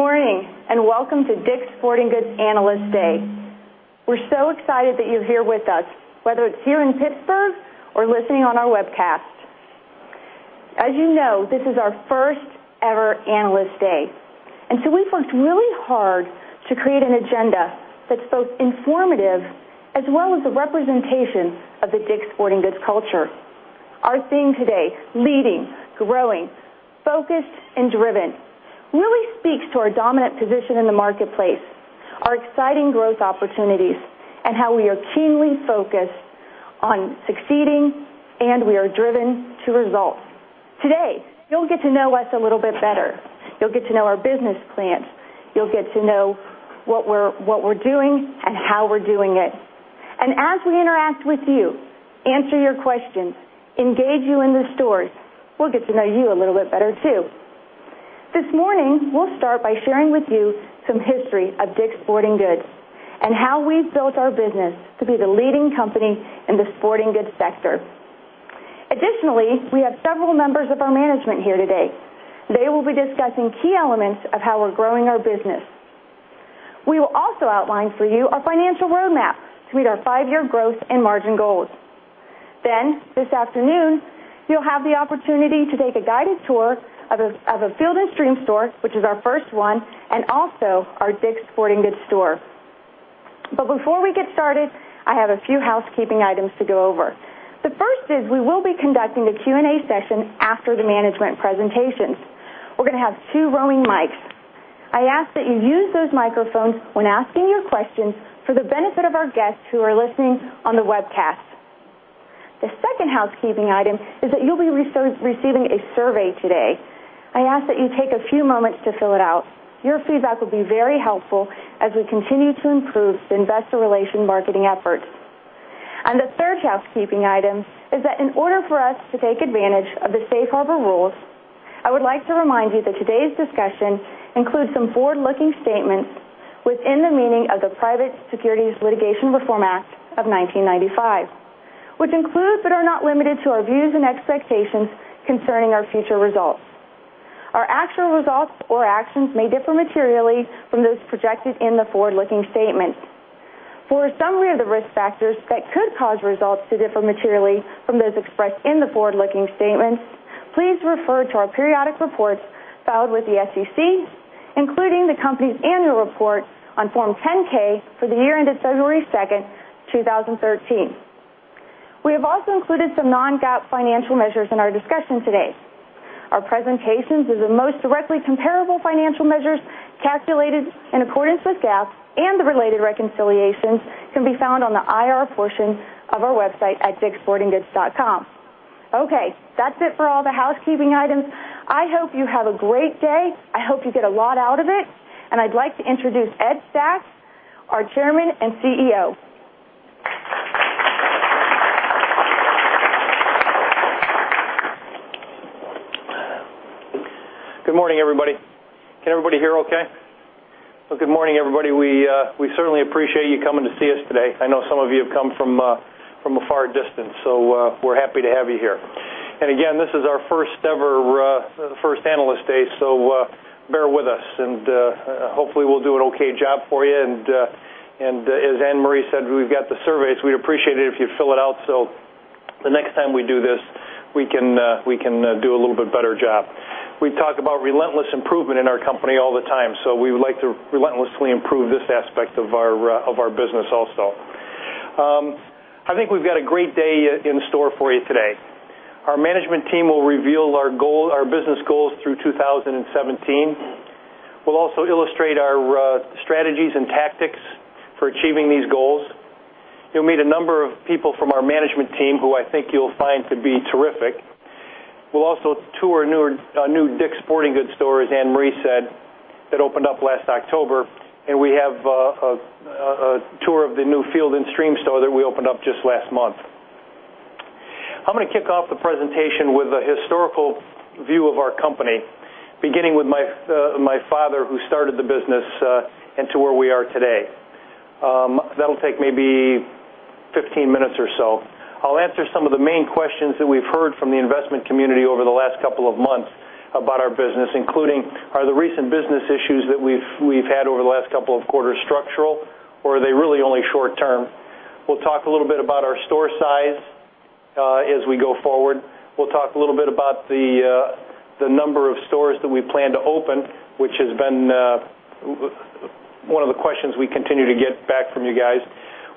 Good morning. Welcome to DICK'S Sporting Goods Analyst Day. We're so excited that you're here with us, whether it's here in Pittsburgh or listening on our webcast. As you know, this is our first ever Analyst Day. We've worked really hard to create an agenda that's both informative as well as a representation of the DICK'S Sporting Goods culture. Our theme today, Leading, Growing, Focused and Driven, really speaks to our dominant position in the marketplace, our exciting growth opportunities, and how we are keenly focused on succeeding. We are driven to results. Today, you'll get to know us a little bit better. You'll get to know our business plans. You'll get to know what we're doing and how we're doing it. As we interact with you, answer your questions, engage you in the stores, we'll get to know you a little bit better, too. This morning, we'll start by sharing with you some history of DICK'S Sporting Goods and how we've built our business to be the leading company in the sporting goods sector. Additionally, we have several members of our management here today. They will be discussing key elements of how we're growing our business. We will also outline for you our financial roadmap to meet our five-year growth and margin goals. This afternoon, you'll have the opportunity to take a guided tour of a Field & Stream store, which is our first one, and also our DICK'S Sporting Goods store. Before we get started, I have a few housekeeping items to go over. The first is we will be conducting a Q&A session after the management presentations. We're going to have two roaming mics. I ask that you use those microphones when asking your questions for the benefit of our guests who are listening on the webcast. The second housekeeping item is that you'll be receiving a survey today. I ask that you take a few moments to fill it out. Your feedback will be very helpful as we continue to improve the investor relation marketing efforts. The third housekeeping item is that in order for us to take advantage of the safe harbor rules, I would like to remind you that today's discussion includes some forward-looking statements within the meaning of the Private Securities Litigation Reform Act of 1995, which includes, but are not limited to, our views and expectations concerning our future results. Our actual results or actions may differ materially from those projected in the forward-looking statements. For a summary of the risk factors that could cause results to differ materially from those expressed in the forward-looking statements, please refer to our periodic reports filed with the SEC, including the company's annual report on Form 10-K for the year ended February 2, 2013. We have also included some non-GAAP financial measures in our discussion today. Our presentations of the most directly comparable financial measures calculated in accordance with GAAP and the related reconciliations can be found on the IR portion of our website at dickssportinggoods.com. That's it for all the housekeeping items. I hope you have a great day. I hope you get a lot out of it. I'd like to introduce Ed Stack, our Chairman and CEO. Good morning, everybody. Can everybody hear okay? Good morning, everybody. We certainly appreciate you coming to see us today. I know some of you have come from a far distance, so we're happy to have you here. Again, this is our first Analyst Day, so bear with us and hopefully, we'll do an okay job for you. As Anne-Marie said, we've got the survey, so we'd appreciate it if you fill it out so the next time we do this, we can do a little bit better job. We talk about relentless improvement in our company all the time, so we would like to relentlessly improve this aspect of our business also. I think we've got a great day in store for you today. Our management team will reveal our business goals through 2017. We'll also illustrate our strategies and tactics for achieving these goals. You'll meet a number of people from our management team who I think you'll find to be terrific. We'll also tour a new DICK'S Sporting Goods store, as Anne-Marie said, that opened up last October, and we have a tour of the new Field & Stream store that we opened up just last month. I'm going to kick off the presentation with a historical view of our company, beginning with my father, who started the business, and to where we are today. That'll take maybe 15 minutes or so. I'll answer some of the main questions that we've heard from the investment community over the last couple of months about our business, including, are the recent business issues that we've had over the last couple of quarters structural, or are they really only short-term? We'll talk a little bit about our store size as we go forward. We'll talk a little bit about the number of stores that we plan to open, which has been one of the questions we continue to get back from you guys.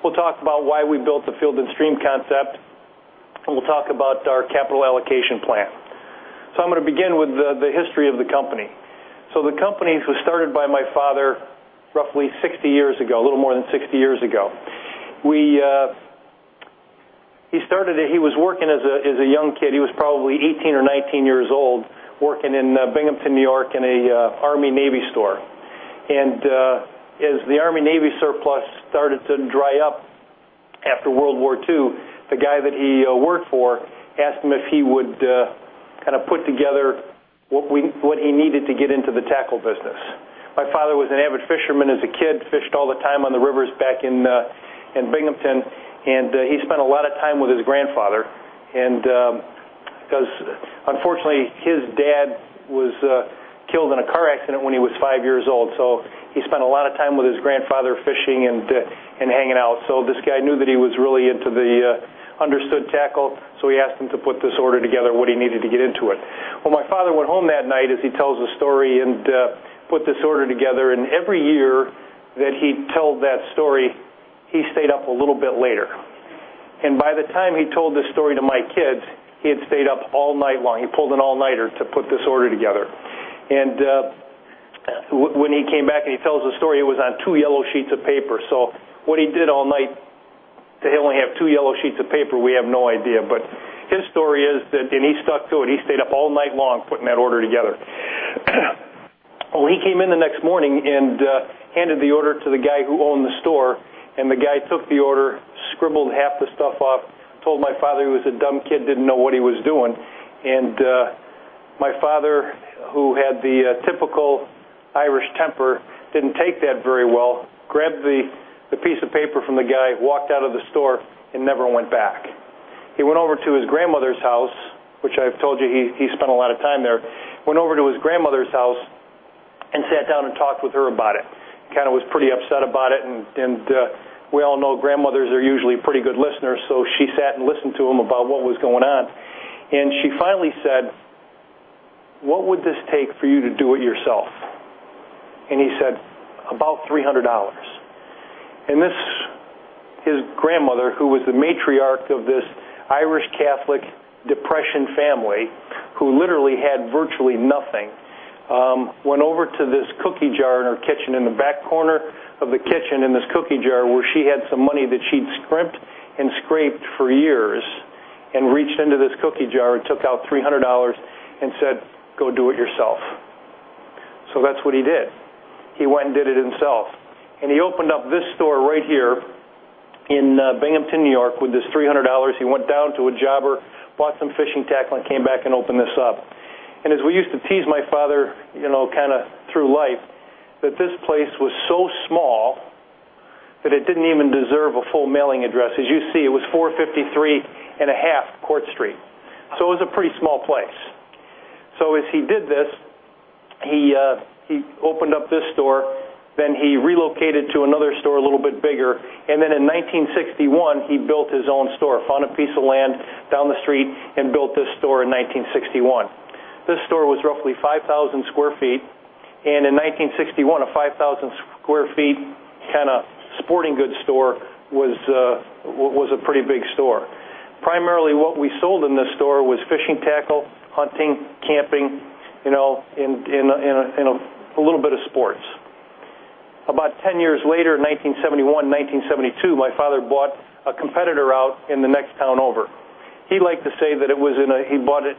We'll talk about why we built the Field & Stream concept, and we'll talk about our capital allocation plan. I'm going to begin with the history of the company. The company was started by my father roughly 60 years ago, a little more than 60 years ago. He started it. He was working as a young kid. He was probably 18 or 19 years old, working in Binghamton, New York, in a Army Navy store. As the Army Navy surplus started to dry up after World War II, the guy that he worked for asked him if he would put together what he needed to get into the tackle business. My father was an avid fisherman as a kid, fished all the time on the rivers back in Binghamton, and he spent a lot of time with his grandfather and Because unfortunately, his dad was killed in a car accident when he was five years old. He spent a lot of time with his grandfather fishing and hanging out. This guy knew that he was really into the understood tackle, so he asked him to put this order together, what he needed to get into it. My father went home that night, as he tells the story, and put this order together. Every year that he told that story, he stayed up a little bit later. By the time he told this story to my kids, he had stayed up all night long. He pulled an all-nighter to put this order together. When he came back, and he tells the story, it was on two yellow sheets of paper. What he did all night to only have two yellow sheets of paper, we have no idea. His story is that, and he stuck to it, he stayed up all night long putting that order together. He came in the next morning and handed the order to the guy who owned the store, and the guy took the order, scribbled half the stuff off, told my father he was a dumb kid, didn't know what he was doing. My father, who had the typical Irish temper, didn't take that very well, grabbed the piece of paper from the guy, walked out of the store and never went back. He went over to his grandmother's house, which I've told you, he spent a lot of time there. Went over to his grandmother's house and sat down and talked with her about it. Kind of was pretty upset about it, and we all know grandmothers are usually pretty good listeners, so she sat and listened to him about what was going on. She finally said, "What would this take for you to do it yourself?" He said, "About $300." His grandmother, who was the matriarch of this Irish Catholic Depression family, who literally had virtually nothing, went over to this cookie jar in her kitchen, in the back corner of the kitchen, in this cookie jar where she had some money that she'd scrimped and scraped for years, and reached into this cookie jar and took out $300 and said, "Go do it yourself." That's what he did. He went and did it himself. He opened up this store right here in Binghamton, N.Y., with this $300. He went down to a jobber, bought some fishing tackle, and came back and opened this up. As we used to tease my father kind of through life, that this place was so small that it didn't even deserve a full mailing address. As you see, it was 453 and a half Court Street. It was a pretty small place. As he did this, he opened up this store, then he relocated to another store a little bit bigger, and then in 1961, he built his own store. Found a piece of land down the street and built this store in 1961. This store was roughly 5,000 sq ft. In 1961, a 5,000 sq ft kind of sporting goods store was a pretty big store. Primarily what we sold in this store was fishing tackle, hunting, camping, and a little bit of sports. About 10 years later, in 1971, 1972, my father bought a competitor out in the next town over. He liked to say that he bought a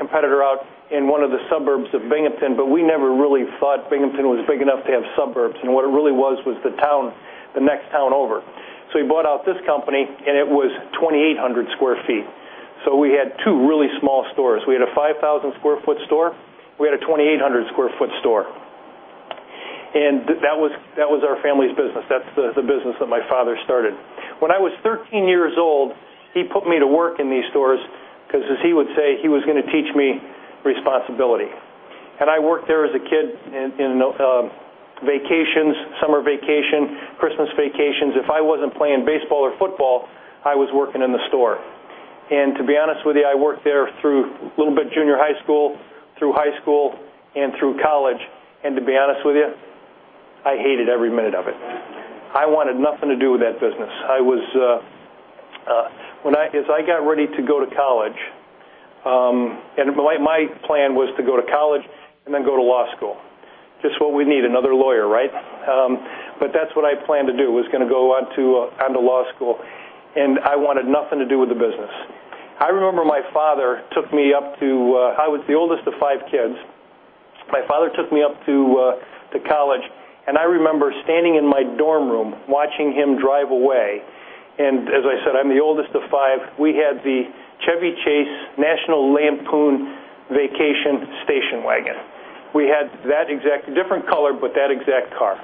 competitor out in one of the suburbs of Binghamton, but we never really thought Binghamton was big enough to have suburbs, and what it really was the next town over. He bought out this company, and it was 2,800 sq ft. We had two really small stores. We had a 5,000 sq ft store, we had a 2,800 sq ft store. That was our family's business. That's the business that my father started. When I was 13 years old, he put me to work in these stores because, as he would say, he was going to teach me responsibility. I worked there as a kid in vacations, summer vacation, Christmas vacations. If I wasn't playing baseball or football, I was working in the store. To be honest with you, I worked there through little bit junior high school, through high school, and through college. To be honest with you, I hated every minute of it. I wanted nothing to do with that business. As I got ready to go to college, my plan was to go to college and then go to law school. Just what we need, another lawyer, right? That's what I planned to do, was going to go on to law school. I wanted nothing to do with the business. I remember my father took me up to. I was the oldest of five kids. My father took me up to college, I remember standing in my dorm room watching him drive away. As I said, I'm the oldest of five. We had the Chevy Chase National Lampoon vacation station wagon. We had that exact, different color, but that exact car.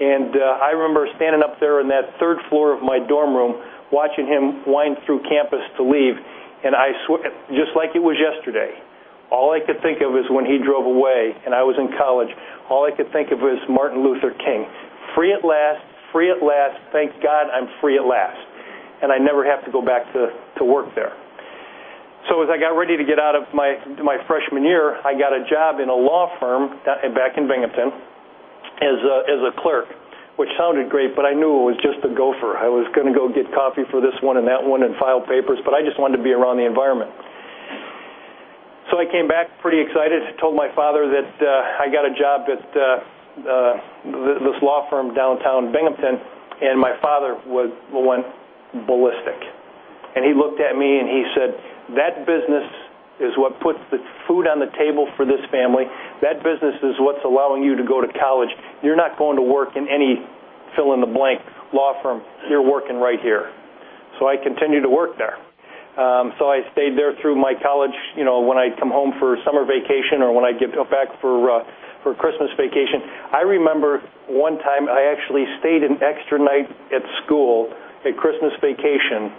I remember standing up there on that third floor of my dorm room, watching him wind through campus to leave, I swear, just like it was yesterday, all I could think of is when he drove away and I was in college, all I could think of was Martin Luther King, "Free at last. Free at last. Thank God I'm free at last." I never have to go back to work there. As I got ready to get out of my freshman year, I got a job in a law firm back in Binghamton as a clerk, which sounded great, but I knew it was just a gofer. I was going to go get coffee for this one and that one and file papers, but I just wanted to be around the environment. I came back pretty excited. I told my father that I got a job at this law firm downtown Binghamton, my father went ballistic. He looked at me and he said, "That business is what puts the food on the table for this family. That business is what's allowing you to go to college. You're not going to work in any fill in the blank law firm. You're working right here." I continued to work there. I stayed there through my college. When I'd come home for summer vacation or when I'd get back for Christmas vacation, I remember one time I actually stayed an extra night at school at Christmas vacation,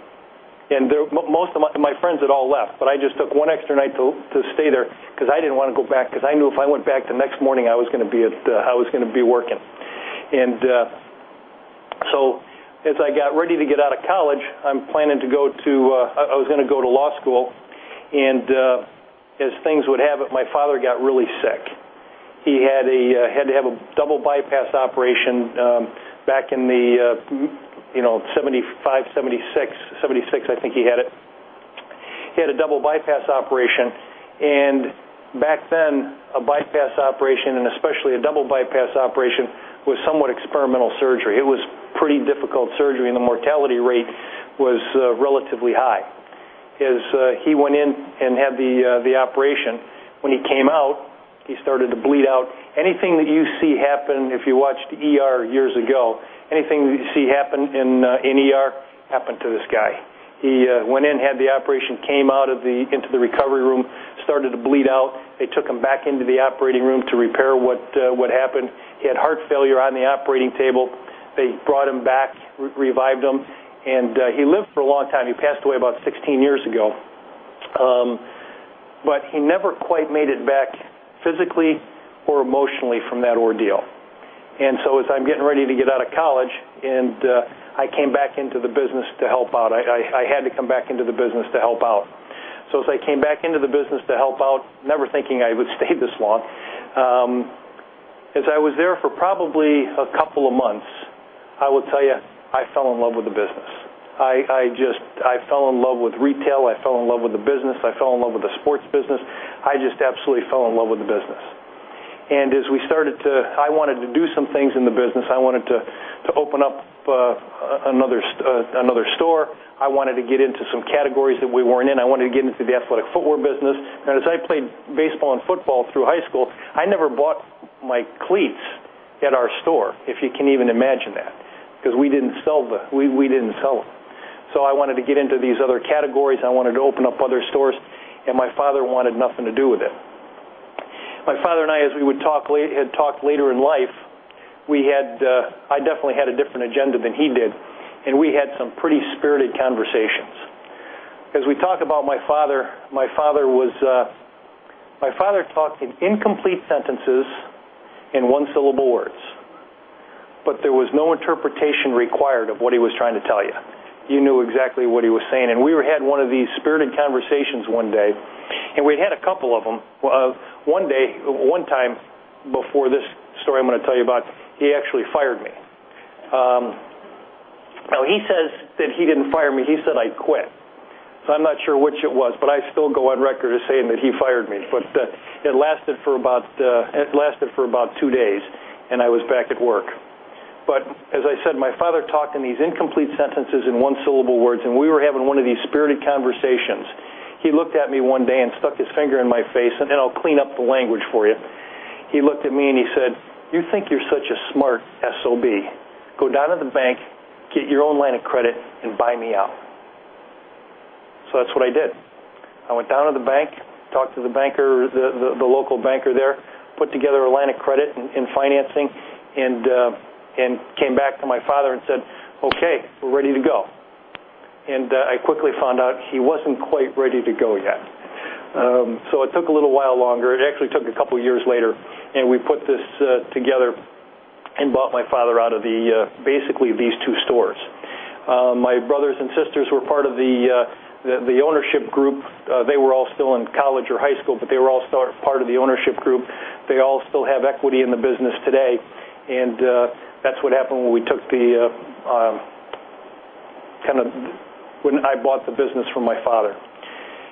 my friends had all left, but I just took one extra night to stay there because I didn't want to go back, because I knew if I went back the next morning, I was going to be working. As I got ready to get out of college, I was going to go to law school, as things would have it, my father got really sick. He had to have a double bypass operation back in 1975, 1976. 1976, I think he had it. He had a double bypass operation, back then, a bypass operation, especially a double bypass operation, was somewhat experimental surgery. It was pretty difficult surgery, The mortality rate was relatively high. As he went in and had the operation, when he came out, he started to bleed out. Anything that you see happen, if you watched "ER" years ago, anything that you see happen in ER, happened to this guy. He went in, had the operation, came out into the recovery room, started to bleed out. They took him back into the operating room to repair what happened. He had heart failure on the operating table. They brought him back, revived him, and he lived for a long time. He passed away about 16 years ago. He never quite made it back physically or emotionally from that ordeal. As I'm getting ready to get out of college, I came back into the business to help out. I had to come back into the business to help out. As I came back into the business to help out, never thinking I would stay this long, as I was there for probably a couple of months, I will tell you, I fell in love with the business. I fell in love with retail. I fell in love with the business. I fell in love with the sports business. I just absolutely fell in love with the business. I wanted to do some things in the business. I wanted to open up another store. I wanted to get into some categories that we weren't in. I wanted to get into the athletic footwear business, and as I played baseball and football through high school, I never bought my cleats at our store, if you can even imagine that, because we didn't sell them. I wanted to get into these other categories, I wanted to open up other stores, My father wanted nothing to do with it. My father and I, as we had talked later in life, I definitely had a different agenda than he did, We had some pretty spirited conversations. As we talk about my father, my father talked in incomplete sentences in one-syllable words, There was no interpretation required of what he was trying to tell you. You knew exactly what he was saying, We had one of these spirited conversations one day, We had a couple of them. One time before this story I'm going to tell you about, he actually fired me. Now, he says that he didn't fire me. He said I quit. I'm not sure which it was, I still go on record as saying that he fired me, It lasted for about two days, I was back at work. As I said, my father talked in these incomplete sentences in one-syllable words, We were having one of these spirited conversations. He looked at me one day Stuck his finger in my face, I'll clean up the language for you. He looked at me He said, "You think you're such a smart SOB. Go down to the bank, get your own line of credit, and buy me out." That's what I did. I went down to the bank, talked to the local banker there, put together a line of credit and financing, came back to my father and said, "Okay, we're ready to go." I quickly found out he wasn't quite ready to go yet. It took a little while longer. It actually took a couple years later, we put this together and bought my father out of basically these two stores. My brothers and sisters were part of the ownership group. They were all still in college or high school, but they were all still part of the ownership group. They all still have equity in the business today, and that's what happened when I bought the business from my father.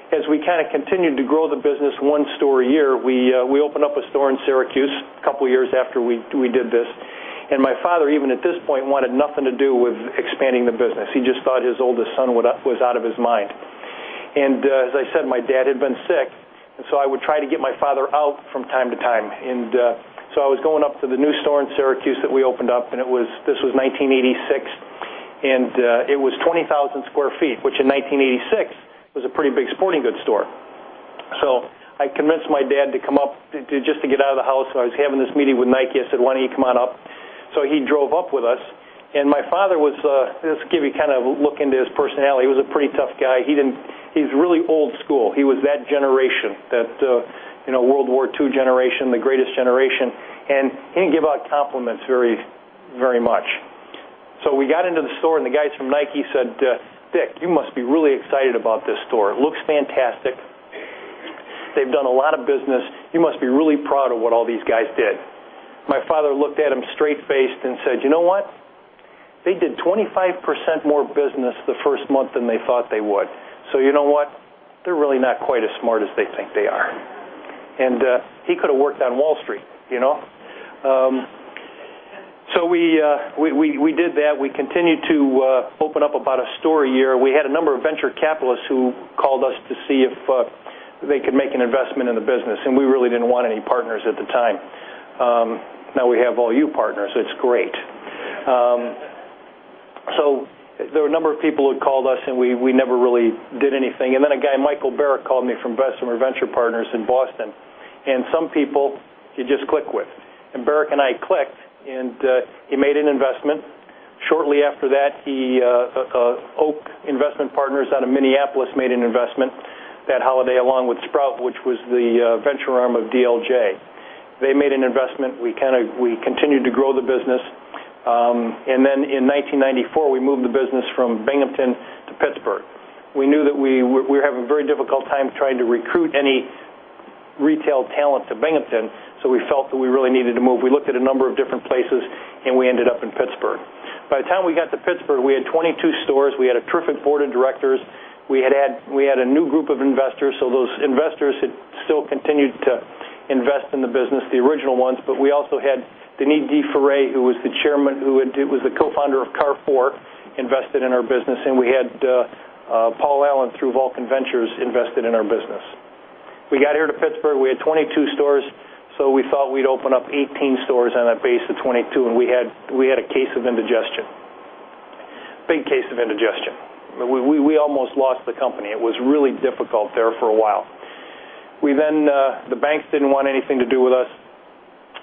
As we kind of continued to grow the business one store a year, we opened up a store in Syracuse a couple years after we did this. My father, even at this point, wanted nothing to do with expanding the business. He just thought his oldest son was out of his mind. As I said, my dad had been sick, I would try to get my father out from time to time. I was going up to the new store in Syracuse that we opened up, and this was 1986, and it was 20,000 sq ft, which in 1986 was a pretty big sporting goods store. I convinced my dad to come up just to get out of the house. I was having this meeting with Nike. I said, "Why don't you come on up?" He drove up with us, my father was. This will give you kind of a look into his personality. He was a pretty tough guy. He's really old school. He was that generation, that World War II generation, the greatest generation, he didn't give out compliments very much. We got into the store, and the guys from Nike said, "Dick, you must be really excited about this store. It looks fantastic. They've done a lot of business. You must be really proud of what all these guys did." My father looked at him straight-faced and said, "You know what? They did 25% more business the first month than they thought they would. You know what? They're really not quite as smart as they think they are." He could've worked on Wall Street. We did that. We continued to open up about a store a year. We had a number of venture capitalists who called us to see if they could make an investment in the business, we really didn't want any partners at the time. Now we have all you partners, it's great. There were a number of people who had called us, we never really did anything. Then a guy, Michael Barach, called me from Bessemer Venture Partners in Boston, some people you just click with. Barrick and I clicked, and he made an investment. Shortly after that, Oak Investment Partners out of Minneapolis made an investment that holiday along with Sprout, which was the venture arm of DLJ. They made an investment. We continued to grow the business. Then in 1994, we moved the business from Binghamton to Pittsburgh. We knew that we were having a very difficult time trying to recruit any retail talent to Binghamton. We felt that we really needed to move. We looked at a number of different places. We ended up in Pittsburgh. By the time we got to Pittsburgh, we had 22 stores. We had a terrific board of directors. We had a new group of investors. Those investors had still continued to invest in the business, the original ones. We also had Denis Defforey, who was the chairman, who was the co-founder of Carrefour, invested in our business. We had Paul Allen, through Vulcan Ventures, invested in our business. We got here to Pittsburgh. We had 22 stores. We thought we'd open up 18 stores on a base of 22, and we had a case of indigestion. Big case of indigestion. We almost lost the company. It was really difficult there for a while. The banks didn't want anything to do with us.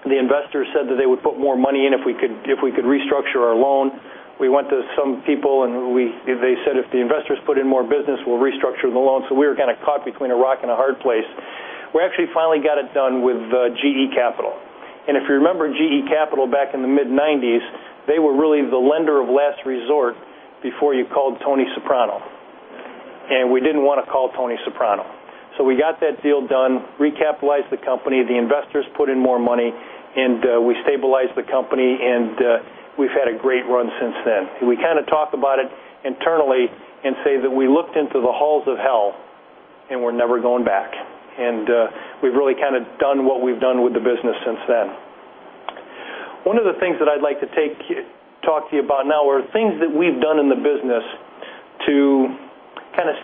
The investors said that they would put more money in if we could restructure our loan. We went to some people. They said, "If the investors put in more business, we'll restructure the loan." We were kind of caught between a rock and a hard place. We actually finally got it done with GE Capital. If you remember GE Capital back in the mid-1990s, they were really the lender of last resort before you called Tony Soprano. We didn't want to call Tony Soprano. We got that deal done, recapitalized the company. The investors put in more money. We stabilized the company, and we've had a great run since then. We kind of talk about it internally and say that we looked into the halls of hell and we're never going back. We've really done what we've done with the business since then. One of the things that I'd like to talk to you about now are things that we've done in the business to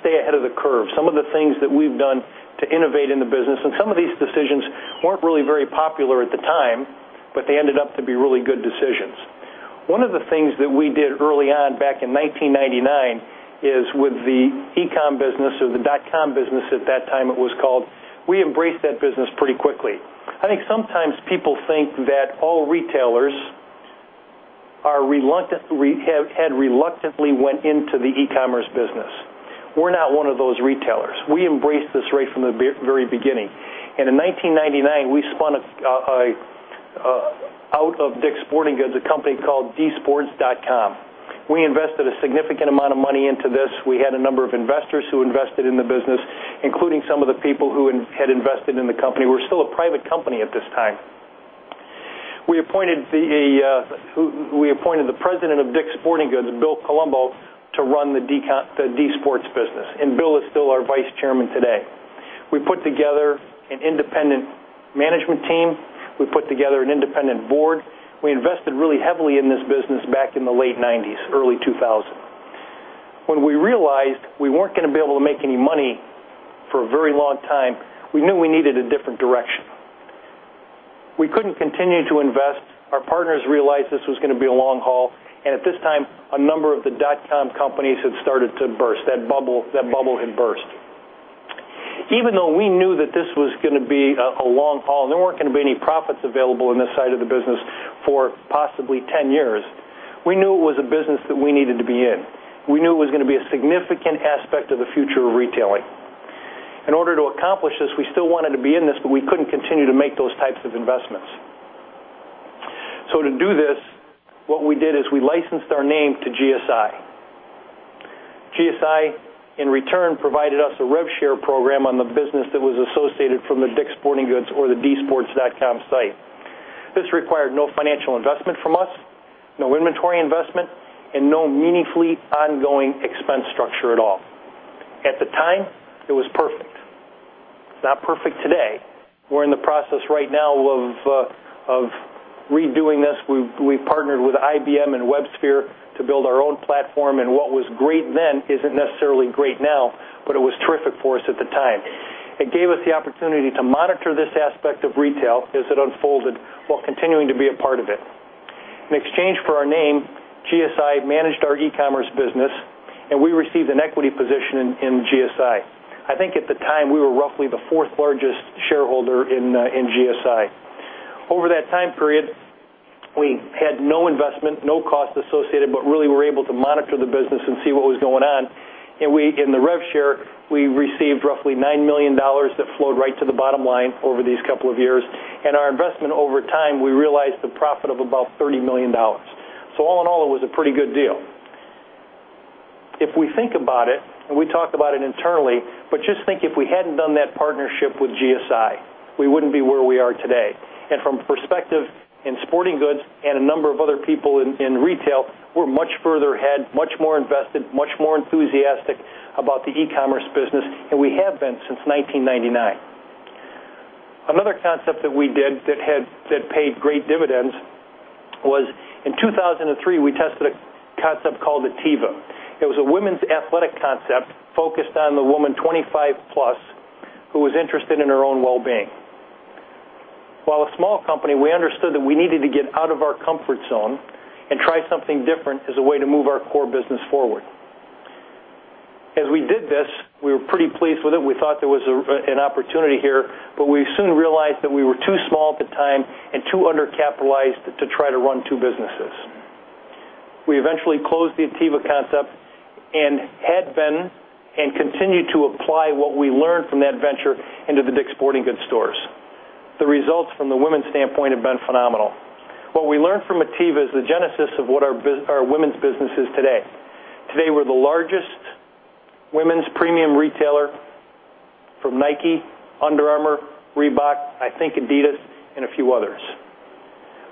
stay ahead of the curve. Some of the things that we've done to innovate in the business. Some of these decisions weren't really very popular at the time, but they ended up to be really good decisions. One of the things that we did early on back in 1999 is with the e-com business or the dot-com business at that time, it was called. We embraced that business pretty quickly. I think sometimes people think that all retailers had reluctantly went into the e-commerce business. We're not one of those retailers. We embraced this right from the very beginning. In 1999, we spun out of DICK'S Sporting Goods, a company called DSports.com. We invested a significant amount of money into this. We had a number of investors who invested in the business, including some of the people who had invested in the company. We're still a private company at this time. We appointed the president of DICK'S Sporting Goods, Bill Colombo, to run the DSports business. Bill is still our vice chairman today. We put together an independent management team. We put together an independent board. We invested really heavily in this business back in the late 1990s, early 2000. We realized we weren't going to be able to make any money for a very long time. We knew we needed a different direction. We couldn't continue to invest. Our partners realized this was going to be a long haul. At this time, a number of the dot-com companies had started to burst. That bubble had burst. Even though we knew that this was going to be a long haul, there weren't going to be any profits available in this side of the business for possibly 10 years, we knew it was a business that we needed to be in. We knew it was going to be a significant aspect of the future of retailing. In order to accomplish this, we still wanted to be in this, we couldn't continue to make those types of investments. To do this, what we did is we licensed our name to GSI. GSI, in return, provided us a rev share program on the business that was associated from the DICK'S Sporting Goods or the DSports.com site. This required no financial investment from us, no inventory investment, no meaningful ongoing expense structure at all. At the time, it was perfect. It's not perfect today. We're in the process right now of redoing this. We've partnered with IBM and WebSphere to build our own platform. What was great then isn't necessarily great now, it was terrific for us at the time. It gave us the opportunity to monitor this aspect of retail as it unfolded while continuing to be a part of it. In exchange for our name, GSI managed our e-commerce business. We received an equity position in GSI. I think at the time, we were roughly the fourth largest shareholder in GSI. Over that time period, we had no investment, no cost associated, really were able to monitor the business and see what was going on. In the rev share, we received roughly $9 million that flowed right to the bottom line over these couple of years. Our investment over time, we realized the profit of about $30 million. All in all, it was a pretty good deal. If we think about it, we talk about it internally, just think if we hadn't done that partnership with GSI, we wouldn't be where we are today. From perspective in sporting goods and a number of other people in retail, we're much further ahead, much more invested, much more enthusiastic about the e-commerce business than we have been since 1999. Another concept that we did that paid great dividends was in 2003, we tested a concept called Ativa. It was a women's athletic concept focused on the woman 25+ who was interested in her own well-being. While a small company, we understood that we needed to get out of our comfort zone and try something different as a way to move our core business forward. As we did this, we were pretty pleased with it. We thought there was an opportunity here, we soon realized that we were too small at the time and too undercapitalized to try to run two businesses. We eventually closed the Ativa concept and had been and continue to apply what we learned from that venture into the DICK'S Sporting Goods stores. The results from the women's standpoint have been phenomenal. What we learned from Ativa is the genesis of what our women's business is today. Today, we're the largest women's premium retailer for Nike, Under Armour, Reebok, I think Adidas, and a few others.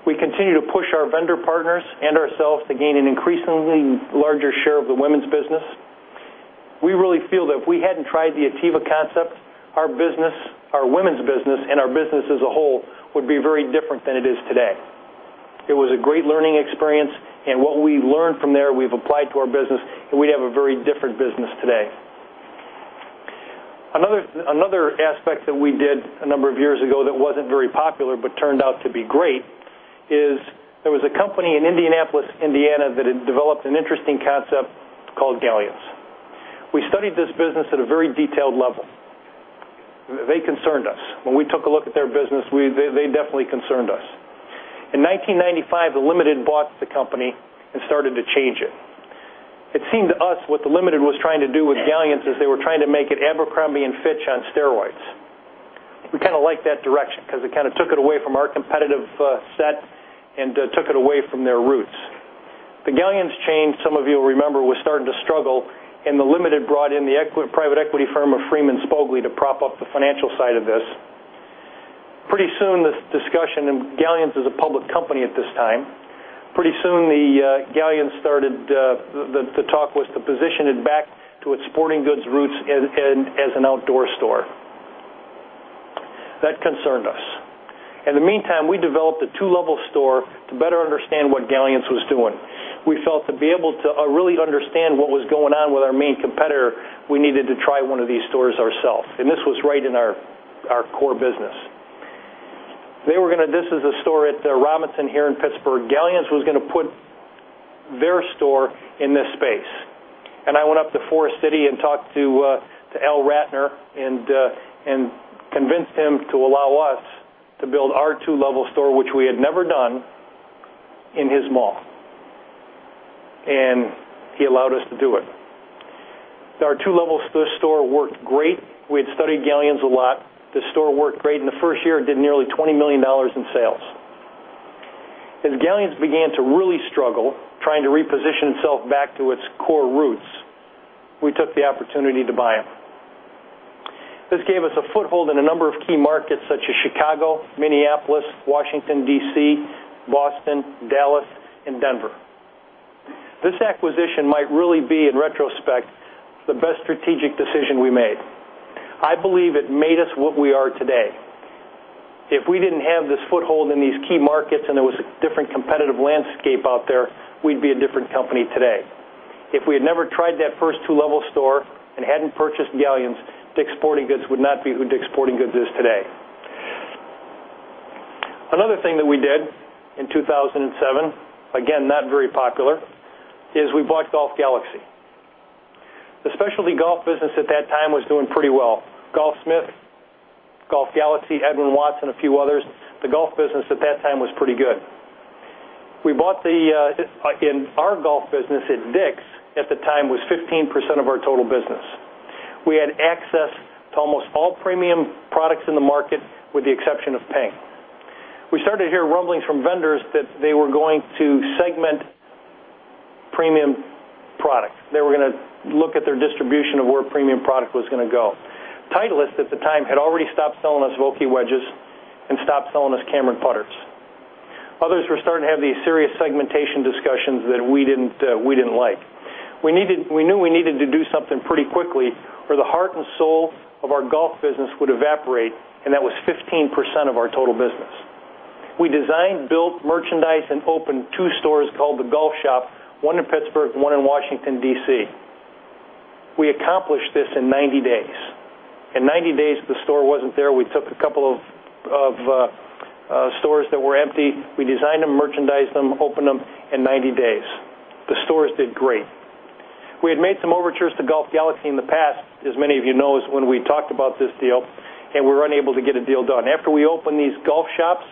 We continue to push our vendor partners and ourselves to gain an increasingly larger share of the women's business. We really feel that if we hadn't tried the Ativa concept, our women's business and our business as a whole would be very different than it is today. It was a great learning experience, and what we learned from there, we've applied to our business, and we'd have a very different business today. Another aspect that we did a number of years ago that wasn't very popular but turned out to be great is there was a company in Indianapolis, Indiana, that had developed an interesting concept called Galyan's. We studied this business at a very detailed level. They concerned us. When we took a look at their business, they definitely concerned us. In 1995, The Limited bought the company and started to change it. It seemed to us what The Limited was trying to do with Galyan's is they were trying to make it Abercrombie & Fitch on steroids. We kind of liked that direction because it kind of took it away from our competitive set and took it away from their roots. The Galyan's chain, some of you will remember, was starting to struggle, and The Limited brought in the private equity firm of Freeman Spogli to prop up the financial side of this. Galyan's is a public company at this time. Pretty soon, the talk was to position Galyan's back to its sporting goods roots as an outdoor store. That concerned us. In the meantime, we developed a two-level store to better understand what Galyan's was doing. We felt to be able to really understand what was going on with our main competitor, we needed to try one of these stores ourselves, and this was right in our core business. This is a store at Robinson here in Pittsburgh. Galyan's was going to put their store in this space. I went up to Forest City and talked to Al Ratner and convinced him to allow us to build our two-level store, which we had never done, in his mall. He allowed us to do it. Our two-level store worked great. We had studied Galyan's a lot. The store worked great. In the first year, it did nearly $20 million in sales. As Galyan's began to really struggle, trying to reposition itself back to its core roots, we took the opportunity to buy it. This gave us a foothold in a number of key markets such as Chicago, Minneapolis, Washington, D.C., Boston, Dallas, and Denver. This acquisition might really be, in retrospect, the best strategic decision we made. I believe it made us what we are today. If we didn't have this foothold in these key markets and there was a different competitive landscape out there, we'd be a different company today. If we had never tried that first two-level store and hadn't purchased Galyan's, DICK’S Sporting Goods would not be who DICK’S Sporting Goods is today. Another thing that we did in 2007, again, not very popular, is we bought Golf Galaxy. The specialty golf business at that time was doing pretty well. Golfsmith, Golf Galaxy, Edwin Watts, and a few others, the golf business at that time was pretty good. Our golf business at DICK'S at the time was 15% of our total business. We had access to almost all premium products in the market with the exception of Ping. We started to hear rumblings from vendors that they were going to segment premium products. They were going to look at their distribution of where premium product was going to go. Titleist at the time had already stopped selling us Vokey wedges and stopped selling us Cameron putters. Others were starting to have these serious segmentation discussions that we didn't like. We knew we needed to do something pretty quickly or the heart and soul of our golf business would evaporate, and that was 15% of our total business. We designed, built, merchandised, and opened two stores called The Golf Shop, one in Pittsburgh and one in Washington, D.C. We accomplished this in 90 days. In 90 days, the store wasn't there. We took a couple of stores that were empty. We designed them, merchandised them, opened them in 90 days. The stores did great. We had made some overtures to Golf Galaxy in the past, as many of you know, when we talked about this deal, and were unable to get a deal done. After we opened these Golf Shops,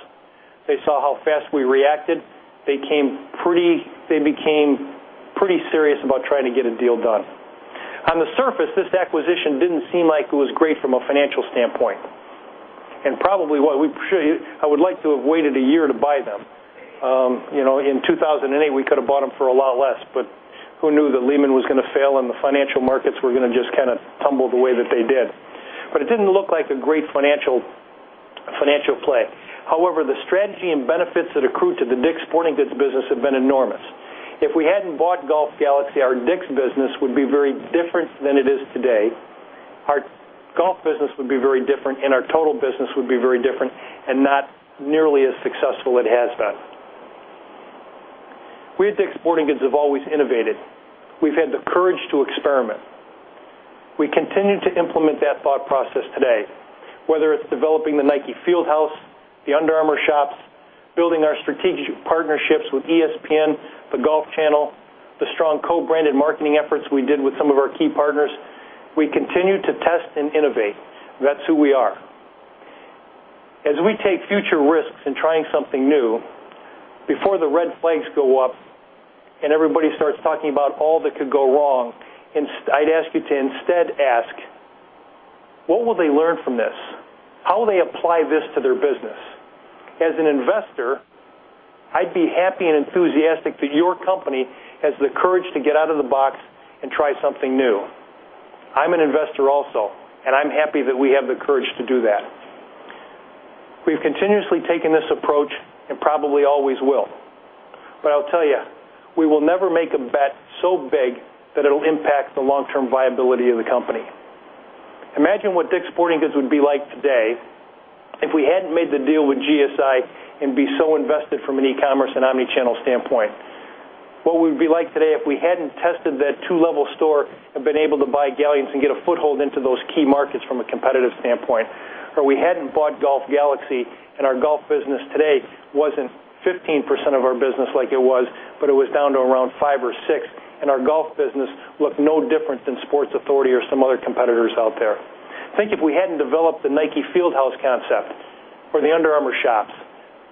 they saw how fast we reacted. They became pretty serious about trying to get a deal done. On the surface, this acquisition didn't seem like it was great from a financial standpoint, and probably I would like to have waited a year to buy them. In 2008, we could have bought them for a lot less, but who knew that Lehman was going to fail and the financial markets were going to just kind of tumble the way that they did. It didn't look like a great financial play. However, the strategy and benefits that accrued to the DICK’S Sporting Goods business have been enormous. If we hadn't bought Golf Galaxy, our DICK’S business would be very different than it is today. Our golf business would be very different and our total business would be very different and not nearly as successful it has been. We at DICK’S Sporting Goods have always innovated. We've had the courage to experiment. We continue to implement that thought process today, whether it's developing the Nike Fieldhouse, the Under Armour shops, building our strategic partnerships with ESPN, the Golf Channel, the strong co-branded marketing efforts we did with some of our key partners. We continue to test and innovate. That's who we are. As we take future risks in trying something new, before the red flags go up and everybody starts talking about all that could go wrong, I'd ask you to instead ask, "What will they learn from this? How will they apply this to their business?" As an investor, I'd be happy and enthusiastic that your company has the courage to get out of the box and try something new. I'm an investor also, and I'm happy that we have the courage to do that. We've continuously taken this approach and probably always will. I'll tell you, we will never make a bet so big that it'll impact the long-term viability of the company. Imagine what DICK’S Sporting Goods would be like today if we hadn't made the deal with GSI and be so invested from an e-commerce and omnichannel standpoint. What we would be like today if we hadn't tested that two-level store and been able to buy Galyan's and get a foothold into those key markets from a competitive standpoint, or we hadn't bought Golf Galaxy, and our golf business today wasn't 15% of our business like it was, but it was down to around 5% or 6%, and our golf business looked no different than Sports Authority or some other competitors out there. Think if we hadn't developed the Nike Fieldhouse concept or the Under Armour shops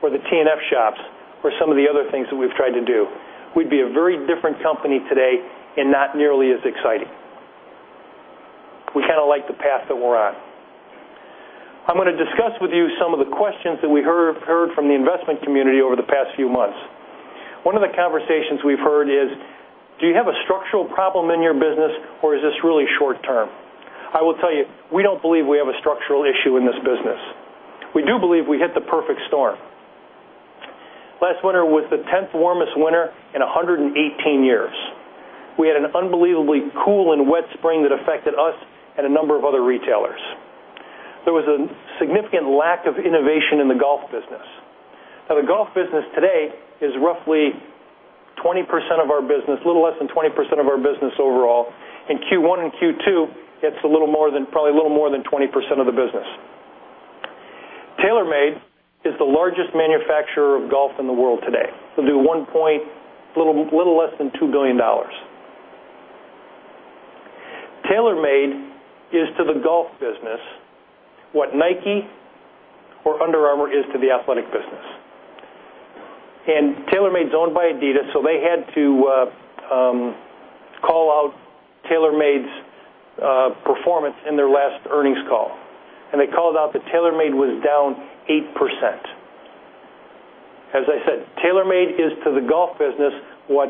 or the TNF shops or some of the other things that we've tried to do. We'd be a very different company today and not nearly as exciting. We kind of like the path that we're on. I'm going to discuss with you some of the questions that we heard from the investment community over the past few months. One of the conversations we've heard is: do you have a structural problem in your business, or is this really short-term? I will tell you, we don't believe we have a structural issue in this business. We do believe we hit the perfect storm. Last winter was the 10th warmest winter in 118 years. We had an unbelievably cool and wet spring that affected us and a number of other retailers. There was a significant lack of innovation in the golf business. The golf business today is roughly 20% of our business, a little less than 20% of our business overall. In Q1 and Q2, it's probably a little more than 20% of the business. TaylorMade is the largest manufacturer of golf in the world today. They'll do a little less than $2 billion. TaylorMade is to the golf business what Nike or Under Armour is to the athletic business. TaylorMade is owned by Adidas, so they had to call out TaylorMade's performance in their last earnings call. They called out that TaylorMade was down 8%. As I said, TaylorMade is to the golf business what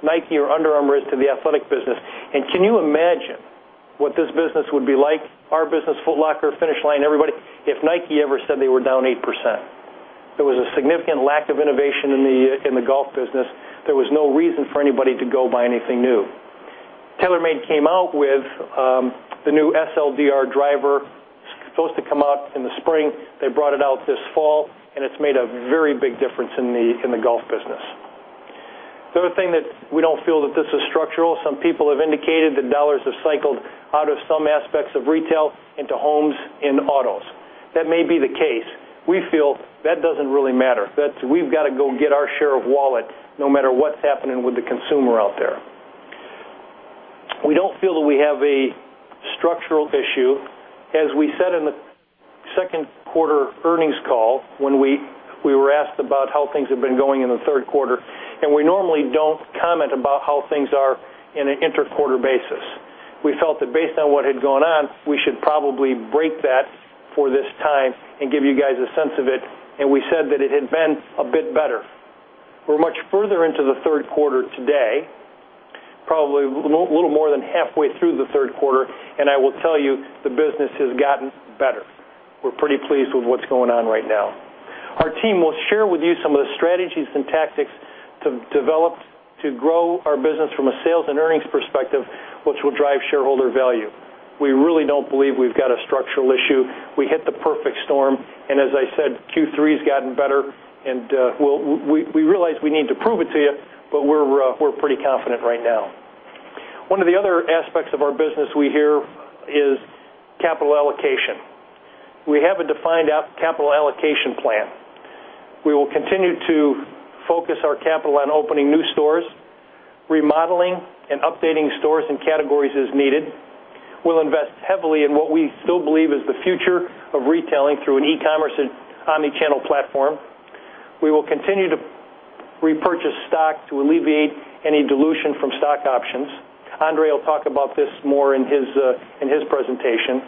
Nike or Under Armour is to the athletic business. Can you imagine what this business would be like, our business, Foot Locker, Finish Line, everybody, if Nike ever said they were down 8%? There was a significant lack of innovation in the golf business. There was no reason for anybody to go buy anything new. TaylorMade came out with the new SLDR driver, supposed to come out in the spring. They brought it out this fall, and it's made a very big difference in the golf business. The other thing that we don't feel that this is structural, some people have indicated that dollars have cycled out of some aspects of retail into homes and autos. That may be the case. We feel that doesn't really matter. We've got to go get our share of wallet no matter what's happening with the consumer out there. We don't feel that we have a structural issue. As we said in the second quarter earnings call, when we were asked about how things have been going in the third quarter, we normally don't comment about how things are in an inter-quarter basis. We felt that based on what had gone on, we should probably break that for this time and give you guys a sense of it, we said that it had been a bit better. We're much further into the third quarter today, probably a little more than halfway through the third quarter. I will tell you, the business has gotten better. We're pretty pleased with what's going on right now. Our team will share with you some of the strategies and tactics developed to grow our business from a sales and earnings perspective, which will drive shareholder value. We really don't believe we've got a structural issue. We hit the perfect storm. As I said, Q3 has gotten better. We realize we need to prove it to you, but we're pretty confident right now. One of the other aspects of our business we hear is capital allocation. We have a defined capital allocation plan. We will continue to focus our capital on opening new stores, remodeling and updating stores and categories as needed. We'll invest heavily in what we still believe is the future of retailing through an e-commerce and omnichannel platform. We will continue to repurchase stock to alleviate any dilution from stock options. André will talk about this more in his presentation.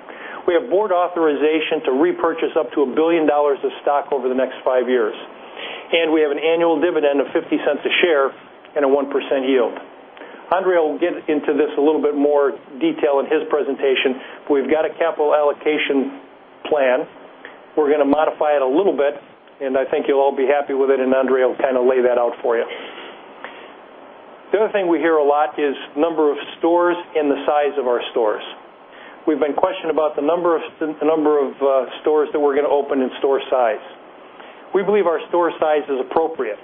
We have board authorization to repurchase up to $1 billion of stock over the next five years. We have an annual dividend of $0.50 a share and a 1% yield. André will get into this a little bit more detail in his presentation. We've got a capital allocation plan. We're going to modify it a little bit. I think you'll all be happy with it. André will kind of lay that out for you. The other thing we hear a lot is number of stores and the size of our stores. We've been questioned about the number of stores that we're going to open and store size. We believe our store size is appropriate.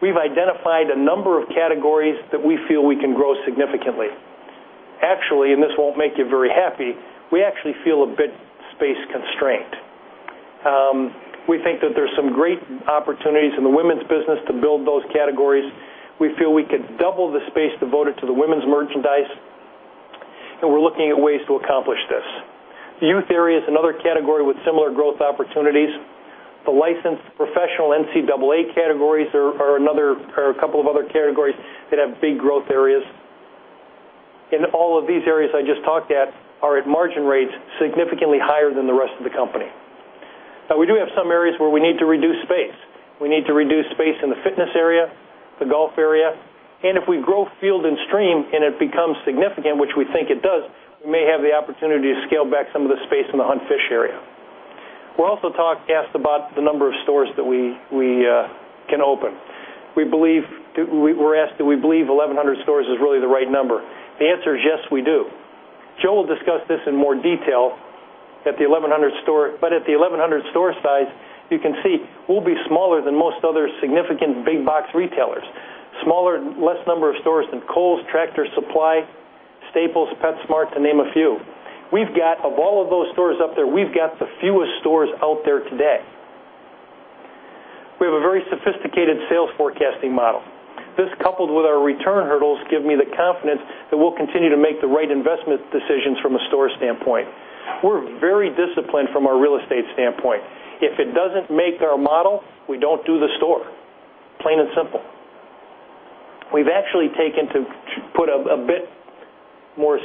We've identified a number of categories that we feel we can grow significantly. Actually, this won't make you very happy, we actually feel a bit space-constrained. We think that there's some great opportunities in the women's business to build those categories. We feel we could double the space devoted to the women's merchandise. We're looking at ways to accomplish this. The youth area is another category with similar growth opportunities. The licensed professional NCAA categories are a couple of other categories that have big growth areas. All of these areas I just talked at are at margin rates significantly higher than the rest of the company. Now, we do have some areas where we need to reduce space. We need to reduce space in the fitness area, the golf area. If we grow Field & Stream and it becomes significant, which we think it does, we may have the opportunity to scale back some of the space in the hunt/fish area. We're also asked about the number of stores that we can open. We were asked, do we believe 1,100 stores is really the right number? The answer is yes, we do. Joe will discuss this in more detail, at the 1,100 store size, you can see we'll be smaller than most other significant big box retailers. Less number of stores than Kohl's, Tractor Supply Company, Staples, PetSmart to name a few. Of all of those stores up there, we've got the fewest stores out there today. We have a very sophisticated sales forecasting model. This, coupled with our return hurdles, give me the confidence that we'll continue to make the right investment decisions from a store standpoint. We're very disciplined from a real estate standpoint. If it doesn't make our model, we don't do the store. Plain and simple. To put a bit more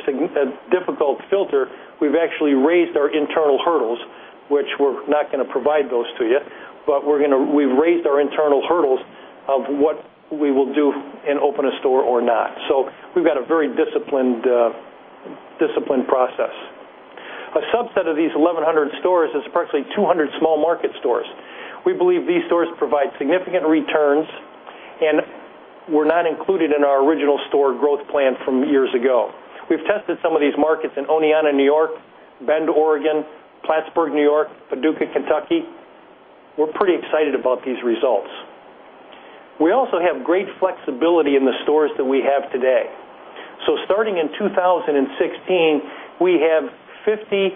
difficult filter, we've actually raised our internal hurdles, which we're not going to provide those to you, but we've raised our internal hurdles of what we will do and open a store or not. We've got a very disciplined process. A subset of these 1,100 stores is approximately 200 small market stores. We believe these stores provide significant returns and were not included in our original store growth plan from years ago. We've tested some of these markets in Oneonta, New York, Bend, Oregon, Plattsburgh, New York, Paducah, Kentucky. We're pretty excited about these results. We also have great flexibility in the stores that we have today. Starting in 2016, we have 50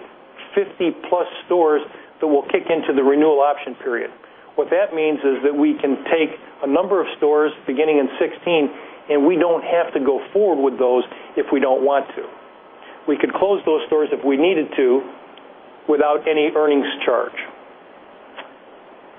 plus stores that will kick into the renewal option period. What that means is that we can take a number of stores beginning in 2016, and we don't have to go forward with those if we don't want to. We could close those stores if we needed to without any earnings charge.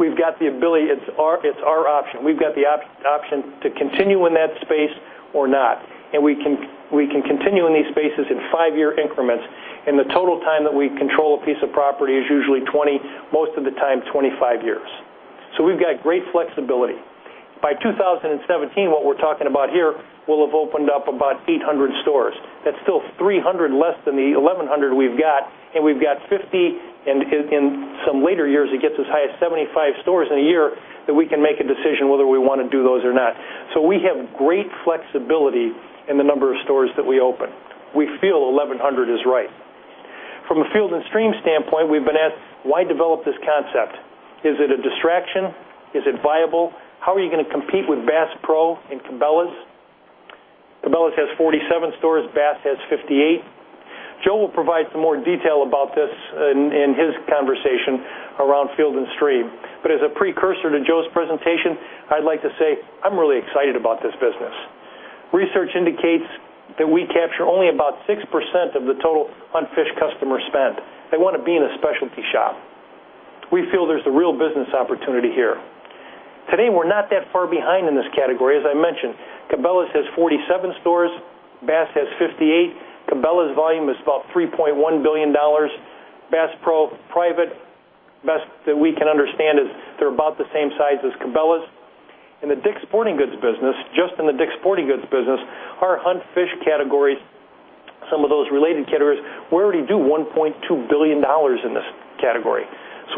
It's our option. We've got the option to continue in that space or not, and we can continue in these spaces in five-year increments, and the total time that we control a piece of property is usually 20, most of the time, 25 years. We've got great flexibility. By 2017, what we're talking about here, we'll have opened up about 800 stores. That's still 300 less than the 1,100 we've got, and we've got 50, and in some later years, it gets as high as 75 stores in a year that we can make a decision whether we want to do those or not. We have great flexibility in the number of stores that we open. We feel 1,100 is right. From a Field & Stream standpoint, we've been asked, why develop this concept? Is it a distraction? Is it viable? How are you going to compete with Bass Pro and Cabela's? Cabela's has 47 stores. Bass has 58. Joe will provide some more detail about this in his conversation around Field & Stream. As a precursor to Joe's presentation, I'd like to say I'm really excited about this business. Research indicates that we capture only about 6% of the total hunt/fish customer spend. They want to be in a specialty shop. We feel there's a real business opportunity here. Today, we're not that far behind in this category. As I mentioned, Cabela's has 47 stores. Bass has 58. Cabela's volume is about $3.1 billion. Bass Pro, private. Best that we can understand is they're about the same size as Cabela's. In the DICK'S Sporting Goods business, just in the DICK'S Sporting Goods business, our hunt/fish categories, some of those related categories, we already do $1.2 billion in this category.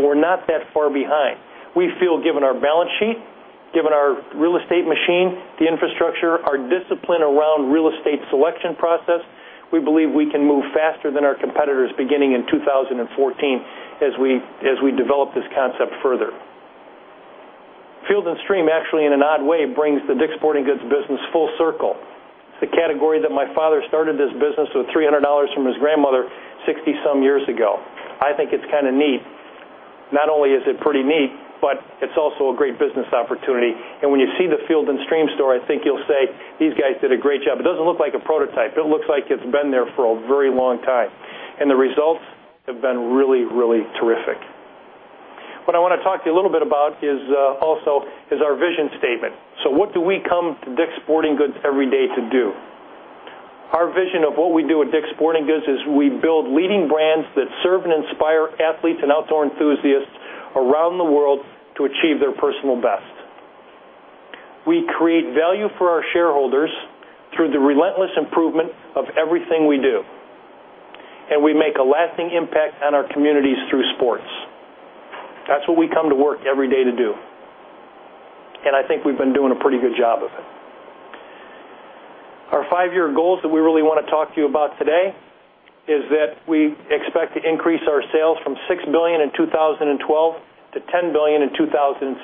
We're not that far behind. We feel, given our balance sheet, given our real estate machine, the infrastructure, our discipline around real estate selection process, we believe we can move faster than our competitors beginning in 2014 as we develop this concept further. Field & Stream, actually, in an odd way, brings the DICK'S Sporting Goods business full circle. It's the category that my father started this business with $300 from his grandmother 60-some years ago. I think it's kind of neat. Not only is it pretty neat, but it's also a great business opportunity. When you see the Field & Stream store, I think you'll say, "These guys did a great job." It doesn't look like a prototype. It looks like it's been there for a very long time, and the results have been really, really terrific. What I want to talk to you a little bit about also is our vision statement. What do we come to DICK’S Sporting Goods every day to do? Our vision of what we do at DICK’S Sporting Goods is we build leading brands that serve and inspire athletes and outdoor enthusiasts around the world to achieve their personal best. We create value for our shareholders through the relentless improvement of everything we do. We make a lasting impact on our communities through sports. That's what we come to work every day to do, and I think we've been doing a pretty good job of it. Our five-year goals that we really want to talk to you about today is that we expect to increase our sales from $6 billion in 2012 to $10 billion in 2017.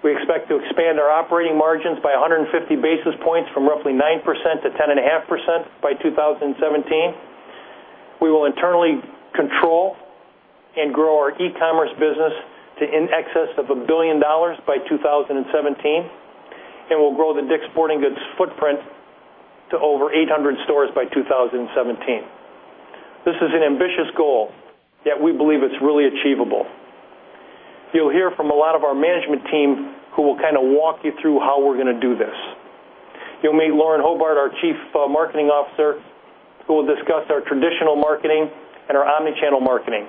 We expect to expand our operating margins by 150 basis points from roughly 9% to 10.5% by 2017. We will internally control and grow our e-commerce business to in excess of $1 billion by 2017. We'll grow the DICK'S Sporting Goods footprint to over 800 stores by 2017. This is an ambitious goal, yet we believe it's really achievable. You'll hear from a lot of our management team who will walk you through how we're going to do this. You'll meet Lauren Hobart, our Chief Marketing Officer, who will discuss our traditional marketing and our omnichannel marketing.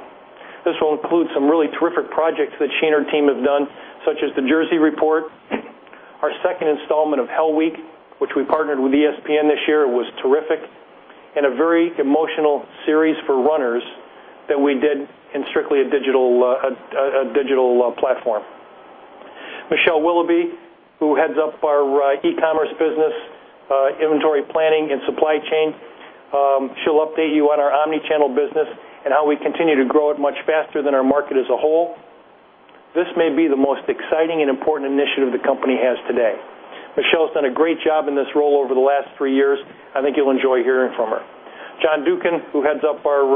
This will include some really terrific projects that she and her team have done, such as the Jersey Report, our second installment of Hell Week, which we partnered with ESPN this year. It was terrific, and a very emotional series for runners that we did in strictly a digital platform. Michelle Willoughby, who heads up our e-commerce business, inventory planning, and supply chain. She'll update you on our omnichannel business and how we continue to grow it much faster than our market as a whole. This may be the most exciting and important initiative the company has today. Michelle has done a great job in this role over the last three years. I think you'll enjoy hearing from her. John Duken, who heads up our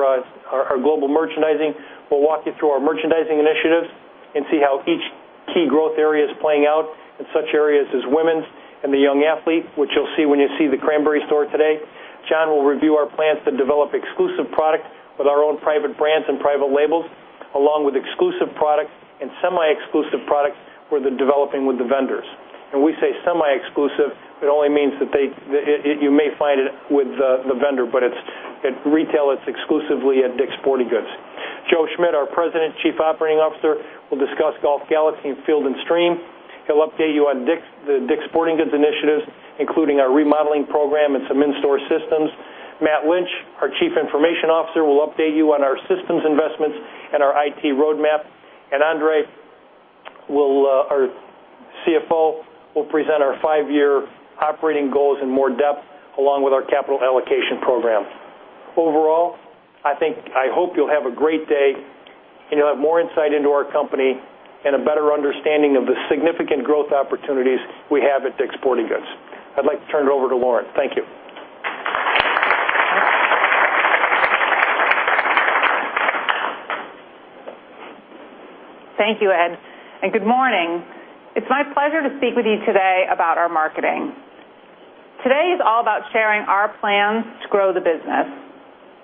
global merchandising, will walk you through our merchandising initiatives and see how each key growth area is playing out in such areas as women's and the young athlete, which you'll see when you see the Cranberry store today. John will review our plans to develop exclusive product with our own private brands and private labels, along with exclusive product and semi-exclusive product for the developing with the vendors. We say semi-exclusive, it only means that you may find it with the vendor, but at retail, it's exclusively at DICK'S Sporting Goods. Joe Schmidt, our President Chief Operating Officer, will discuss Golf Galaxy and Field & Stream. He'll update you on the DICK'S Sporting Goods initiatives, including our remodeling program and some in-store systems. Matt Lynch, our Chief Information Officer, will update you on our systems investments and our IT roadmap. André, our CFO, will present our five-year operating goals in more depth, along with our capital allocation program. Overall, I hope you'll have a great day and you'll have more insight into our company and a better understanding of the significant growth opportunities we have at DICK'S Sporting Goods. I'd like to turn it over to Lauren. Thank you. Thank you, Ed, and good morning. It's my pleasure to speak with you today about our marketing. Today is all about sharing our plans to grow the business.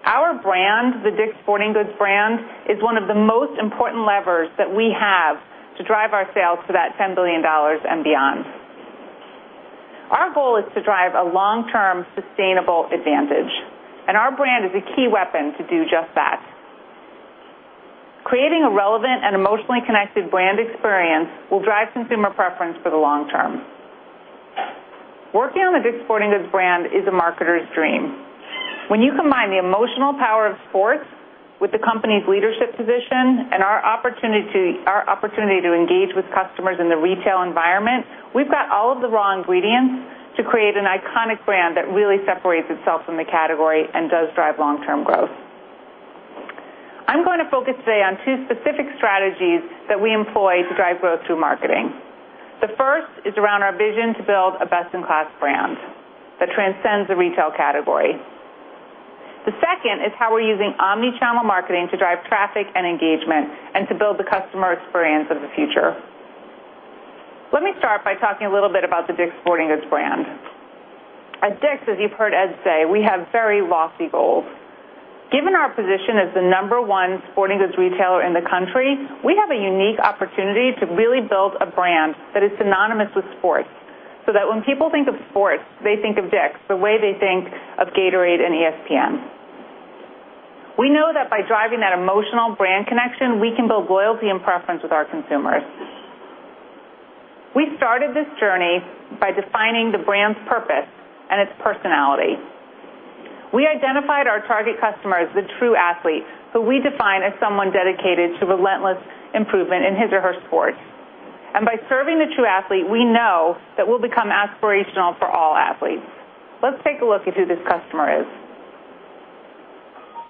Our brand, the DICK'S Sporting Goods brand, is one of the most important levers that we have to drive our sales to that $10 billion and beyond. Our goal is to drive a long-term, sustainable advantage. Our brand is a key weapon to do just that. Creating a relevant and emotionally connected brand experience will drive consumer preference for the long term. Working on the DICK'S Sporting Goods brand is a marketer's dream. When you combine the emotional power of sports with the company's leadership position and our opportunity to engage with customers in the retail environment, we've got all of the raw ingredients to create an iconic brand that really separates itself from the category and does drive long-term growth. I'm going to focus today on two specific strategies that we employ to drive growth through marketing. The first is around our vision to build a best-in-class brand that transcends the retail category. The second is how we're using omnichannel marketing to drive traffic and engagement and to build the customer experience of the future. Let me start by talking a little bit about the DICK'S Sporting Goods brand. At DICK'S, as you've heard Ed say, we have very lofty goals. Given our position as the number one sporting goods retailer in the country, we have a unique opportunity to really build a brand that is synonymous with sports, so that when people think of sports, they think of DICK'S, the way they think of Gatorade and ESPN. We know that by driving that emotional brand connection, we can build loyalty and preference with our consumers. We started this journey by defining the brand's purpose and its personality. We identified our target customer as the true athlete, who we define as someone dedicated to relentless improvement in his or her sports. By serving the true athlete, we know that we'll become aspirational for all athletes. Let's take a look at who this customer is.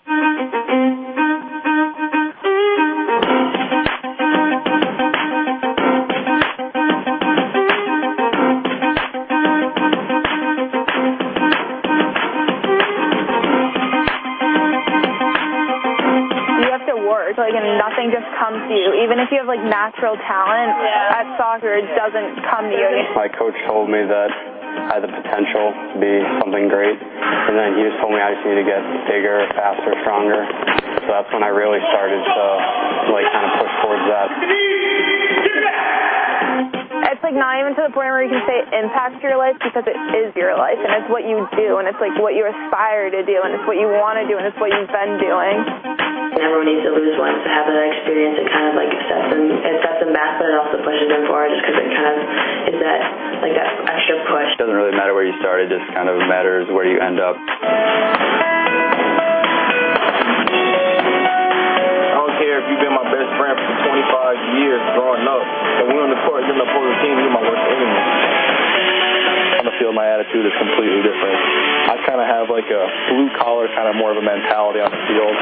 You have to work. Nothing just comes to you. Even if you have natural talent at soccer, it doesn't come to you. My coach told me that I have the potential to be something great. He just told me I just need to get bigger, faster, stronger. That's when I really started to push towards that. Get deep. Get back. It's not even to the point where you can say it impacts your life because it is your life, and it's what you do, and it's what you aspire to do, and it's what you want to do, and it's what you've been doing. It doesn't really matter where you started, just kind of matters where you end up. I don't care if you've been my best friend for 25 years growing up. When we're on the court, you're on the opposing team, you're my worst enemy. On the field, my attitude is completely different. I kind of have a blue-collar kind of mentality on the field.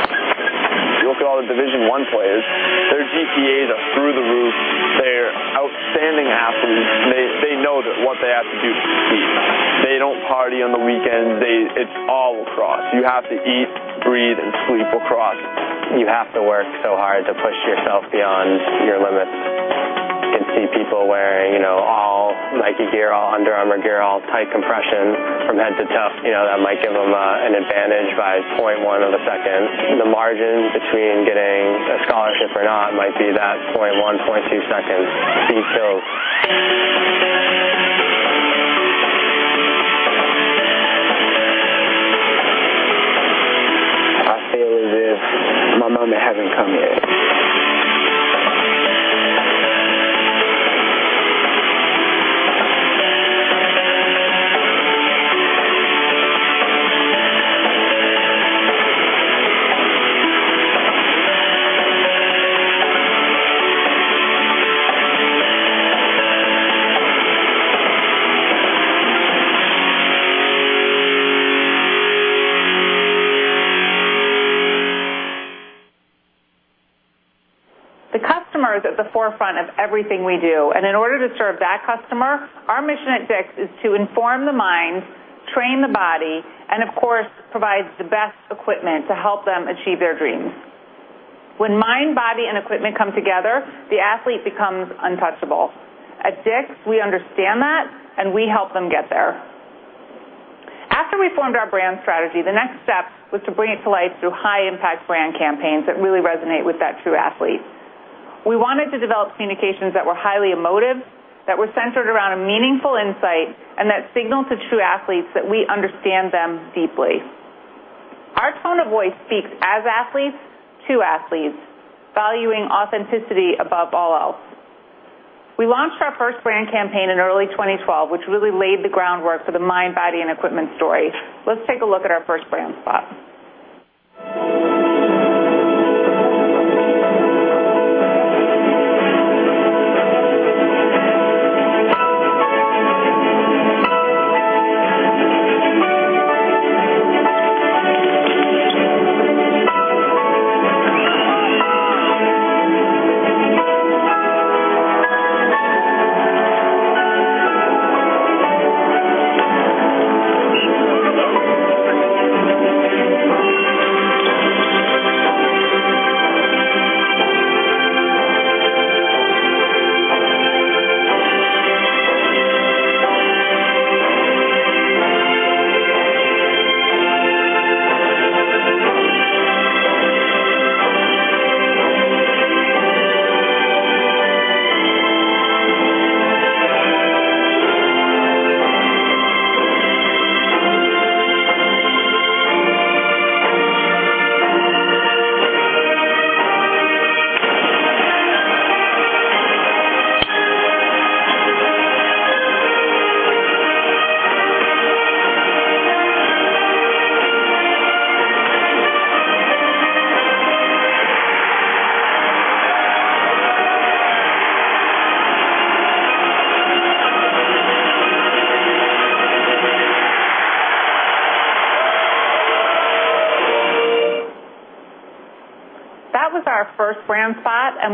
You look at all the Division I players, their GPAs are through the roof. They're outstanding athletes. They know what they have to do to succeed. They don't party on the weekends. It's all lacrosse. You have to eat, breathe, and sleep lacrosse. You have to work so hard to push yourself beyond your limits. You can see people wearing all Nike gear, all Under Armour gear, all tight compression from head to toe. That might give them an advantage by 0.1 of a second. The margin between getting a scholarship or not might be that 0.1, 0.2 seconds. Speed kills. I feel as if my moment hasn't come yet. The customer is at the forefront of everything we do. In order to serve that customer, our mission at DICK'S is to inform the mind, train the body, and of course, provide the best equipment to help them achieve their dreams. When mind, body, and equipment come together, the athlete becomes untouchable. At DICK'S, we understand that, and we help them get there. After we formed our brand strategy, the next step was to bring it to life through high-impact brand campaigns that really resonate with that true athlete. We wanted to develop communications that were highly emotive, that were centered around a meaningful insight, and that signal to true athletes that we understand them deeply. Our tone of voice speaks as athletes to athletes, valuing authenticity above all else. We launched our first brand campaign in early 2012, which really laid the groundwork for the mind, body, and equipment story. Let's take a look at our first brand spot.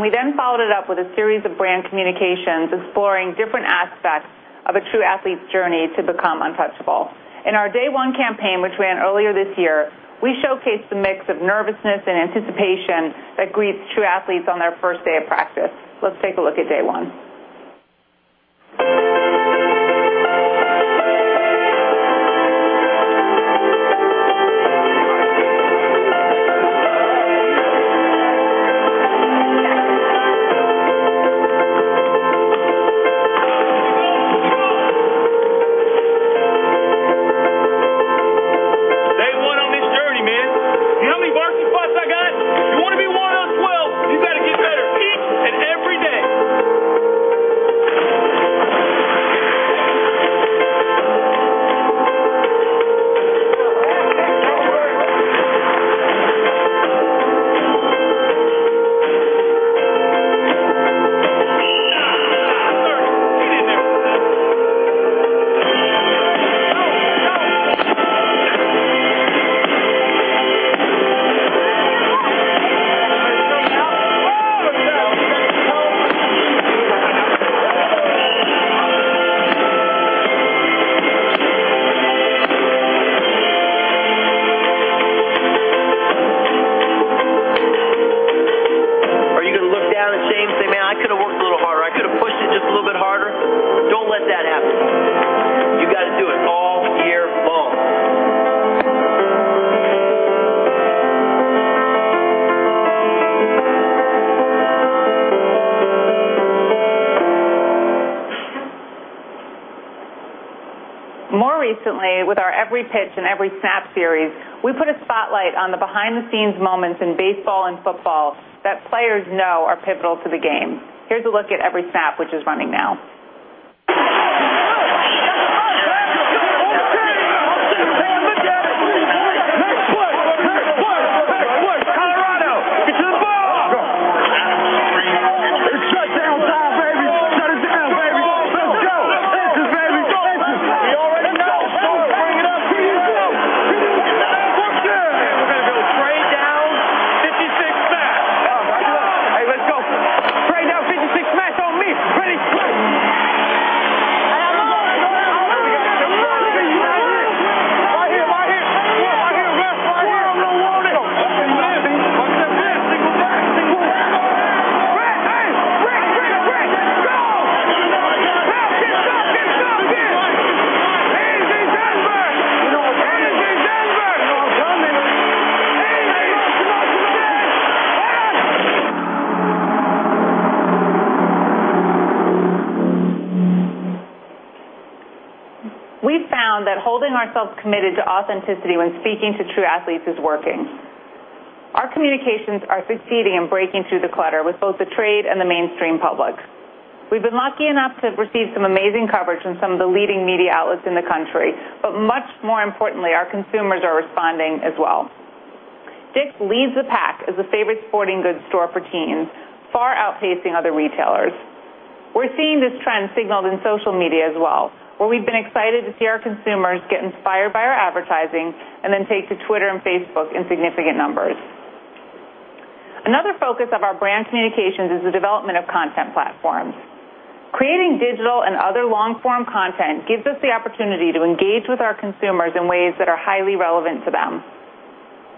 That was our first brand spot, and we then followed it up with a series of brand communications exploring different aspects of a true athlete's journey to become untouchable. In our Day 1 campaign, which ran earlier this year, we showcased the mix of nervousness and anticipation that greets true athletes on their first day of practice. Let's take a look at Day 1. Day one where we've been excited to see our consumers get inspired by our advertising and then take to Twitter and Facebook in significant numbers. Another focus of our brand communications is the development of content platforms. Creating digital and other long-form content gives us the opportunity to engage with our consumers in ways that are highly relevant to them.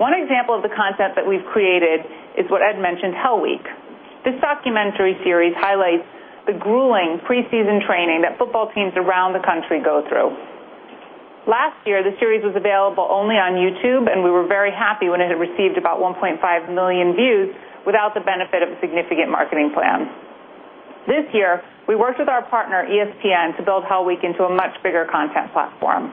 One example of the content that we've created is what Ed mentioned, Hell Week. This documentary series highlights the grueling preseason training that football teams around the country go through. Last year, the series was available only on YouTube, and we were very happy when it had received about 1.5 million views without the benefit of a significant marketing plan. This year, we worked with our partner, ESPN, to build Hell Week into a much bigger content platform.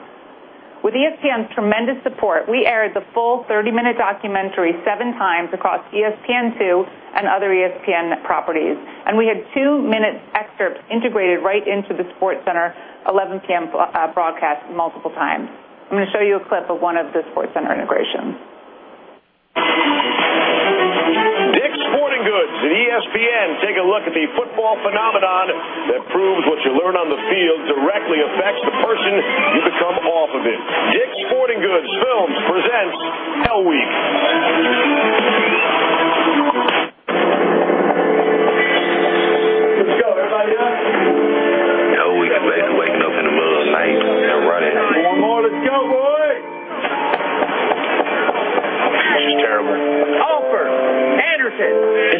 With ESPN's tremendous support, we aired the full 30-minute documentary seven times across ESPN2 and other ESPN properties. We had two-minute excerpts integrated right into the SportsCenter 11:00 P.M. broadcast multiple times. I'm going to show you a clip of one of the SportsCenter integrations. DICK'S Sporting Goods and ESPN take a look at the football phenomenon that proves what you learn on the field directly affects the person you become off of it. DICK'S Sporting Goods Films presents Hell Week. Let's go. Everybody done? Hell Week is basically waking up in the middle of the night and running. One more. Let's go, boys. It's just terrible. Holford. Anderson. It sucks.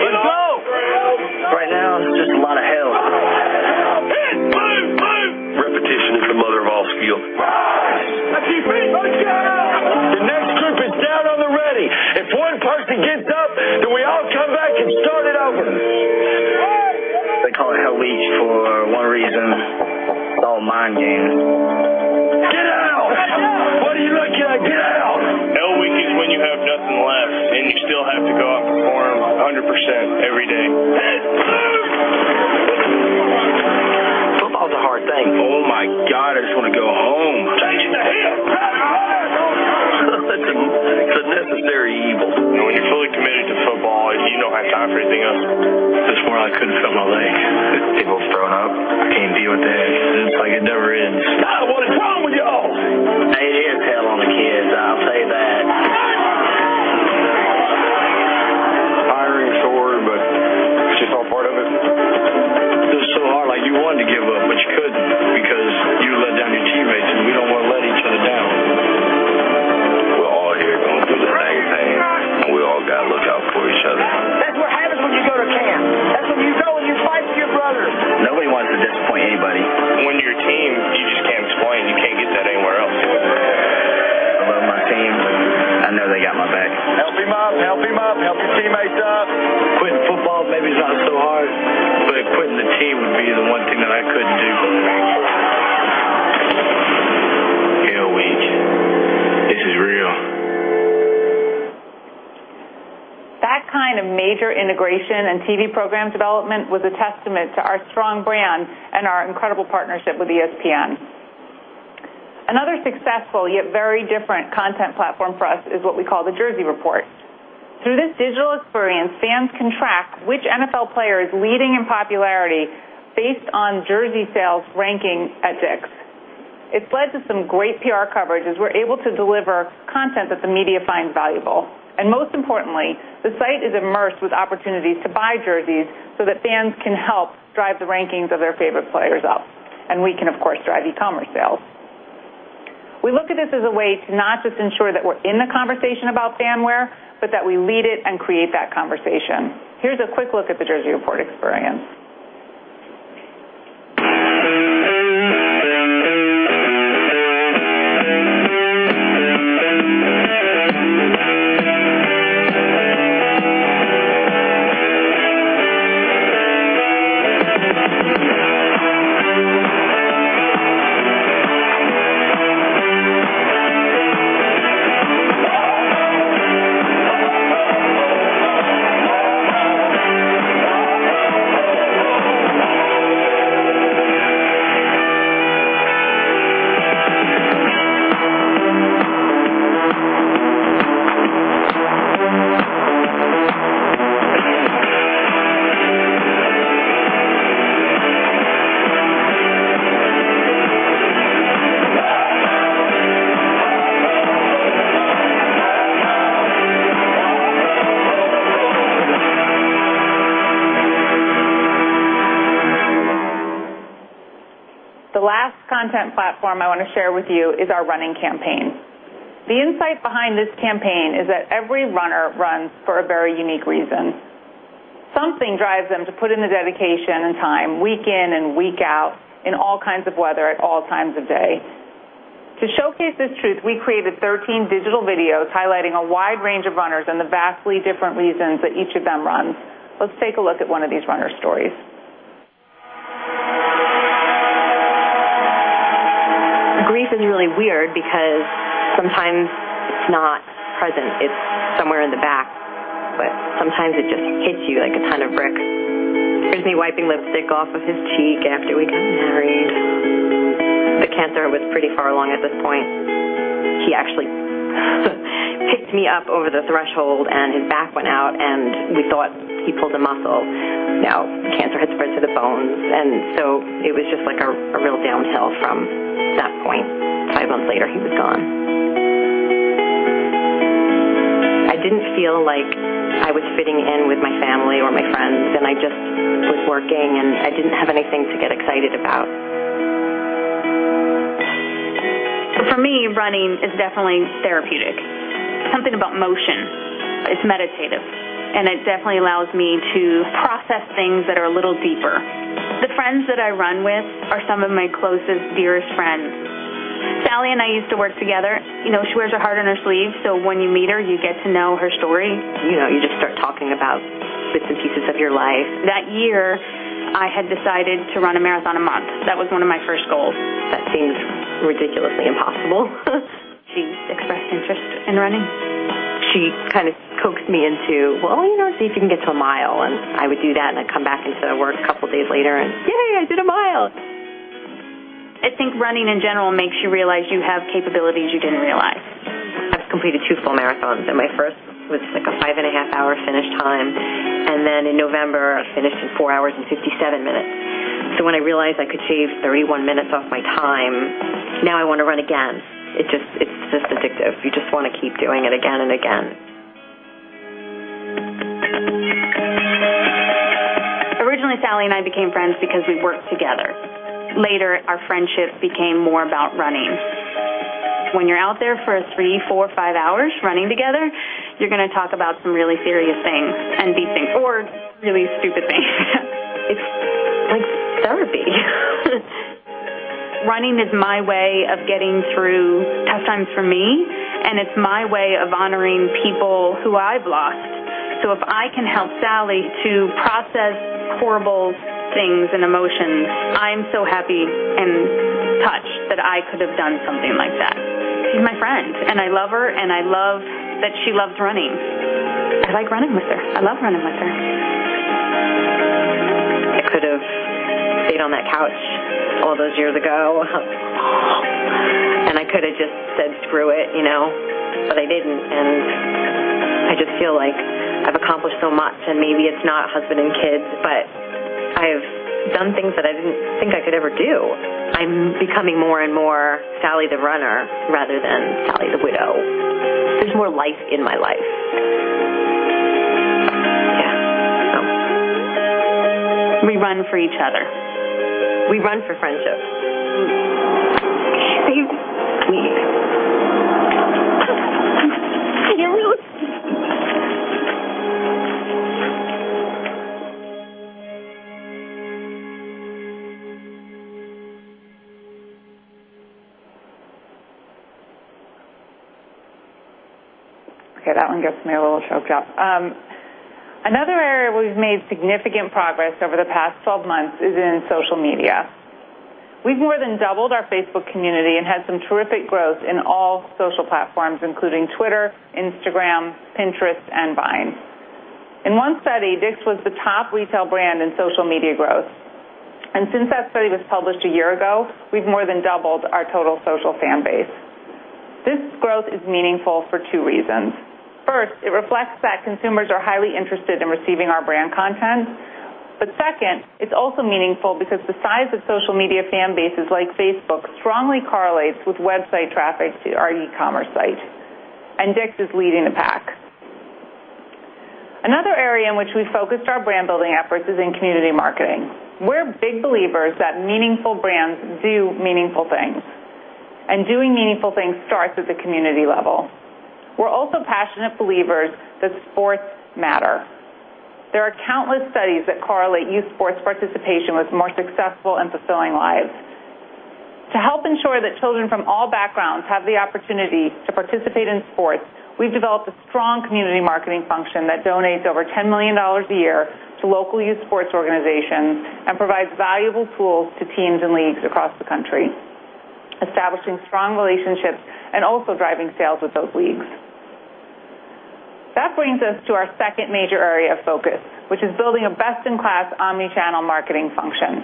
Let's go. Right now, it's just a lot of hell. Hit. Move. Move. Repetition is the mother of all skill. Push. Let's go. The next group is down on the ready. If one person gives up, then we all come back and start it over. They call it Hell Week for one reason. It's all mind games. Get down. What are you looking at? Get down. Hell Week is when you have nothing left, and you still have to go out and perform 100% every day. Hit. Move. Football's a hard thing. Oh my God, I just want to go home. Change at the hip. Drive hard, all y'all. It's a necessary evil. When you're fully committed to football, you don't have time for anything else. There's more. I couldn't feel my legs. People have thrown up. Can't deal with that. It's like it never ends. Stop. What is wrong with y'all? It is hell on the kids, I'll say that. Tiring sort, but it's just all part of it. It was so hard, like you wanted to give up, but you couldn't because you'd let down your teammates, and we don't want to let each other down. We're all here going through the same thing. We all got to look out for each other. That's what happens when you go to camp. That's when you go, and you fight with your brothers. Nobody wants to disappoint anybody. When you're a team, you just can't explain. You can't get that anywhere else. I love my team. I know they got my back. Help him up. Help him up. Help your teammates up. Quitting football maybe is not so hard, but quitting the team would be the one thing that I couldn't do. Hell Week. This is real. That kind of major integration and TV program development was a testament to our strong brand and our incredible partnership with ESPN. Another successful, yet very different content platform for us is what we call the Jersey Report. Through this digital experience, fans can track which NFL player is leading in popularity based on jersey sales ranking at DICK'S. It's led to some great PR coverage as we're able to deliver content that the media finds valuable. Most importantly, the site is immersed with opportunities to buy jerseys so that fans can help drive the rankings of their favorite players up, and we can, of course, drive e-commerce sales. We look at this as a way to not just ensure that we're in the conversation about fan wear, but that we lead it and create that conversation. Here's a quick look at the Jersey Report experience. The last content platform I want to share with you is our running campaign. The insight behind this campaign is that every runner runs for a very unique reason. Something drives them to put in the dedication and time, week in and week out, in all kinds of weather, at all times of day. To showcase this truth, we created 13 digital videos highlighting a wide range of runners and the vastly different reasons that each of them runs. Let's take a look at one of these runner stories. Grief is really weird because sometimes it's not present. It's somewhere in the back. Sometimes it just hits you like a ton of bricks. Here's me wiping lipstick off of his cheek after we got married. The cancer was pretty far along at this point. He actually picked me up over the threshold, and his back went out, and we thought he pulled a muscle. Now, the cancer had spread to the bones, and so it was just a real downhill from that point. Five months later, he was gone. I didn't feel like I was fitting in with my family or my friends, and I just was working, and I didn't have anything to get excited about. For me, running is definitely therapeutic. Something about motion. It's meditative, and it definitely allows me to process things that are a little deeper. The friends that I run with are some of my closest, dearest friends. Sally and I used to work together. She wears her heart on her sleeve, so when you meet her, you get to know her story. You just start talking about bits and pieces of your life. That year, I had decided to run a marathon a month. That was one of my first goals. That seems ridiculously impossible. She expressed interest in running. She kind of coaxed me into, "Well, see if you can get to a mile" and I would do that, and I'd come back into work a couple of days later and, "Yay, I did a mile." I think running, in general, makes you realize you have capabilities you didn't realize. I've completed two full marathons. My first was a five-and-a-half-hour finish time. In November, I finished in four hours and 57 minutes. When I realized I could shave 31 minutes off my time, now I want to run again. It's just addictive. You just want to keep doing it again and again. Originally, Sally and I became friends because we worked together. Later, our friendship became more about running. When you're out there for three, four, five hours running together, you're going to talk about some really serious things and deep things or really stupid things. It's like therapy. Running is my way of getting through tough times for me, and it's my way of honoring people who I've lost. If I can help Sally to process horrible things and emotions, I'm so happy and touched that I could have done something like that. She's my friend, I love her, and I love that she loves running. I like running with her. I love running with her. I could have stayed on that couch all those years ago and I could have just said, "Screw it" but I didn't, and I just feel like I've accomplished so much. Maybe it's not husband and kids, but I've done things that I didn't think I could ever do. I'm becoming more and more Sally the runner rather than Sally the widow. There's more life in my life. Yeah. We run for each other. We run for friendship. We We You're really Okay, that one gets me a little choked up. Another area we've made significant progress over the past 12 months is in social media. We've more than doubled our Facebook community and had some terrific growth in all social platforms, including Twitter, Instagram, Pinterest, and Vine. In one study, DICK'S was the top retail brand in social media growth. Since that study was published a year ago, we've more than doubled our total social fan base. This growth is meaningful for two reasons. First, it reflects that consumers are highly interested in receiving our brand content. Second, it's also meaningful because the size of social media fan bases like Facebook strongly correlates with website traffic to our e-commerce site, and DICK'S is leading the pack. Another area in which we focused our brand-building efforts is in community marketing. We're big believers that meaningful brands do meaningful things, doing meaningful things starts at the community level. We're also passionate believers that sports matter. There are countless studies that correlate youth sports participation with more successful and fulfilling lives. To help ensure that children from all backgrounds have the opportunity to participate in sports, we've developed a strong community marketing function that donates over $10 million a year to local youth sports organizations and provides valuable tools to teams and leagues across the country, establishing strong relationships, and also driving sales with those leagues. That brings us to our second major area of focus, which is building a best-in-class omni-channel marketing function.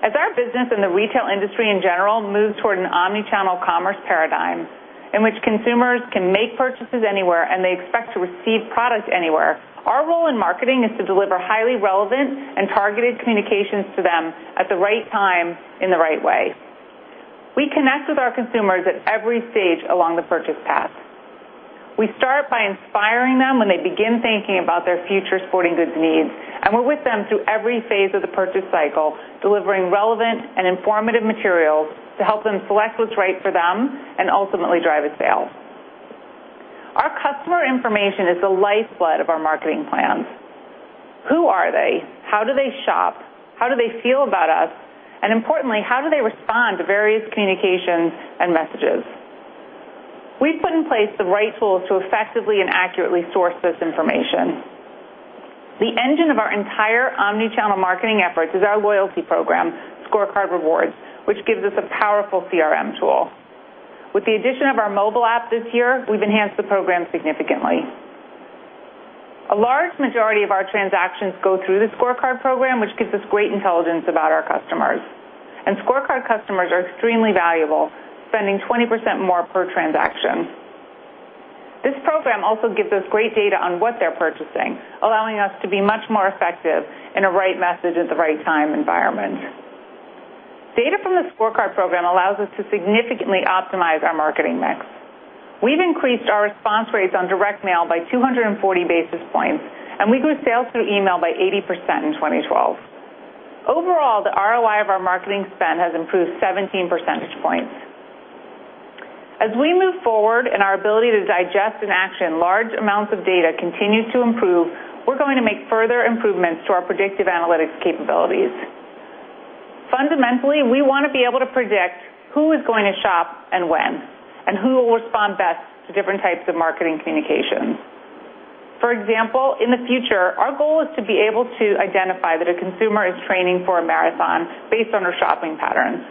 As our business and the retail industry in general moves toward an omni-channel commerce paradigm, in which consumers can make purchases anywhere and they expect to receive products anywhere, our role in marketing is to deliver highly relevant and targeted communications to them at the right time, in the right way. We connect with our consumers at every stage along the purchase path. We start by inspiring them when they begin thinking about their future sporting goods needs, and we're with them through every phase of the purchase cycle, delivering relevant and informative materials to help them select what's right for them and ultimately drive a sale. Our customer information is the lifeblood of our marketing plans. Who are they? How do they shop? How do they feel about us? Importantly, how do they respond to various communications and messages? We've put in place the right tools to effectively and accurately source this information. The engine of our entire omni-channel marketing efforts is our loyalty program, ScoreCard Rewards, which gives us a powerful CRM tool. With the addition of our mobile app this year, we've enhanced the program significantly. A large majority of our transactions go through the ScoreCard program, which gives us great intelligence about our customers. ScoreCard customers are extremely valuable, spending 20% more per transaction. This program also gives us great data on what they're purchasing, allowing us to be much more effective in a right message at the right time environment. Data from the ScoreCard program allows us to significantly optimize our marketing mix. We've increased our response rates on direct mail by 240 basis points, we grew sales through email by 80% in 2012. Overall, the ROI of our marketing spend has improved 17 percentage points. As we move forward and our ability to digest and action large amounts of data continue to improve, we're going to make further improvements to our predictive analytics capabilities. Fundamentally, we want to be able to predict who is going to shop and when, and who will respond best to different types of marketing communications. For example, in the future, our goal is to be able to identify that a consumer is training for a marathon based on her shopping patterns.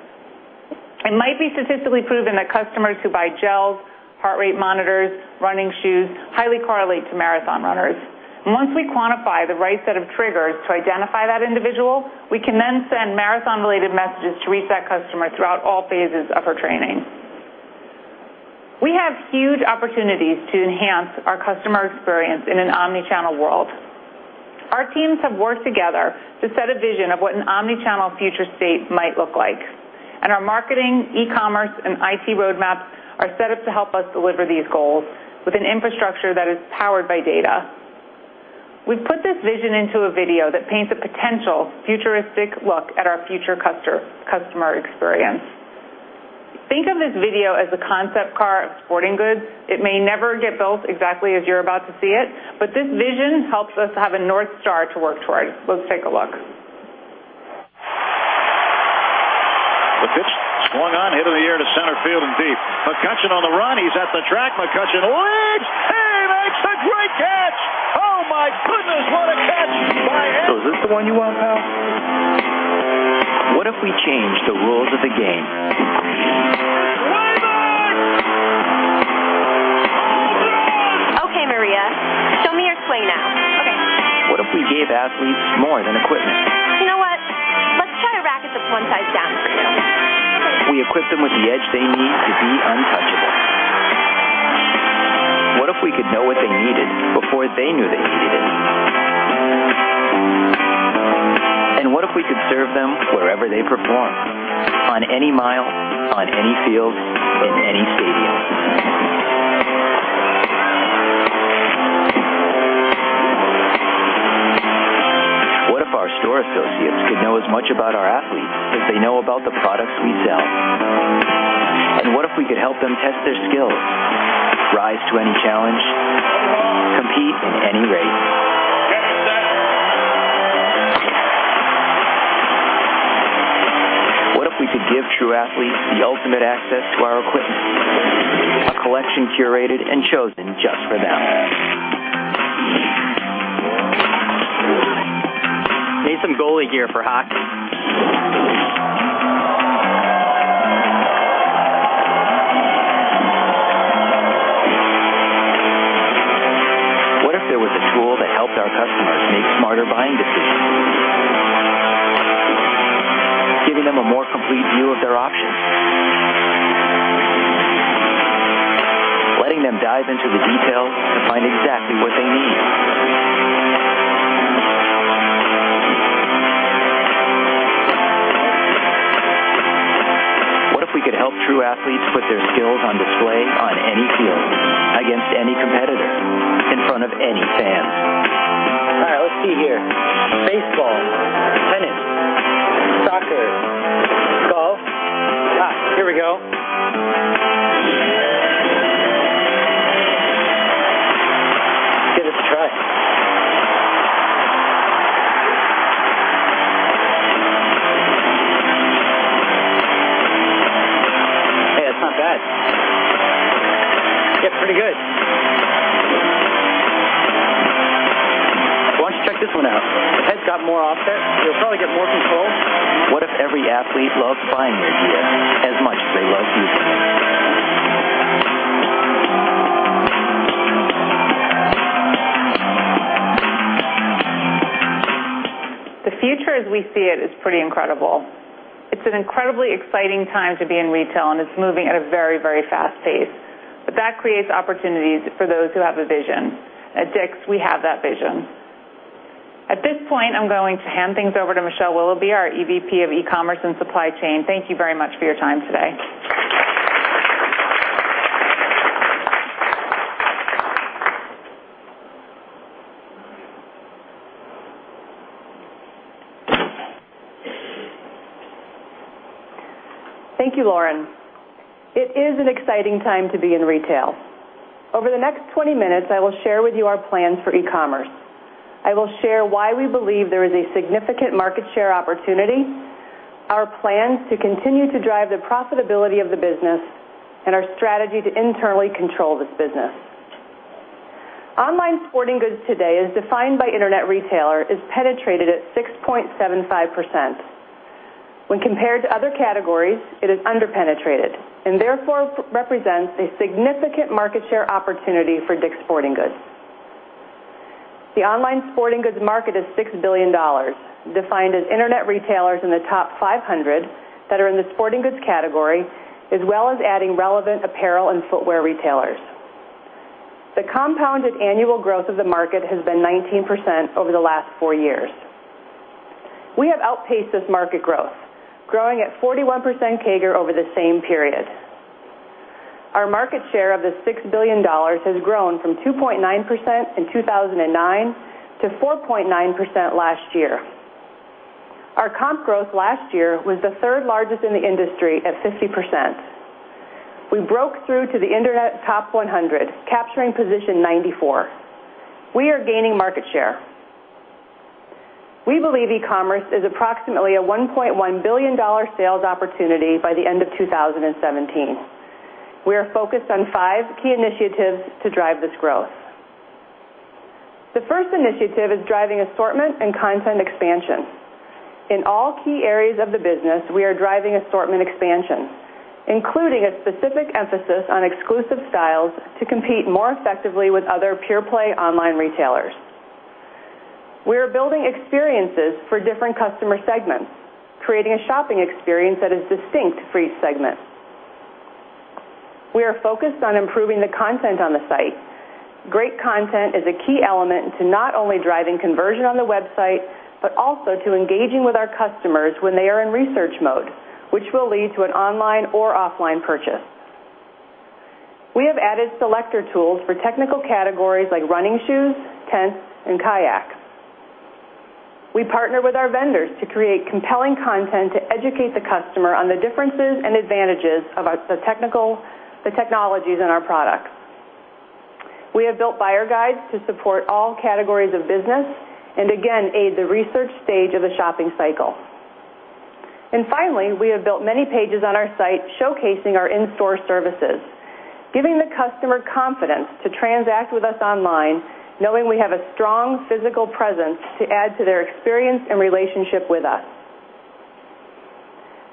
It might be statistically proven that customers who buy gels, heart rate monitors, running shoes, highly correlate to marathon runners. Once we quantify the right set of triggers to identify that individual, we can then send marathon-related messages to reach that customer throughout all phases of her training. We have huge opportunities to enhance our customer experience in an omnichannel world. Our teams have worked together to set a vision of what an omnichannel future state might look like. Our marketing, e-commerce, and IT roadmaps are set up to help us deliver these goals with an infrastructure that is powered by data. We've put this vision into a video that paints a potential futuristic look at our future customer experience. Think of this video as a concept car of sporting goods. It may never get built exactly as you're about to see it, but this vision helps us have a North Star to work towards. Let's take a look. The pitch, swung on, hit in the air to center field and deep. McCutchen on the run, he's at the track. McCutchen leaps. He makes a great catch. Oh my goodness, what a catch by. Is this the one you want now? What if we changed the rules of the game? One more. Okay, Maria, show me your play now. Okay. What if we gave athletes more than equipment? You know what? Let's try a racket that's one size down for you. We equip them with the edge they need to be untouchable. What if we could know what they needed before they knew they needed it? What if we could serve them wherever they perform, on any mile, on any field, in any stadium? What if our store associates could know as much about our athletes as they know about the products we sell? What if we could help them test their skills, rise to any challenge, compete in any race? What if we could give true athletes the ultimate access to our equipment? A collection curated and chosen just for them. Need some goalie gear for hockey. What if there was a tool that helped our customers make smarter buying decisions? Giving them a more complete view of their options. Letting them dive into the details to find exactly what they need. What if we could help true athletes put their skills on display on any field, against any competitor, in front of any fans? All right. Let's see here. Baseball, tennis, soccer, golf. Hey, that's not bad. It's getting pretty good. Why don't you check this one out? Head's got more offset. You'll probably get more control. What if every athlete loved buying your gear as much as they loved using it? The future as we see it is pretty incredible. It's an incredibly exciting time to be in retail, and it's moving at a very, very fast pace. That creates opportunities for those who have a vision. At DICK'S, we have that vision. At this point, I'm going to hand things over to Michelle Willoughby, our EVP of eCommerce and Supply Chain. Thank you very much for your time today. Thank you, Lauren. It is an exciting time to be in retail. Over the next 20 minutes, I will share with you our plans for eCommerce. I will share why we believe there is a significant market share opportunity, our plans to continue to drive the profitability of the business, and our strategy to internally control this business. Online sporting goods today, as defined by Internet Retailer, is penetrated at 6.75%. When compared to other categories, it is under-penetrated and therefore represents a significant market share opportunity for DICK'S Sporting Goods. The online sporting goods market is $6 billion, defined as internet retailers in the top 500 that are in the sporting goods category, as well as adding relevant apparel and footwear retailers. The compounded annual growth of the market has been 19% over the last four years. We have outpaced this market growth, growing at 41% CAGR over the same period. Our market share of the $6 billion has grown from 2.9% in 2009 to 4.9% last year. Our comp growth last year was the third largest in the industry at 50%. We broke through to the Internet top 100, capturing position 94. We are gaining market share. We believe eCommerce is approximately a $1.1 billion sales opportunity by the end of 2017. We are focused on five key initiatives to drive this growth. The first initiative is driving assortment and content expansion. In all key areas of the business, we are driving assortment expansion, including a specific emphasis on exclusive styles to compete more effectively with other pure-play online retailers. We are building experiences for different customer segments, creating a shopping experience that is distinct for each segment. We are focused on improving the content on the site. Great content is a key element to not only driving conversion on the website but also to engaging with our customers when they are in research mode, which will lead to an online or offline purchase. We have added selector tools for technical categories like running shoes, tents, and kayaks. We partner with our vendors to create compelling content to educate the customer on the differences and advantages of the technologies in our products. We have built buyer guides to support all categories of business and again, aid the research stage of the shopping cycle. Finally, we have built many pages on our site showcasing our in-store services, giving the customer confidence to transact with us online, knowing we have a strong physical presence to add to their experience and relationship with us.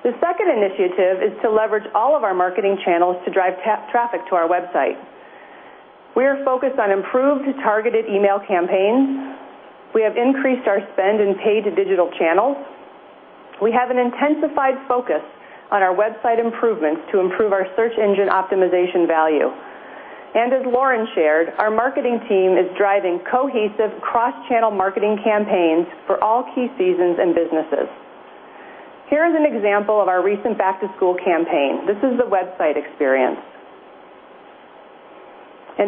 The second initiative is to leverage all of our marketing channels to drive traffic to our website. We are focused on improved targeted email campaigns. We have increased our spend in paid digital channels. We have an intensified focus on our website improvements to improve our search engine optimization value. As Lauren shared, our marketing team is driving cohesive cross-channel marketing campaigns for all key seasons and businesses. Here is an example of our recent back-to-school campaign. This is the website experience.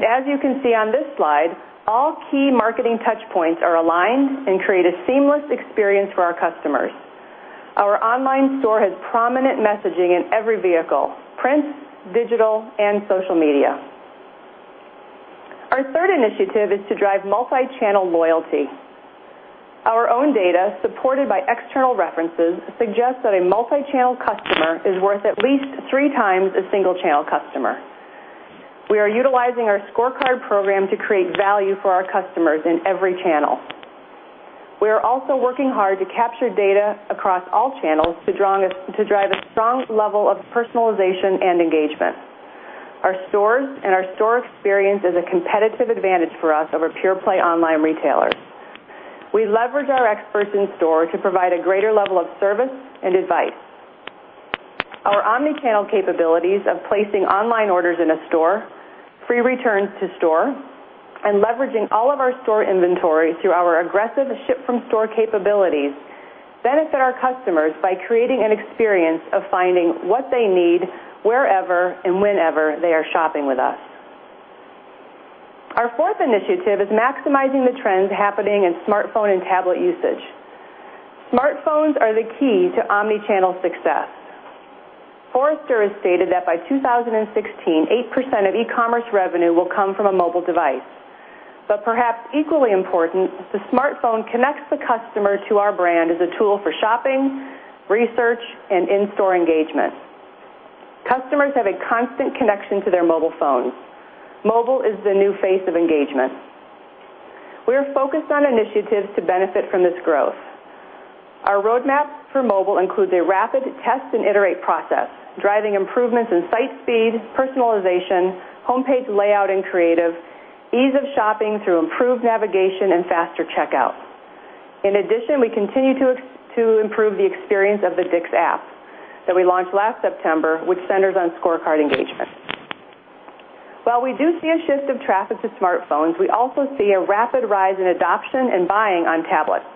As you can see on this slide, all key marketing touchpoints are aligned and create a seamless experience for our customers. Our online store has prominent messaging in every vehicle: print, digital, and social media. Our third initiative is to drive multi-channel loyalty. Our own data, supported by external references, suggests that a multi-channel customer is worth at least three times a single-channel customer. We are utilizing our ScoreCard program to create value for our customers in every channel. We are also working hard to capture data across all channels to drive a strong level of personalization and engagement. Our stores and our store experience is a competitive advantage for us over pure-play online retailers. We leverage our experts in store to provide a greater level of service and advice. Our omni-channel capabilities of placing online orders in a store, free returns to store, and leveraging all of our store inventory through our aggressive ship-from-store capabilities benefit our customers by creating an experience of finding what they need wherever and whenever they are shopping with us. Our fourth initiative is maximizing the trends happening in smartphone and tablet usage. Smartphones are the key to omni-channel success. Forrester has stated that by 2016, 8% of e-commerce revenue will come from a mobile device. Perhaps equally important, the smartphone connects the customer to our brand as a tool for shopping, research, and in-store engagement. Customers have a constant connection to their mobile phones. Mobile is the new face of engagement. We are focused on initiatives to benefit from this growth. Our roadmaps for mobile includes a rapid test-and-iterate process, driving improvements in site speed, personalization, homepage layout and creative, ease of shopping through improved navigation and faster checkout. In addition, we continue to improve the experience of the DICK'S app that we launched last September, which centers on ScoreCard engagement. While we do see a shift of traffic to smartphones, we also see a rapid rise in adoption and buying on tablets.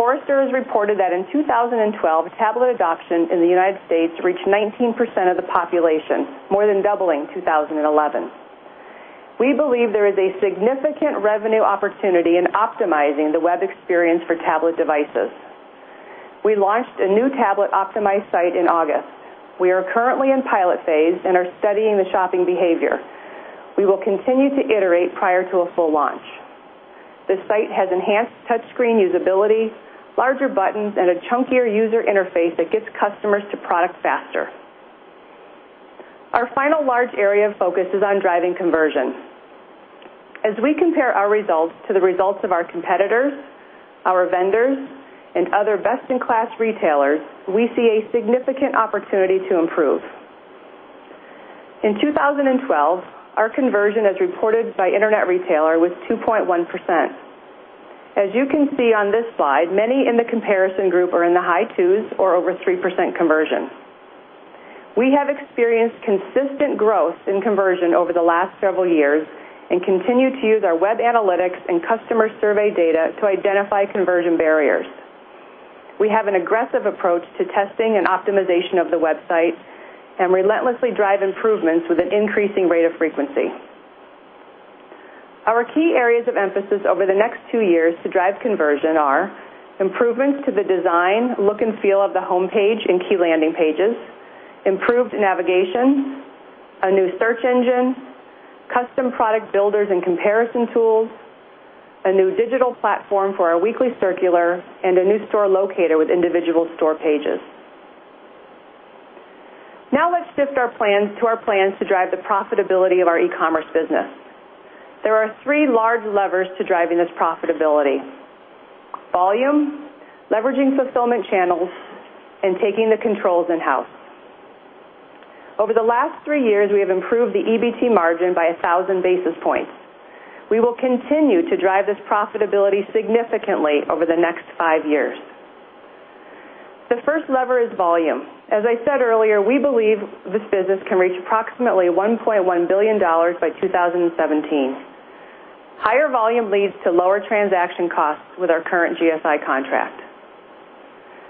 Forrester has reported that in 2012, tablet adoption in the United States reached 19% of the population, more than doubling 2011. We believe there is a significant revenue opportunity in optimizing the web experience for tablet devices. We launched a new tablet-optimized site in August. We are currently in pilot phase and are studying the shopping behavior. We will continue to iterate prior to a full launch. The site has enhanced touch screen usability, larger buttons, and a chunkier user interface that gets customers to product faster. Our final large area of focus is on driving conversion. As we compare our results to the results of our competitors, our vendors, and other best-in-class retailers, we see a significant opportunity to improve. In 2012, our conversion, as reported by Internet Retailer, was 2.1%. As you can see on this slide, many in the comparison group are in the high twos or over 3% conversion. We have experienced consistent growth in conversion over the last several years and continue to use our web analytics and customer survey data to identify conversion barriers. We have an aggressive approach to testing and optimization of the website and relentlessly drive improvements with an increasing rate of frequency. Our key areas of emphasis over the next two years to drive conversion are improvements to the design, look, and feel of the homepage and key landing pages, improved navigation, a new search engine, custom product builders and comparison tools, a new digital platform for our weekly circular, and a new store locator with individual store pages. Let's shift to our plans to drive the profitability of our e-commerce business. There are three large levers to driving this profitability: volume, leveraging fulfillment channels, and taking the controls in-house. Over the last three years, we have improved the EBIT margin by 1,000 basis points. We will continue to drive this profitability significantly over the next five years. The first lever is volume. As I said earlier, we believe this business can reach approximately $1.1 billion by 2017. Higher volume leads to lower transaction costs with our current GSI contract.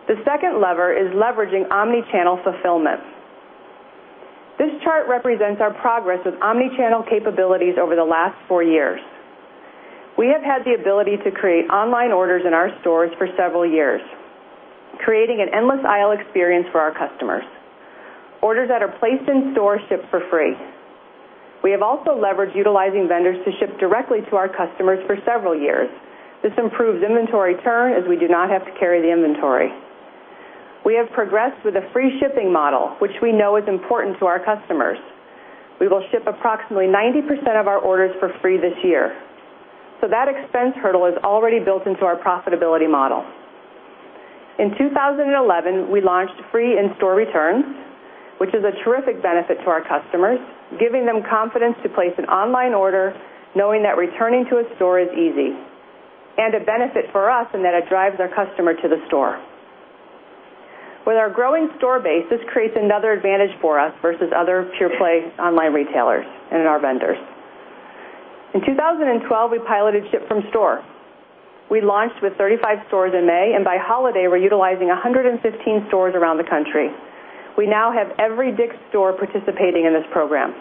The second lever is leveraging omni-channel fulfillment. This chart represents our progress with omni-channel capabilities over the last four years. We have had the ability to create online orders in our stores for several years, creating an endless aisle experience for our customers. Orders that are placed in-store ship for free. We have also leveraged utilizing vendors to ship directly to our customers for several years. This improves inventory turn as we do not have to carry the inventory. We have progressed with a free shipping model, which we know is important to our customers. We will ship approximately 90% of our orders for free this year. That expense hurdle is already built into our profitability model. In 2011, we launched free in-store returns, which is a terrific benefit to our customers, giving them confidence to place an online order knowing that returning to a store is easy, and a benefit for us in that it drives our customer to the store. With our growing store base, this creates another advantage for us versus other pure-play online retailers and our vendors. In 2012, we piloted Ship From Store. We launched with 35 stores in May, and by holiday, we are utilizing 115 stores around the country. We now have every DICK'S store participating in this program.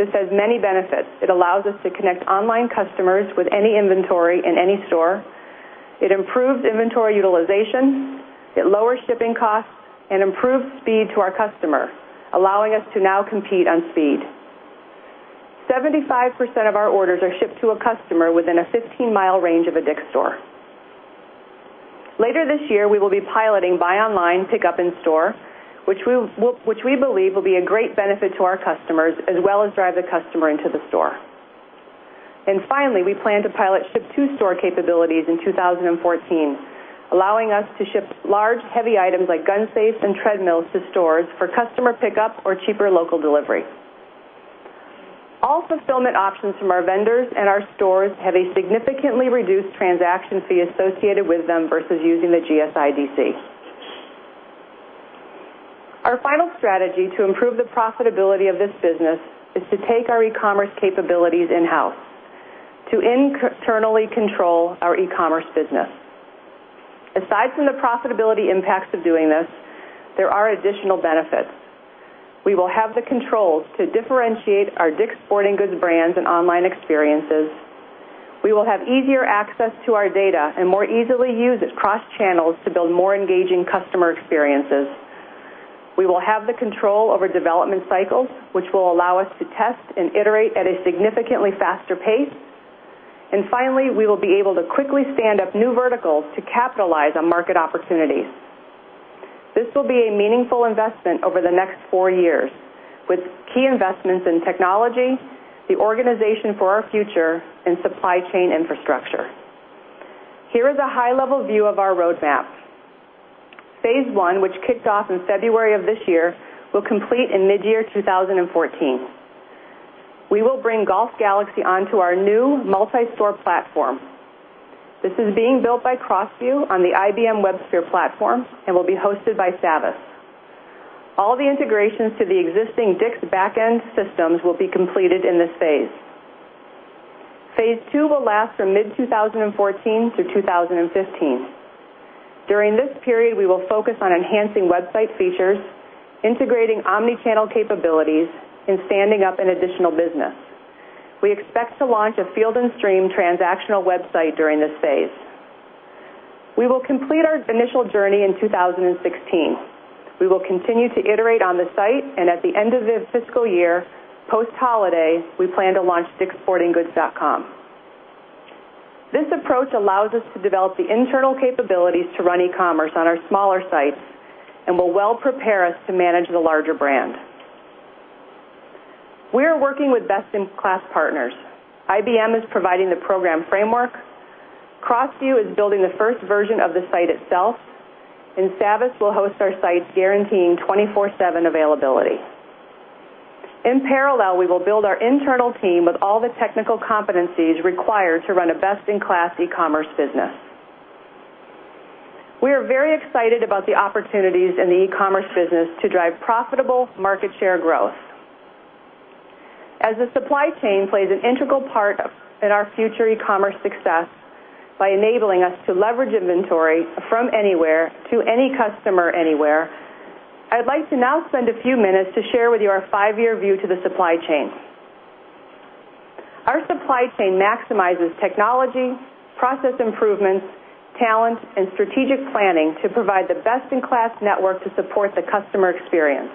This has many benefits. It allows us to connect online customers with any inventory in any store. It improves inventory utilization, it lowers shipping costs, and improves speed to our customer, allowing us to now compete on speed. 75% of our orders are shipped to a customer within a 15-mile range of a DICK'S store. Later this year, we will be piloting Buy Online, Pick Up in Store, which we believe will be a great benefit to our customers as well as drive the customer into the store. Finally, we plan to pilot Ship to Store capabilities in 2014, allowing us to ship large, heavy items like gun safes and treadmills to stores for customer pickup or cheaper local delivery. All fulfillment options from our vendors and our stores have a significantly reduced transaction fee associated with them versus using the GSI DC. Our final strategy to improve the profitability of this business is to take our e-commerce capabilities in-house to internally control our e-commerce business. Aside from the profitability impacts of doing this, there are additional benefits. We will have the controls to differentiate our DICK'S Sporting Goods brands and online experiences. We will have easier access to our data and more easily use it cross-channels to build more engaging customer experiences. We will have the control over development cycles, which will allow us to test and iterate at a significantly faster pace. Finally, we will be able to quickly stand up new verticals to capitalize on market opportunities. This will be a meaningful investment over the next 4 years, with key investments in technology, the organization for our future, and supply chain infrastructure. Here is a high-level view of our roadmap. Phase 1, which kicked off in February of this year, will complete in mid-year 2014. We will bring Golf Galaxy onto our new multi-store platform. This is being built by CrossView on the IBM WebSphere platform and will be hosted by Savvis. All the integrations to the existing DICK'S back-end systems will be completed in this phase. Phase 2 will last from mid-2014 to 2015. During this period, we will focus on enhancing website features, integrating omni-channel capabilities, and standing up an additional business. We expect to launch a Field & Stream transactional website during this phase. We will complete our initial journey in 2016. We will continue to iterate on the site, and at the end of the fiscal year, post-holiday, we plan to launch dickssportinggoods.com. This approach allows us to develop the internal capabilities to run e-commerce on our smaller sites and will well prepare us to manage the larger brand. We are working with best-in-class partners. IBM is providing the program framework. CrossView is building the first version of the site itself. Savvis will host our sites, guaranteeing 24/7 availability. In parallel, we will build our internal team with all the technical competencies required to run a best-in-class e-commerce business. We are very excited about the opportunities in the e-commerce business to drive profitable market share growth. As the supply chain plays an integral part in our future e-commerce success by enabling us to leverage inventory from anywhere to any customer anywhere, I'd like to now spend a few minutes to share with you our 5-year view to the supply chain. Our supply chain maximizes technology, process improvements, talent, and strategic planning to provide the best-in-class network to support the customer experience.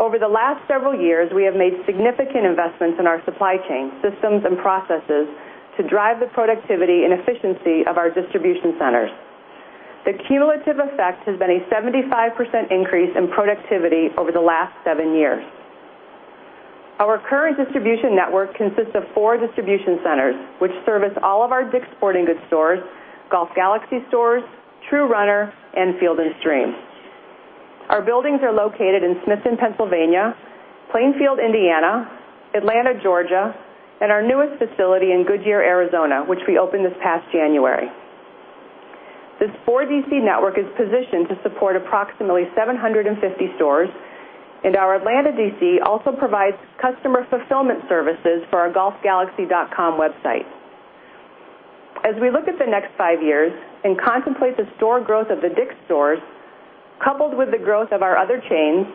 Over the last several years, we have made significant investments in our supply chain systems and processes to drive the productivity and efficiency of our distribution centers. The cumulative effect has been a 75% increase in productivity over the last seven years. Our current distribution network consists of four distribution centers, which service all of our DICK'S Sporting Goods stores, Golf Galaxy stores, True Runner, and Field & Stream. Our buildings are located in Smithton, Pennsylvania, Plainfield, Indiana, Atlanta, Georgia, and our newest facility in Goodyear, Arizona, which we opened this past January. This 4 DC network is positioned to support approximately 750 stores, and our Atlanta DC also provides customer fulfillment services for our golfgalaxy.com website. We look at the next five years and contemplate the store growth of the DICK'S stores, coupled with the growth of our other chains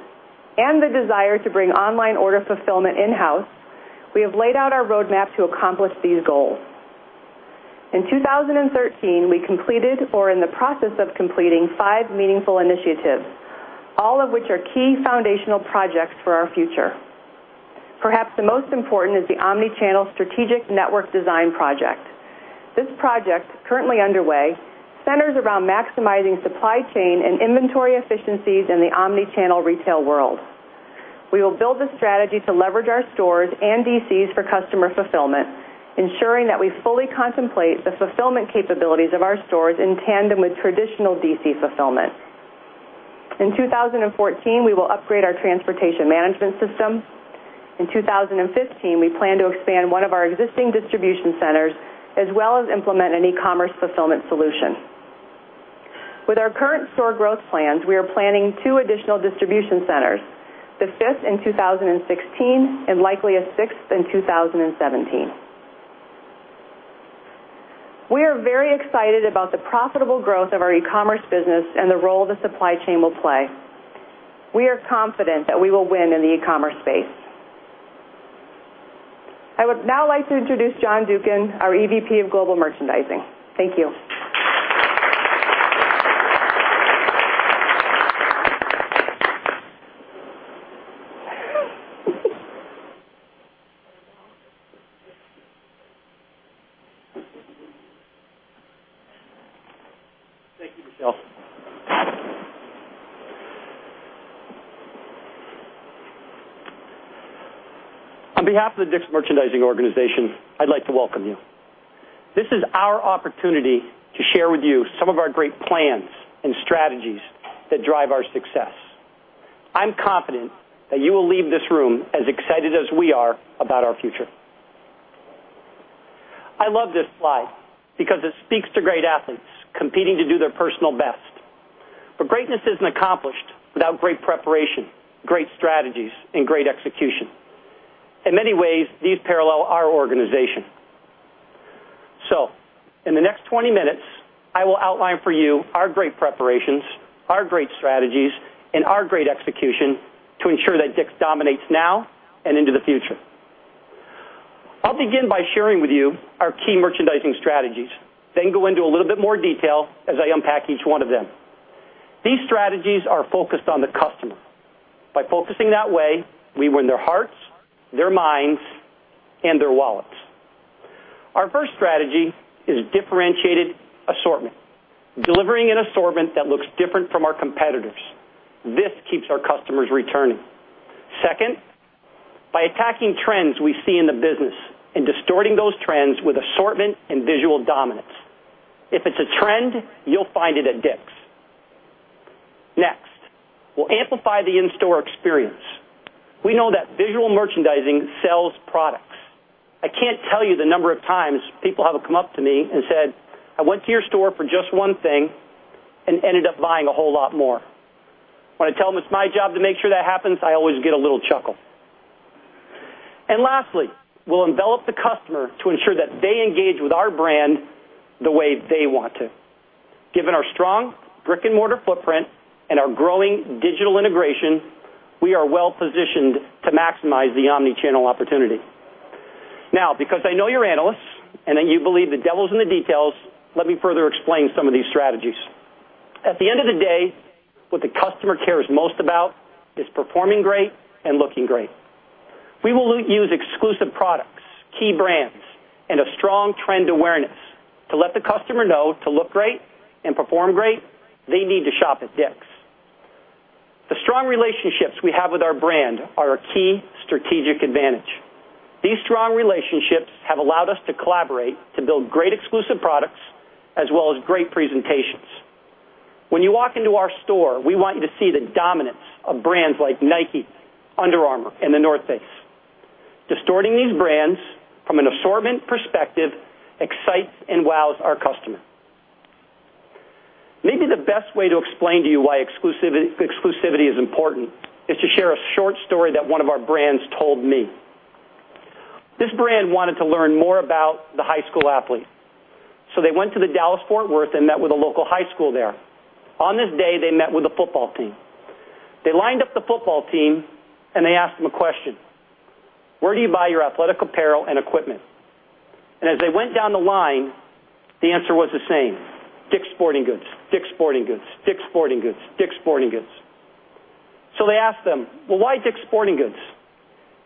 and the desire to bring online order fulfillment in-house, we have laid out our roadmap to accomplish these goals. In 2013, we completed or are in the process of completing five meaningful initiatives, all of which are key foundational projects for our future. Perhaps the most important is the omni-channel strategic network design project. This project, currently underway, centers around maximizing supply chain and inventory efficiencies in the omni-channel retail world. We will build a strategy to leverage our stores and DCs for customer fulfillment, ensuring that we fully contemplate the fulfillment capabilities of our stores in tandem with traditional DC fulfillment. In 2014, we will upgrade our transportation management system. In 2015, we plan to expand one of our existing distribution centers, as well as implement an e-commerce fulfillment solution. With our current store growth plans, we are planning two additional distribution centers: the fifth in 2016 and likely a sixth in 2017. We are very excited about the profitable growth of our e-commerce business and the role the supply chain will play. We are confident that we will win in the e-commerce space. I would now like to introduce John Duken, our EVP of Global Merchandising. Thank you. Thank you, Michelle. On behalf of the DICK'S merchandising organization, I'd like to welcome you. This is our opportunity to share with you some of our great plans and strategies that drive our success. I'm confident that you will leave this room as excited as we are about our future. I love this slide because it speaks to great athletes competing to do their personal best. Greatness isn't accomplished without great preparation, great strategies, and great execution. In many ways, these parallel our organization. In the next 20 minutes, I will outline for you our great preparations, our great strategies, and our great execution to ensure that DICK'S dominates now and into the future. I'll begin by sharing with you our key merchandising strategies, then go into a little bit more detail as I unpack each one of them. These strategies are focused on the customer. By focusing that way, we win their hearts, their minds, and their wallets. Our first strategy is differentiated assortment. Delivering an assortment that looks different from our competitors. This keeps our customers returning. Second, by attacking trends we see in the business and distorting those trends with assortment and visual dominance. If it's a trend, you'll find it at DICK'S. Next, we'll amplify the in-store experience. We know that visual merchandising sells products. I can't tell you the number of times people have come up to me and said, "I went to your store for just one thing and ended up buying a whole lot more." When I tell them it's my job to make sure that happens, I always get a little chuckle. Lastly, we'll envelop the customer to ensure that they engage with our brand the way they want to. Given our strong brick-and-mortar footprint and our growing digital integration, we are well-positioned to maximize the omnichannel opportunity. Because I know you're analysts, and that you believe the devil's in the details, let me further explain some of these strategies. At the end of the day, what the customer cares most about is performing great and looking great. We will use exclusive products, key brands, and a strong trend awareness to let the customer know to look great and perform great, they need to shop at DICK'S. The strong relationships we have with our brand are a key strategic advantage. These strong relationships have allowed us to collaborate to build great exclusive products, as well as great presentations. When you walk into our store, we want you to see the dominance of brands like Nike, Under Armour, and The North Face. Distorting these brands from an assortment perspective excites and wows our customer. Maybe the best way to explain to you why exclusivity is important is to share a short story that one of our brands told me. This brand wanted to learn more about the high school athlete, so they went to the Dallas-Fort Worth and met with a local high school there. On this day, they met with the football team. They lined up the football team, and they asked them a question: "Where do you buy your athletic apparel and equipment?" As they went down the line, the answer was the same. "DICK'S Sporting Goods, DICK'S Sporting Goods, DICK'S Sporting Goods, DICK'S Sporting Goods." They asked them, "Well, why DICK'S Sporting Goods?"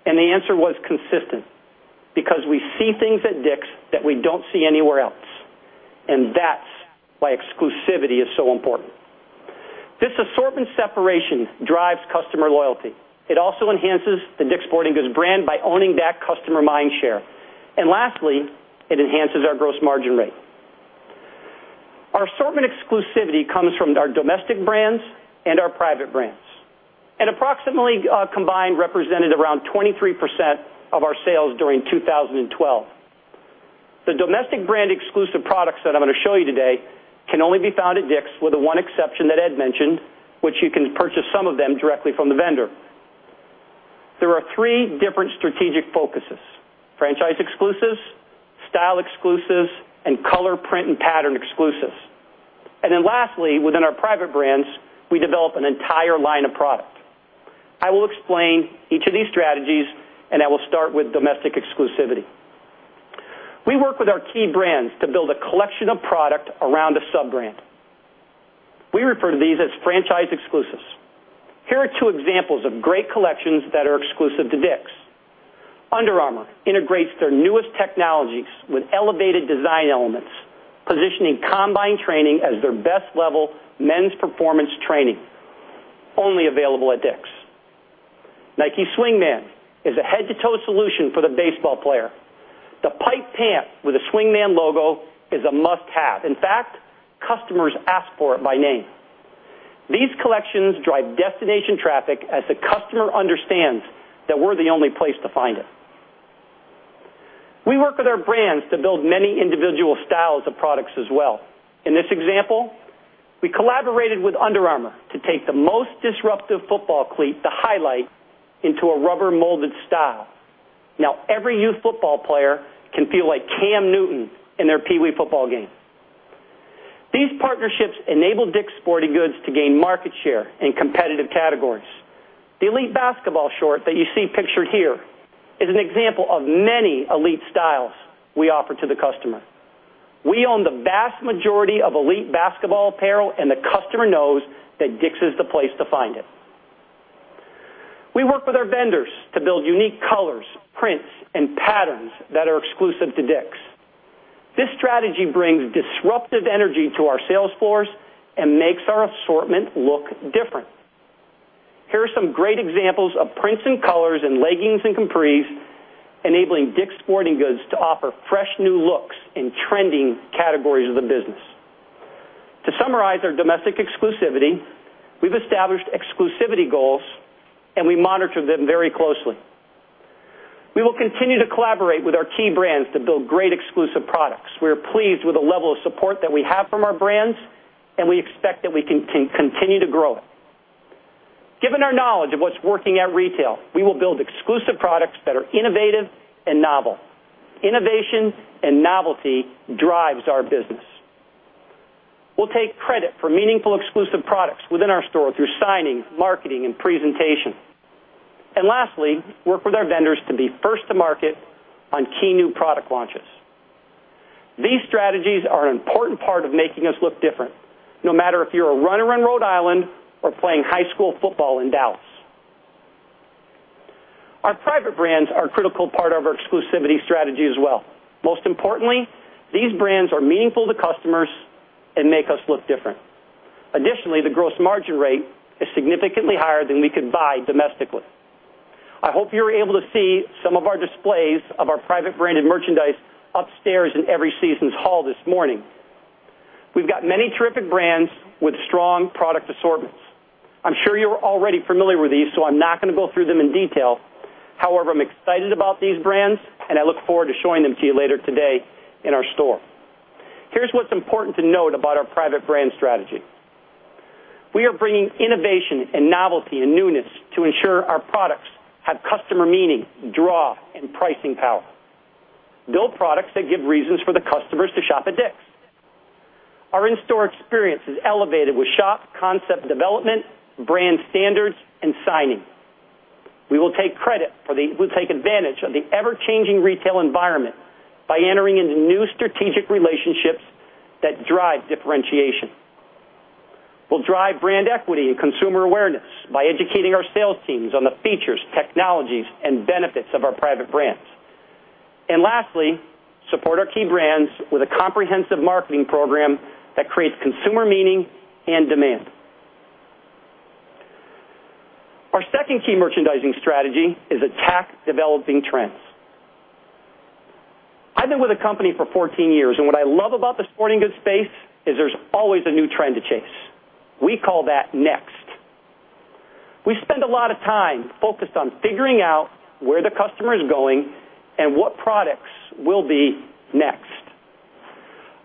The answer was consistent. "Because we see things at DICK'S that we don't see anywhere else." That's why exclusivity is so important. This assortment separation drives customer loyalty. It also enhances the DICK'S Sporting Goods brand by owning that customer mind share. Lastly, it enhances our gross margin rate. Our assortment exclusivity comes from our domestic brands and our private brands. Approximately, combined, represented around 23% of our sales during 2012. The domestic brand exclusive products that I'm going to show you today can only be found at DICK'S, with the one exception that Ed mentioned, which you can purchase some of them directly from the vendor. There are three different strategic focuses, franchise exclusives, style exclusives, and color, print, and pattern exclusives. Lastly, within our private brands, we develop an entire line of product. I will explain each of these strategies, I will start with domestic exclusivity. We work with our key brands to build a collection of product around a sub-brand. We refer to these as franchise exclusives. Here are two examples of great collections that are exclusive to DICK'S. Under Armour integrates their newest technologies with elevated design elements, positioning Combined Training as their best level men's performance training, only available at DICK'S. Nike Swingman is a head-to-toe solution for the baseball player. The pipe pant with a Swingman logo is a must-have. In fact, customers ask for it by name. These collections drive destination traffic as the customer understands that we're the only place to find it. We work with our brands to build many individual styles of products as well. In this example, we collaborated with Under Armour to take the most disruptive football cleat, the Highlight, into a rubber molded style. Now every youth football player can feel like Cam Newton in their peewee football game. These partnerships enable DICK'S Sporting Goods to gain market share in competitive categories. The Elite basketball short that you see pictured here is an example of many Elite styles we offer to the customer. We own the vast majority of Elite basketball apparel, and the customer knows that DICK'S is the place to find it. We work with our vendors to build unique colors, prints, and patterns that are exclusive to DICK'S. This strategy brings disruptive energy to our sales floors and makes our assortment look different. Here are some great examples of prints and colors in leggings and capris, enabling DICK'S Sporting Goods to offer fresh new looks in trending categories of the business. To summarize our domestic exclusivity, we've established exclusivity goals, and we monitor them very closely. We will continue to collaborate with our key brands to build great exclusive products. We are pleased with the level of support that we have from our brands, and we expect that we can continue to grow it. Given our knowledge of what's working at retail, we will build exclusive products that are innovative and novel. Innovation and novelty drives our business. We'll take credit for meaningful exclusive products within our store through signing, marketing, and presentation. Lastly, work with our vendors to be first to market on key new product launches. These strategies are an important part of making us look different, no matter if you're a runner in Rhode Island or playing high school football in Dallas. Our private brands are a critical part of our exclusivity strategy as well. Most importantly, these brands are meaningful to customers and make us look different. Additionally, the gross margin rate is significantly higher than we could buy domestically. I hope you're able to see some of our displays of our private branded merchandise upstairs in Every Season's Hall this morning. We've got many terrific brands with strong product assortments. I'm sure you're already familiar with these, so I'm not going to go through them in detail. However, I'm excited about these brands, and I look forward to showing them to you later today in our store. Here's what's important to note about our private brand strategy. We are bringing innovation and novelty and newness to ensure our products have customer meaning, draw, and pricing power. Build products that give reasons for the customers to shop at DICK'S. Our in-store experience is elevated with shop concept development, brand standards, and signing. We will take advantage of the ever-changing retail environment by entering into new strategic relationships that drive differentiation. We'll drive brand equity and consumer awareness by educating our sales teams on the features, technologies, and benefits of our private brands. Lastly, support our key brands with a comprehensive marketing program that creates consumer meaning and demand. Our second key merchandising strategy is attack developing trends. I've been with the company for 14 years, and what I love about the sporting goods space is there's always a new trend to chase. We call that next. We spend a lot of time focused on figuring out where the customer is going and what products will be next.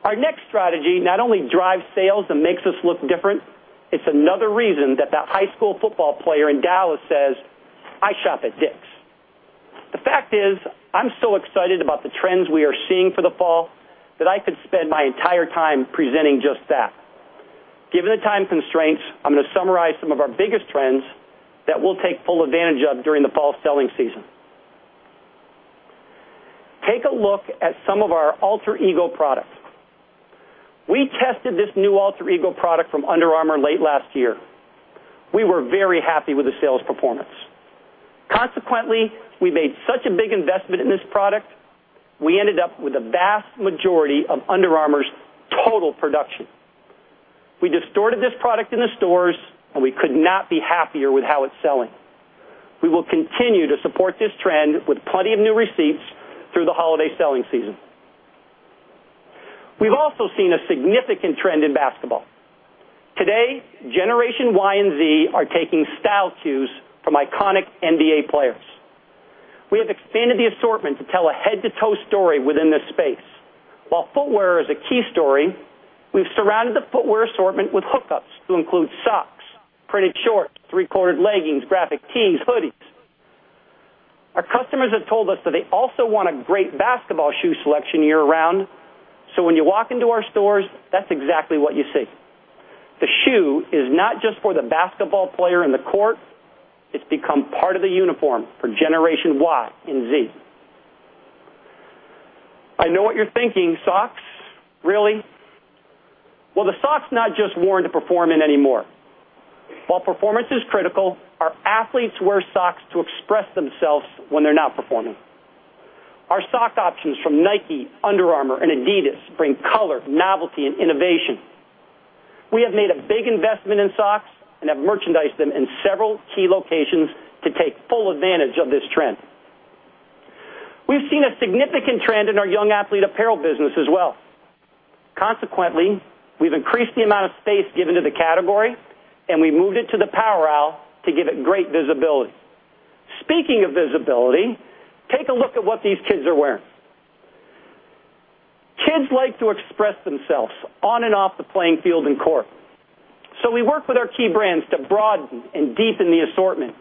Our next strategy not only drives sales and makes us look different, it's another reason that the high school football player in Dallas says, "I shop at DICK'S." The fact is, I'm so excited about the trends we are seeing for the fall that I could spend my entire time presenting just that. Given the time constraints, I'm going to summarize some of our biggest trends that we'll take full advantage of during the fall selling season. Take a look at some of our Alter Ego products. We tested this new Alter Ego product from Under Armour late last year. We were very happy with the sales performance. Consequently, we made such a big investment in this product, we ended up with a vast majority of Under Armour's total production. We distorted this product in the stores, and we could not be happier with how it's selling. We will continue to support this trend with plenty of new receipts through the holiday selling season. We've also seen a significant trend in basketball. Today, Generation Y and Z are taking style cues from iconic NBA players. We have expanded the assortment to tell a head-to-toe story within this space. While footwear is a key story, we've surrounded the footwear assortment with hookups to include socks, printed shorts, three-quarter leggings, graphic tees, hoodies. Our customers have told us that they also want a great basketball shoe selection year-round, so when you walk into our stores, that's exactly what you see. The shoe is not just for the basketball player in the court, it's become part of the uniform for Generation Y and Z. I know what you're thinking. Socks? Really? Well, the sock's not just worn to perform in anymore. While performance is critical, our athletes wear socks to express themselves when they're not performing. Our sock options from Nike, Under Armour, and Adidas bring color, novelty, and innovation. We have made a big investment in socks and have merchandised them in several key locations to take full advantage of this trend. We've seen a significant trend in our young athlete apparel business as well. Consequently, we've increased the amount of space given to the category, and we moved it to the power aisle to give it great visibility. Speaking of visibility, take a look at what these kids are wearing. Kids like to express themselves on and off the playing field and court. We worked with our key brands to broaden and deepen the assortment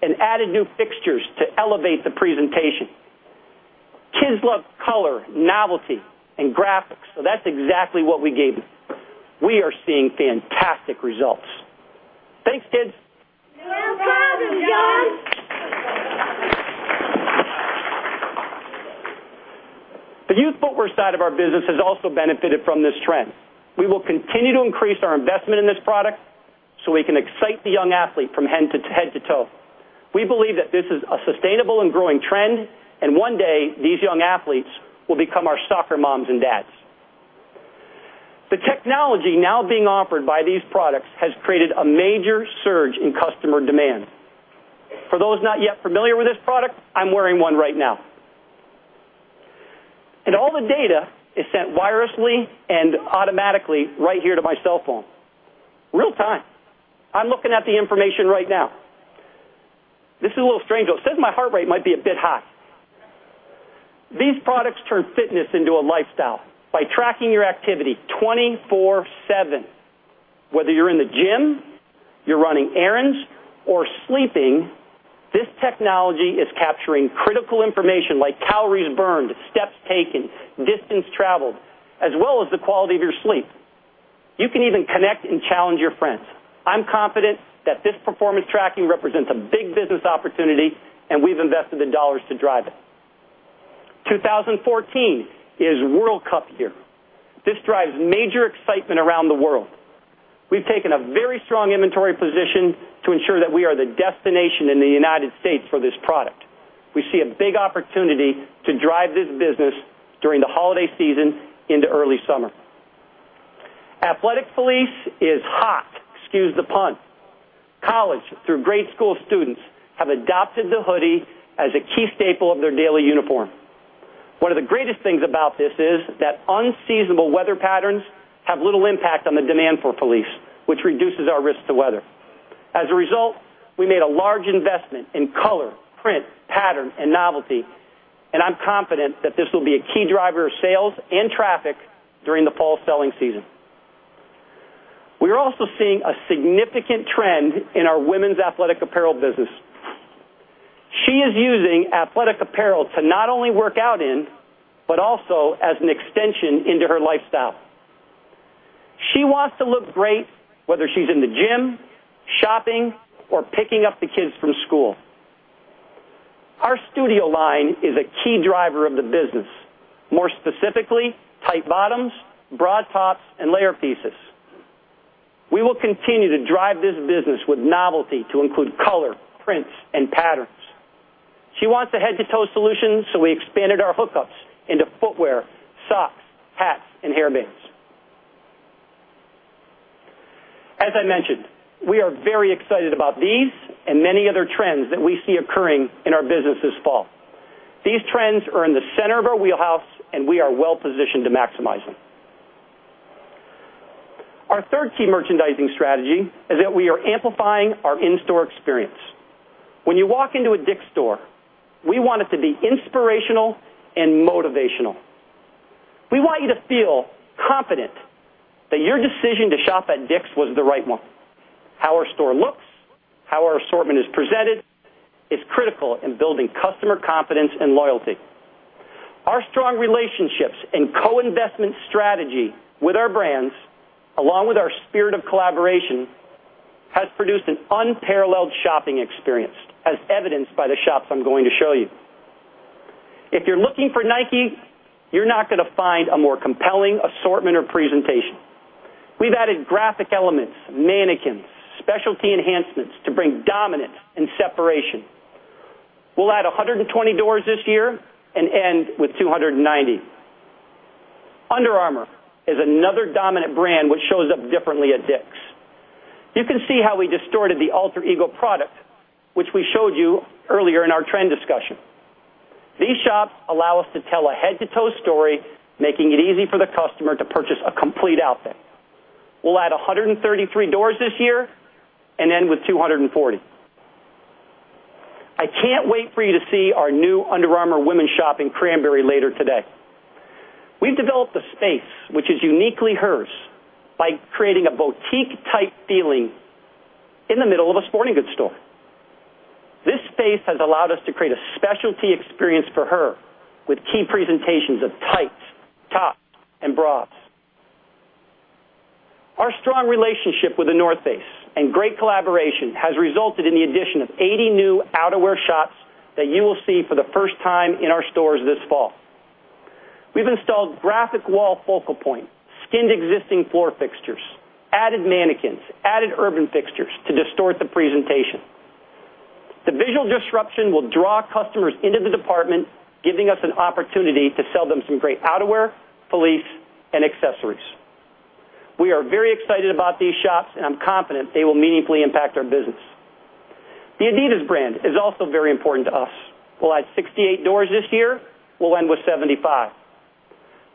and added new fixtures to elevate the presentation. Kids love color, novelty, and graphics, that's exactly what we gave them. We are seeing fantastic results. Thanks, kids. No problem, John. The youth footwear side of our business has also benefited from this trend. We will continue to increase our investment in this product so we can excite the young athlete from head to toe. We believe that this is a sustainable and growing trend, and one day, these young athletes will become our soccer moms and dads. The technology now being offered by these products has created a major surge in customer demand. For those not yet familiar with this product, I'm wearing one right now. All the data is sent wirelessly and automatically right here to my cell phone real-time. I'm looking at the information right now. This is a little strange, though. It says my heart rate might be a bit high. These products turn fitness into a lifestyle by tracking your activity 24/7. Whether you're in the gym, you're running errands, or sleeping, this technology is capturing critical information like calories burned, steps taken, distance traveled, as well as the quality of your sleep. You can even connect and challenge your friends. I'm confident that this performance tracking represents a big business opportunity. We've invested the dollars to drive it. 2014 is World Cup year. This drives major excitement around the world. We've taken a very strong inventory position to ensure that we are the destination in the United States for this product. We see a big opportunity to drive this business during the holiday season into early summer. Athletic fleece is hot. Excuse the pun. College through grade school students have adopted the hoodie as a key staple of their daily uniform. One of the greatest things about this is that unseasonable weather patterns have little impact on the demand for fleece, which reduces our risk to weather. As a result, we made a large investment in color, print, pattern, and novelty, and I'm confident that this will be a key driver of sales and traffic during the fall selling season. We're also seeing a significant trend in our women's athletic apparel business. She is using athletic apparel to not only work out in, but also as an extension into her lifestyle. She wants to look great whether she's in the gym, shopping, or picking up the kids from school. Our studio line is a key driver of the business. More specifically, tight bottoms, bra tops, and layer pieces. We will continue to drive this business with novelty to include color, prints, and patterns. She wants a head-to-toe solution. We expanded our hookups into footwear, socks, hats, and hairbands. As I mentioned, we are very excited about these and many other trends that we see occurring in our business this fall. These trends are in the center of our wheelhouse, and we are well-positioned to maximize them. Our third key merchandising strategy is that we are amplifying our in-store experience. When you walk into a DICK'S store, we want it to be inspirational and motivational. We want you to feel confident that your decision to shop at DICK'S was the right one. How our store looks, how our assortment is presented, is critical in building customer confidence and loyalty. Our strong relationships and co-investment strategy with our brands, along with our spirit of collaboration, has produced an unparalleled shopping experience, as evidenced by the shops I'm going to show you. If you're looking for Nike, you're not going to find a more compelling assortment or presentation. We've added graphic elements, mannequins, specialty enhancements to bring dominance and separation. We'll add 120 doors this year and end with 290. Under Armour is another dominant brand which shows up differently at DICK'S. You can see how we distorted the Alter Ego product, which we showed you earlier in our trend discussion. These shops allow us to tell a head-to-toe story, making it easy for the customer to purchase a complete outfit. We'll add 133 doors this year and end with 240. I can't wait for you to see our new Under Armour women's shop in Cranberry later today. We've developed a space which is uniquely hers by creating a boutique-type feeling in the middle of a sporting goods store. This space has allowed us to create a specialty experience for her with key presentations of tights, tops, and bras. Our strong relationship with The North Face and great collaboration has resulted in the addition of 80 new outerwear shops that you will see for the first time in our stores this fall. We've installed graphic wall focal point, skinned existing floor fixtures, added mannequins, added urban fixtures to distort the presentation. The visual disruption will draw customers into the department, giving us an opportunity to sell them some great outerwear, fleece, and accessories. We are very excited about these shops, and I'm confident they will meaningfully impact our business. The Adidas brand is also very important to us. We'll add 68 doors this year. We'll end with 75.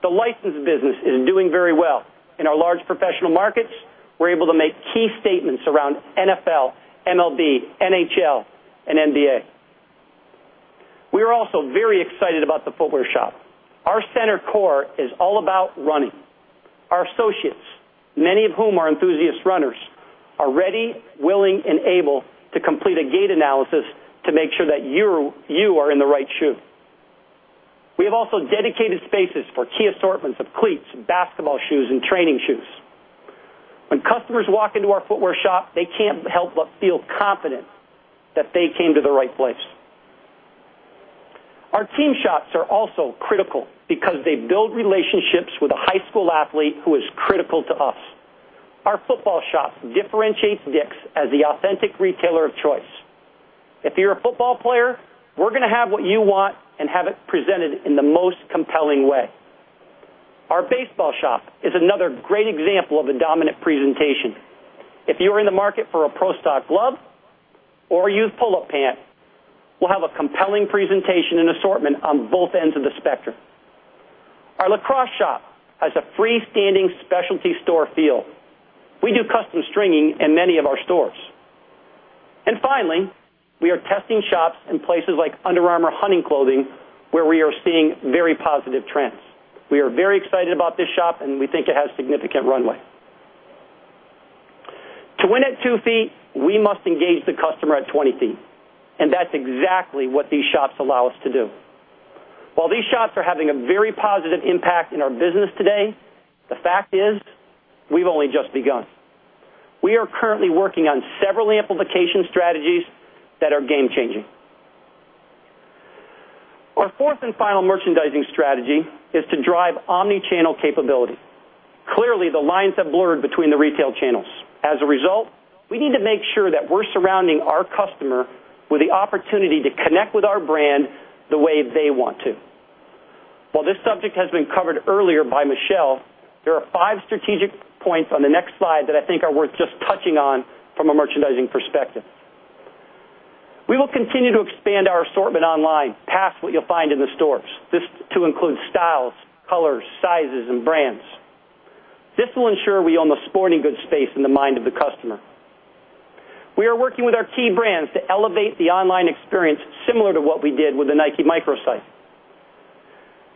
The licensed business is doing very well. In our large professional markets, we're able to make key statements around NFL, MLB, NHL, and NBA. We're also very excited about the footwear shop. Our center core is all about running. Our associates, many of whom are enthusiast runners, are ready, willing, and able to complete a gait analysis to make sure that you are in the right shoe. We have also dedicated spaces for key assortments of cleats and basketball shoes and training shoes. When customers walk into our footwear shop, they can't help but feel confident that they came to the right place. Our team shops are also critical because they build relationships with a high school athlete who is critical to us. Our football shop differentiates DICK'S as the authentic retailer of choice. If you're a football player, we're going to have what you want and have it presented in the most compelling way. Our baseball shop is another great example of a dominant presentation. If you're in the market for a Pro Stock glove or a youth pull-up pant, we'll have a compelling presentation and assortment on both ends of the spectrum. Our lacrosse shop has a freestanding specialty store feel. We do custom stringing in many of our stores. Finally, we are testing shops in places like Under Armour Hunting Clothing, where we are seeing very positive trends. We are very excited about this shop and we think it has significant runway. To win at two feet, we must engage the customer at 20 feet, and that's exactly what these shops allow us to do. While these shops are having a very positive impact in our business today, the fact is, we've only just begun. We are currently working on several amplification strategies that are game-changing. Our fourth and final merchandising strategy is to drive omnichannel capability. Clearly, the lines have blurred between the retail channels. As a result, we need to make sure that we're surrounding our customer with the opportunity to connect with our brand the way they want to. While this subject has been covered earlier by Michelle Willoughby, there are 5 strategic points on the next slide that I think are worth just touching on from a merchandising perspective. We will continue to expand our assortment online, past what you'll find in the stores. This will include styles, colors, sizes, and brands. This will ensure we own the sporting goods space in the mind of the customer. We are working with our key brands to elevate the online experience similar to what we did with the Nike microsite.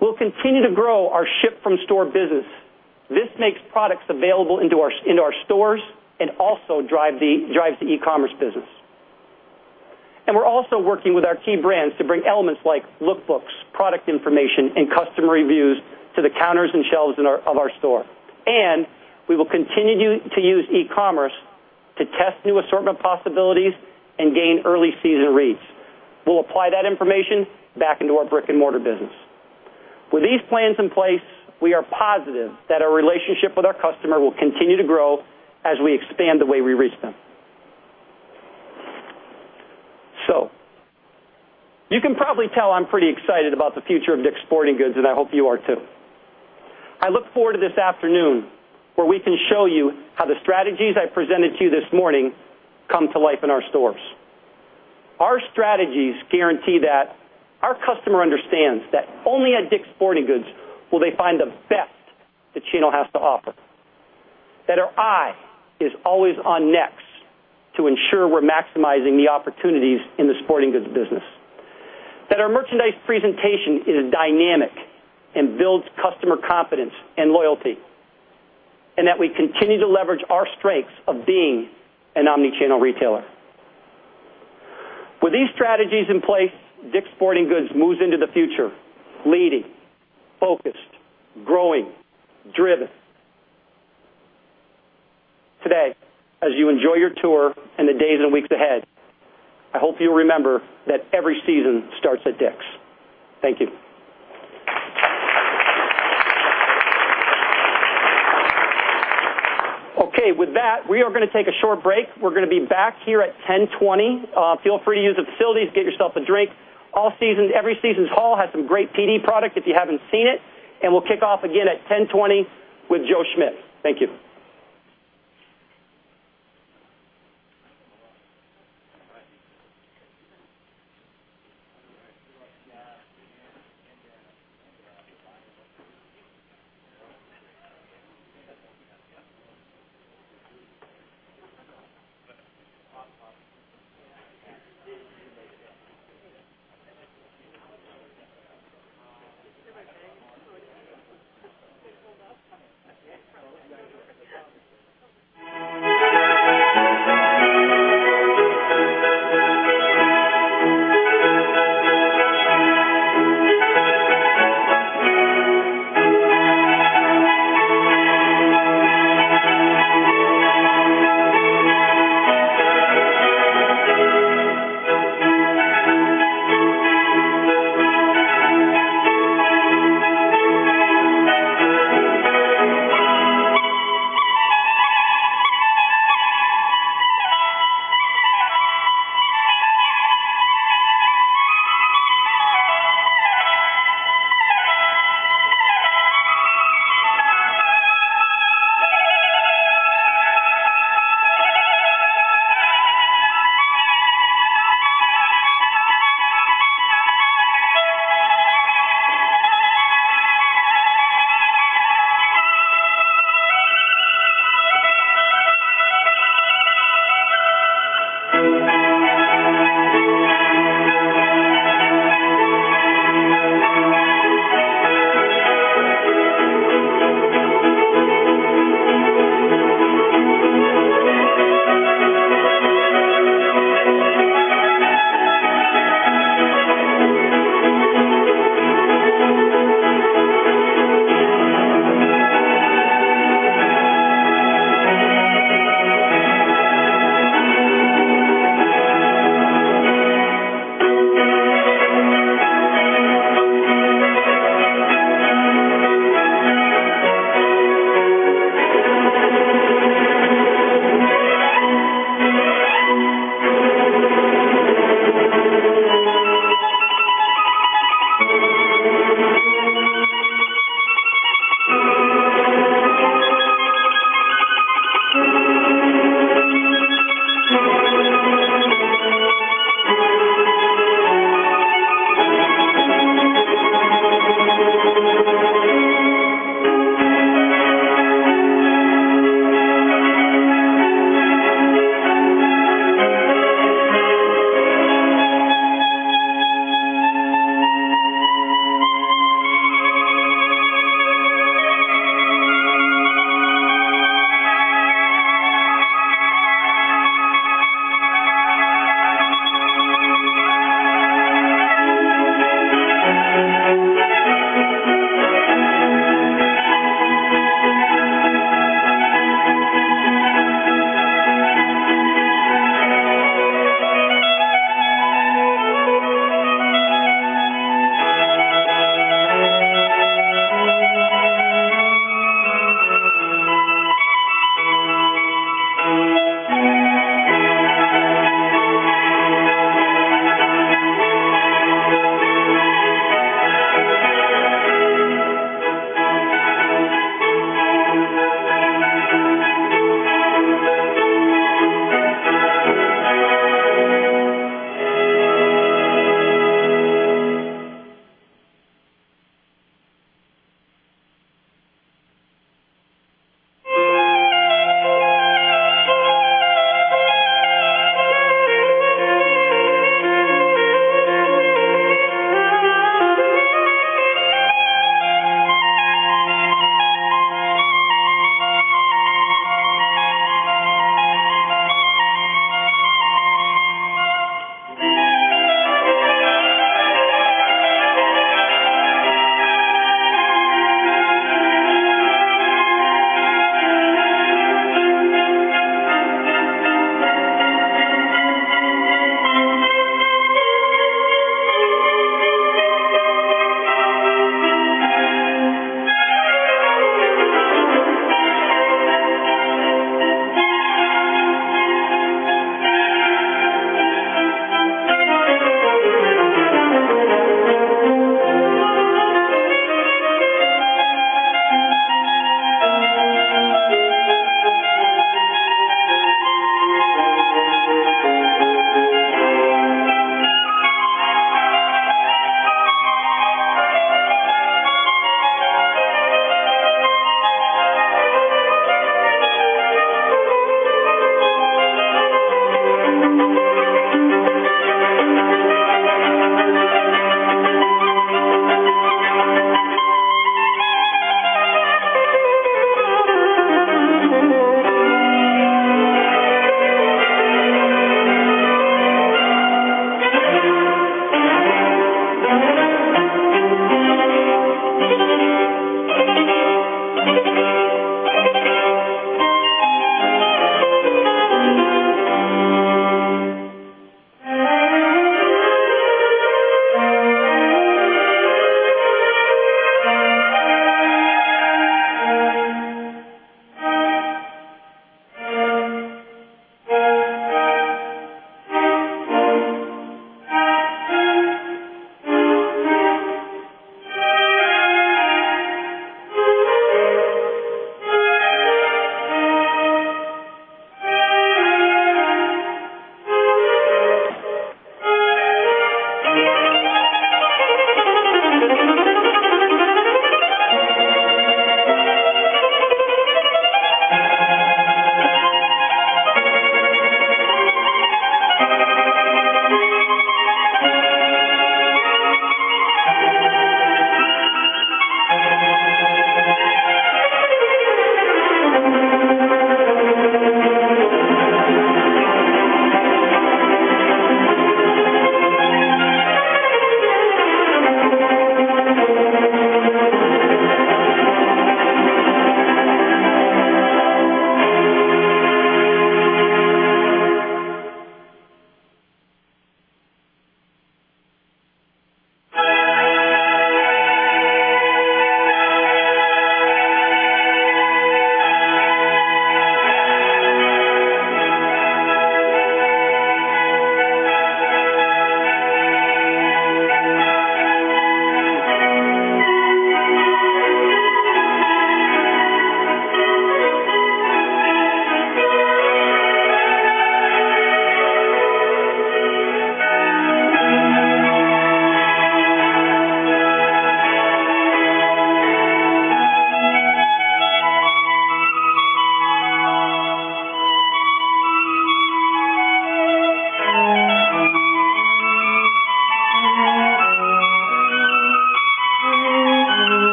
We'll continue to grow our Ship From Store business. This makes products available into our stores and also drives the e-commerce business. We're also working with our key brands to bring elements like look books, product information, and customer reviews to the counters and shelves of our store. We will continue to use e-commerce to test new assortment possibilities and gain early season reads. We'll apply that information back into our brick-and-mortar business. With these plans in place, we are positive that our relationship with our customer will continue to grow as we expand the way we reach them. You can probably tell I'm pretty excited about the future of DICK'S Sporting Goods, and I hope you are, too. I look forward to this afternoon, where we can show you how the strategies I presented to you this morning come to life in our stores. Our strategies guarantee that our customer understands that only at DICK'S Sporting Goods will they find the best that channel has to offer, that our eye is always on next to ensure we're maximizing the opportunities in the sporting goods business, that our merchandise presentation is dynamic and builds customer confidence and loyalty, and that we continue to leverage our strengths of being an omnichannel retailer. With these strategies in place, DICK'S Sporting Goods moves into the future leading, focused, growing, driven. Today, as you enjoy your tour and the days and weeks ahead, I hope you'll remember that every season starts at DICK'S. Thank you. Okay. With that, we are going to take a short break. We're going to be back here at 10:20. Feel free to use the facilities, get yourself a drink. Every Season's Hall has some great [PD product] if you haven't seen it. We'll kick off again at 10:20 with Joe Schmidt. Thank you.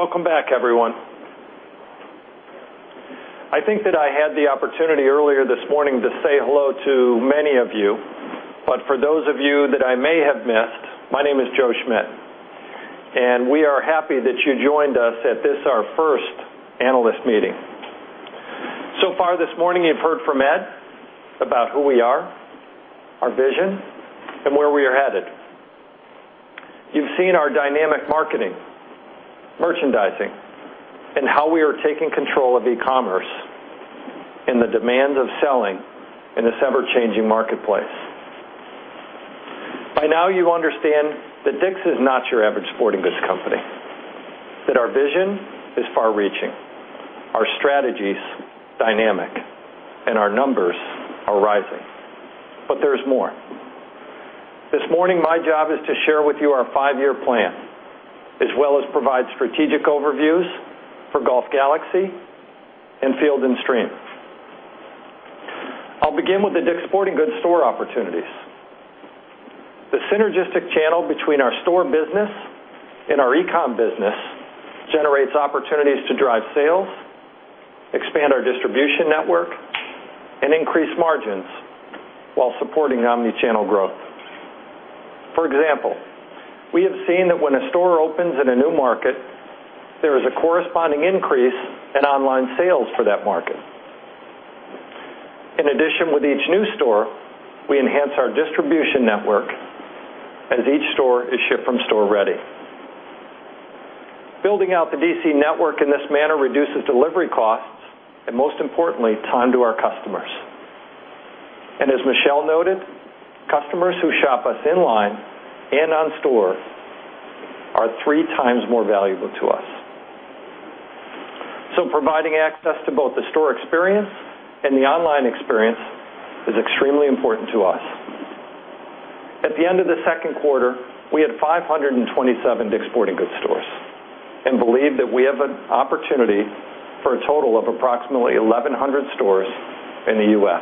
Welcome back, everyone. I think that I had the opportunity earlier this morning to say hello to many of you, but for those of you that I may have missed, my name is Joe Schmidt, and we are happy that you joined us at this, our first analyst meeting. So far this morning, you've heard from Ed about who we are, our vision, and where we are headed. You've seen our dynamic marketing, merchandising, and how we are taking control of e-commerce and the demands of selling in this ever-changing marketplace. By now you understand that DICK'S is not your average sporting goods company, that our vision is far-reaching, our strategies dynamic, and our numbers are rising. There's more. This morning, my job is to share with you our five-year plan, as well as provide strategic overviews for Golf Galaxy and Field & Stream. I'll begin with the DICK'S Sporting Goods store opportunities. The synergistic channel between our store business and our e-com business generates opportunities to drive sales, expand our distribution network, and increase margins while supporting omnichannel growth. For example, we have seen that when a store opens in a new market, there is a corresponding increase in online sales for that market. In addition, with each new store, we enhance our distribution network as each store is shipped from store-ready. Building out the DC network in this manner reduces delivery costs and most importantly, time to our customers. As Michelle noted, customers who shop us online and on store are three times more valuable to us. Providing access to both the store experience and the online experience is extremely important to us. At the end of the second quarter, we had 527 DICK'S Sporting Goods stores and believe that we have an opportunity for a total of approximately 1,100 stores in the U.S.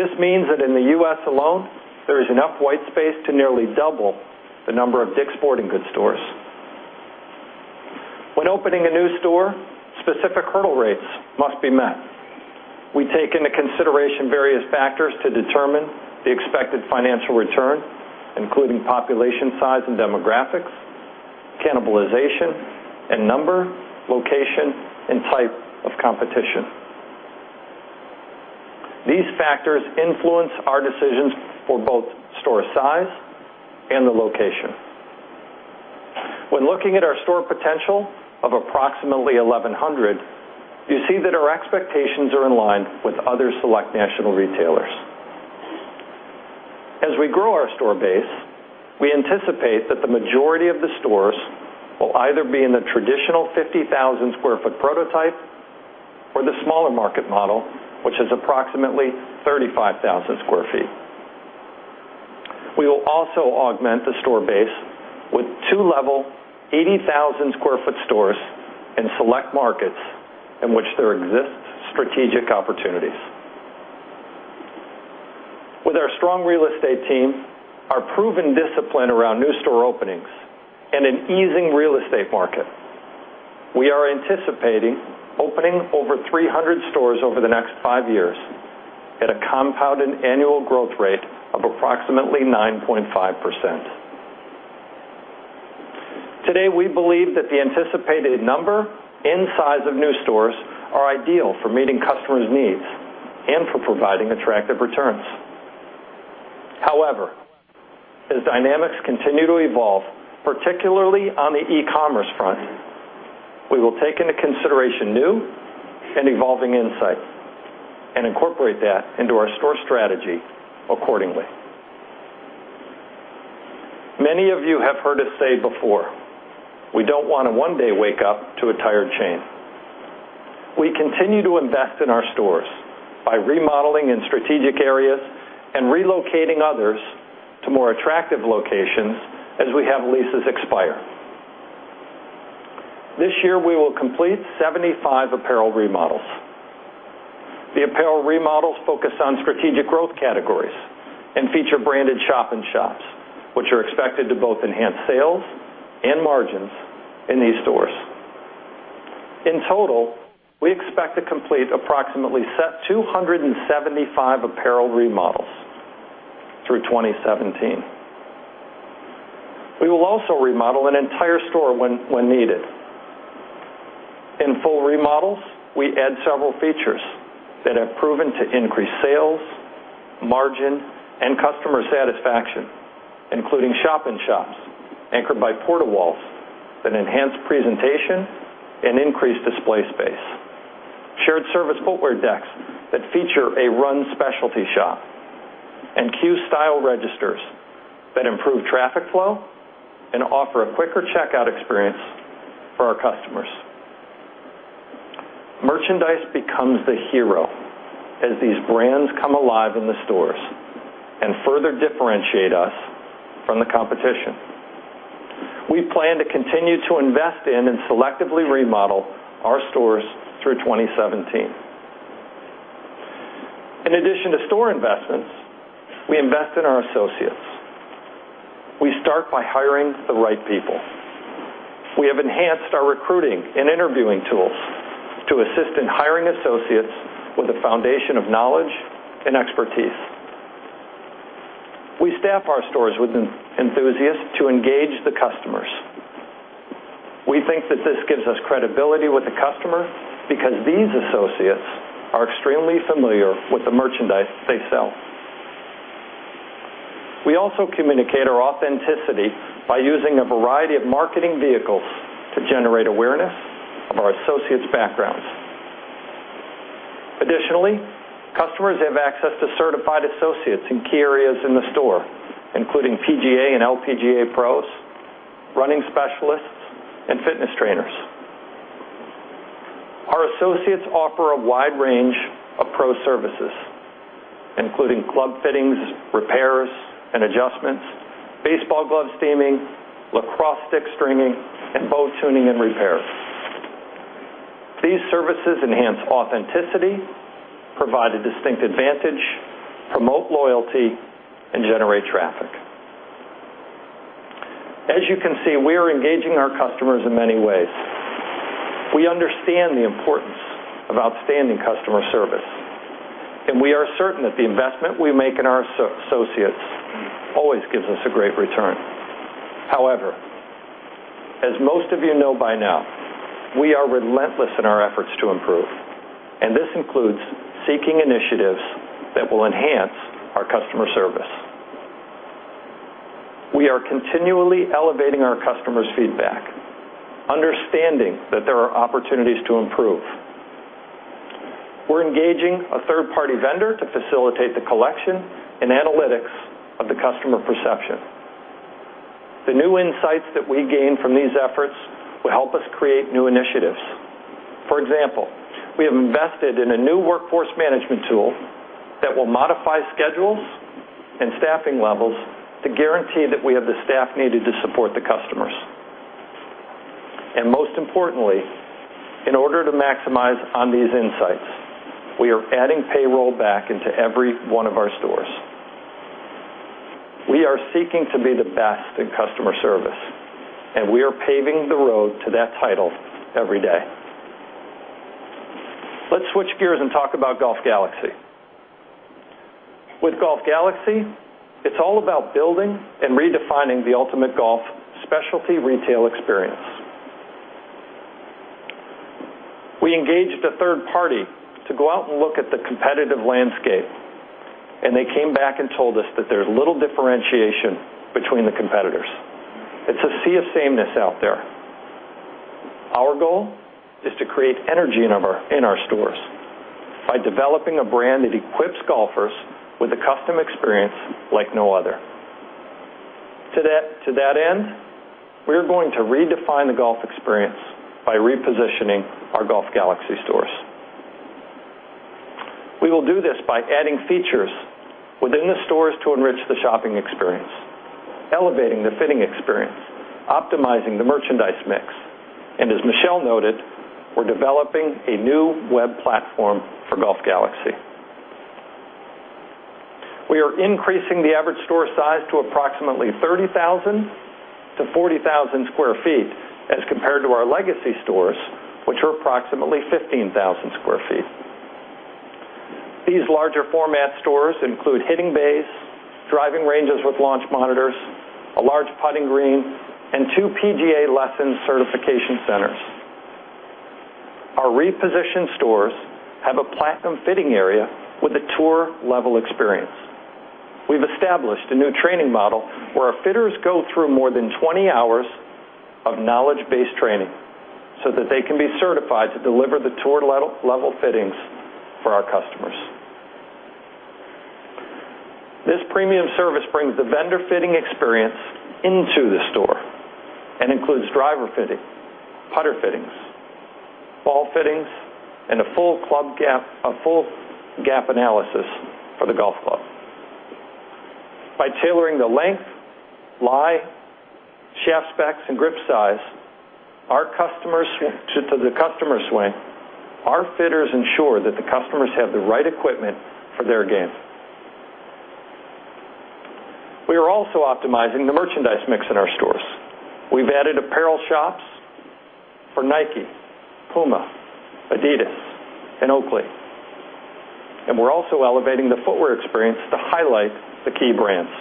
This means that in the U.S. alone, there is enough white space to nearly double the number of DICK'S Sporting Goods stores. When opening a new store, specific hurdle rates must be met. We take into consideration various factors to determine the expected financial return, including population size and demographics, cannibalization, and number, location, and type of competition. These factors influence our decisions for both store size and the location. When looking at our store potential of approximately 1,100, you see that our expectations are in line with other select national retailers. As we grow our store base, we anticipate that the majority of the stores will either be in the traditional 50,000 sq ft prototype or the smaller market model, which is approximately 35,000 sq ft. We will also augment the store base with two level 80,000 sq ft stores in select markets in which there exists strategic opportunities. With our strong real estate team, our proven discipline around new store openings, and an easing real estate market, we are anticipating opening over 300 stores over the next five years at a compounded annual growth rate of approximately 9.5%. Today, we believe that the anticipated number and size of new stores are ideal for meeting customers' needs and for providing attractive returns. However, as dynamics continue to evolve, particularly on the e-commerce front, we will take into consideration new and evolving insights and incorporate that into our store strategy accordingly. Many of you have heard us say before, we don't want to one day wake up to a tired chain. We continue to invest in our stores by remodeling in strategic areas and relocating others to more attractive locations as we have leases expire. This year, we will complete 75 apparel remodels. The apparel remodels focus on strategic growth categories and feature branded shop in shops, which are expected to both enhance sales and margins in these stores. In total, we expect to complete approximately 275 apparel remodels through 2017. We will also remodel an entire store when needed. In full remodels, we add several features that have proven to increase sales, margin, and customer satisfaction, including shop in shops anchored by portal walls that enhance presentation and increase display space, shared service footwear decks that feature a run specialty shop, and queue style registers that improve traffic flow and offer a quicker checkout experience for our customers. Merchandise becomes the hero as these brands come alive in the stores and further differentiate us from the competition. We plan to continue to invest in and selectively remodel our stores through 2017. In addition to store investments, we invest in our associates. We start by hiring the right people. We have enhanced our recruiting and interviewing tools to assist in hiring associates with a foundation of knowledge and expertise. We staff our stores with enthusiasts to engage the customers. We think that this gives us credibility with the customer because these associates are extremely familiar with the merchandise they sell. We also communicate our authenticity by using a variety of marketing vehicles to generate awareness of our associates' backgrounds. Additionally, customers have access to certified associates in key areas in the store, including PGA and LPGA pros, running specialists, and fitness trainers. Our associates offer a wide range of pro services, including club fittings, repairs, and adjustments, baseball glove steaming, lacrosse stick stringing, and bow tuning and repair. These services enhance authenticity, provide a distinct advantage, promote loyalty, and generate traffic. As you can see, we are engaging our customers in many ways. We understand the importance of outstanding customer service, and we are certain that the investment we make in our associates always gives us a great return. As most of you know by now, we are relentless in our efforts to improve, and this includes seeking initiatives that will enhance our customer service. We are continually elevating our customers' feedback, understanding that there are opportunities to improve. We're engaging a third-party vendor to facilitate the collection and analytics of the customer perception. The new insights that we gain from these efforts will help us create new initiatives. For example, we have invested in a new workforce management tool that will modify schedules and staffing levels to guarantee that we have the staff needed to support the customers. Most importantly, in order to maximize on these insights, we are adding payroll back into every one of our stores. We are seeking to be the best in customer service, and we are paving the road to that title every day. Let's switch gears and talk about Golf Galaxy. With Golf Galaxy, it's all about building and redefining the ultimate golf specialty retail experience. We engaged a third party to go out and look at the competitive landscape, and they came back and told us that there's little differentiation between the competitors. It's a sea of sameness out there. Our goal is to create energy in our stores by developing a brand that equips golfers with a custom experience like no other. To that end, we are going to redefine the golf experience by repositioning our Golf Galaxy stores. We will do this by adding features within the stores to enrich the shopping experience, elevating the fitting experience, optimizing the merchandise mix, and as Michelle noted, we're developing a new web platform for Golf Galaxy. We are increasing the average store size to approximately 30,000-40,000 sq ft as compared to our legacy stores, which are approximately 15,000 sq ft. These larger format stores include hitting bays, driving ranges with launch monitors, a large putting green, and two PGA lesson certification centers. Our repositioned stores have a platinum fitting area with a tour-level experience. We've established a new training model where our fitters go through more than 20 hours of knowledge-based training so that they can be certified to deliver the tour-level fittings for our customers. This premium service brings the vendor fitting experience into the store and includes driver fitting, putter fittings, ball fittings, and a full gap analysis for the golf club. By tailoring the length, lie, shaft specs, and grip size to the customer's swing, our fitters ensure that the customers have the right equipment for their game. We are also optimizing the merchandise mix in our stores. We've added apparel shops for Nike, Puma, Adidas, and Oakley, and we're also elevating the footwear experience to highlight the key brands.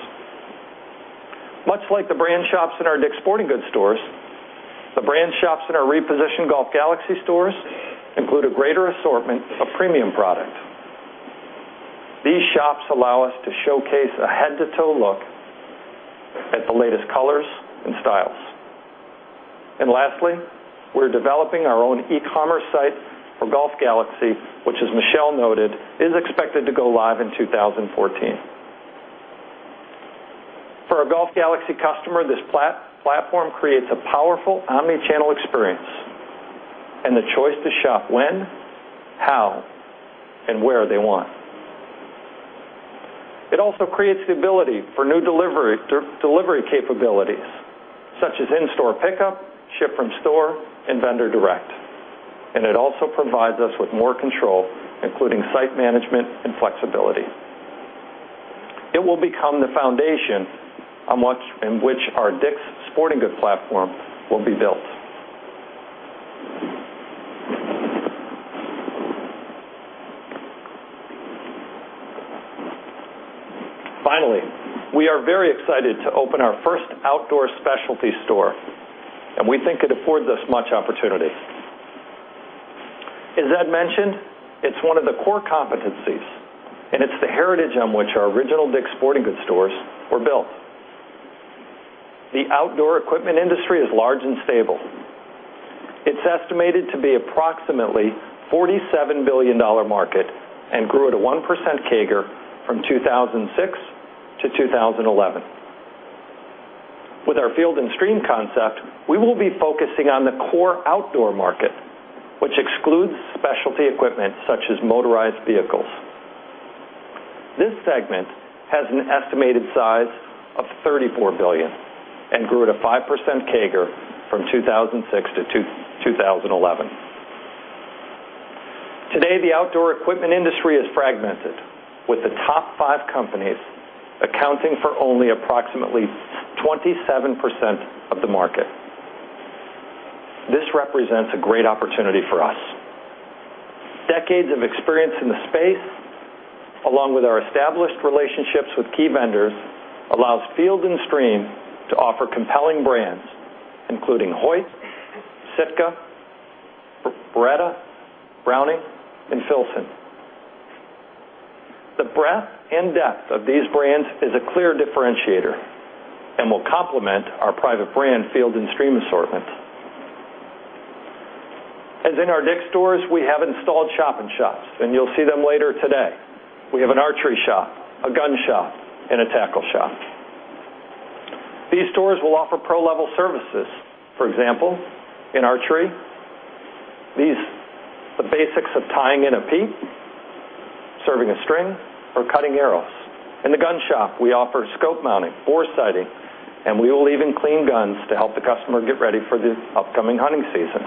Much like the brand shops in our DICK'S Sporting Goods stores, the brand shops in our repositioned Golf Galaxy stores include a greater assortment of premium product. These shops allow us to showcase a head-to-toe look at the latest colors and styles. Lastly, we're developing our own e-commerce site for Golf Galaxy, which, as Michelle noted, is expected to go live in 2014. For our Golf Galaxy customer, this platform creates a powerful omnichannel experience and the choice to shop when, how, and where they want. It also creates the ability for new delivery capabilities, such as in-store pickup, Ship From Store, and vendor direct. It also provides us with more control, including site management and flexibility. It will become the foundation in which our DICK'S Sporting Goods platform will be built. Finally, we are very excited to open our first outdoor specialty store. We think it affords us much opportunity. As Ed mentioned, it's one of the core competencies, and it's the heritage on which our original DICK'S Sporting Goods stores were built. The outdoor equipment industry is large and stable. It's estimated to be approximately $47 billion market and grew at a 1% CAGR from 2006 to 2011. With our Field & Stream concept, we will be focusing on the core outdoor market, which excludes specialty equipment such as motorized vehicles. This segment has an estimated size of $34 billion and grew at a 5% CAGR from 2006 to 2011. Today, the outdoor equipment industry is fragmented, with the top five companies accounting for only approximately 27% of the market. This represents a great opportunity for us. Decades of experience in the space, along with our established relationships with key vendors, allows Field & Stream to offer compelling brands, including Hoyt, Sitka, Beretta, Browning, and Filson. The breadth and depth of these brands is a clear differentiator and will complement our private brand Field & Stream assortment. As in our DICK'S stores, we have installed shop-in-shops. You'll see them later today. We have an archery shop, a gun shop, and a tackle shop. These stores will offer pro-level services. For example, in archery, the basics of tying in a peep, serving a string, or cutting arrows. In the gun shop, we offer scope mounting, boresighting. We will even clean guns to help the customer get ready for the upcoming hunting season.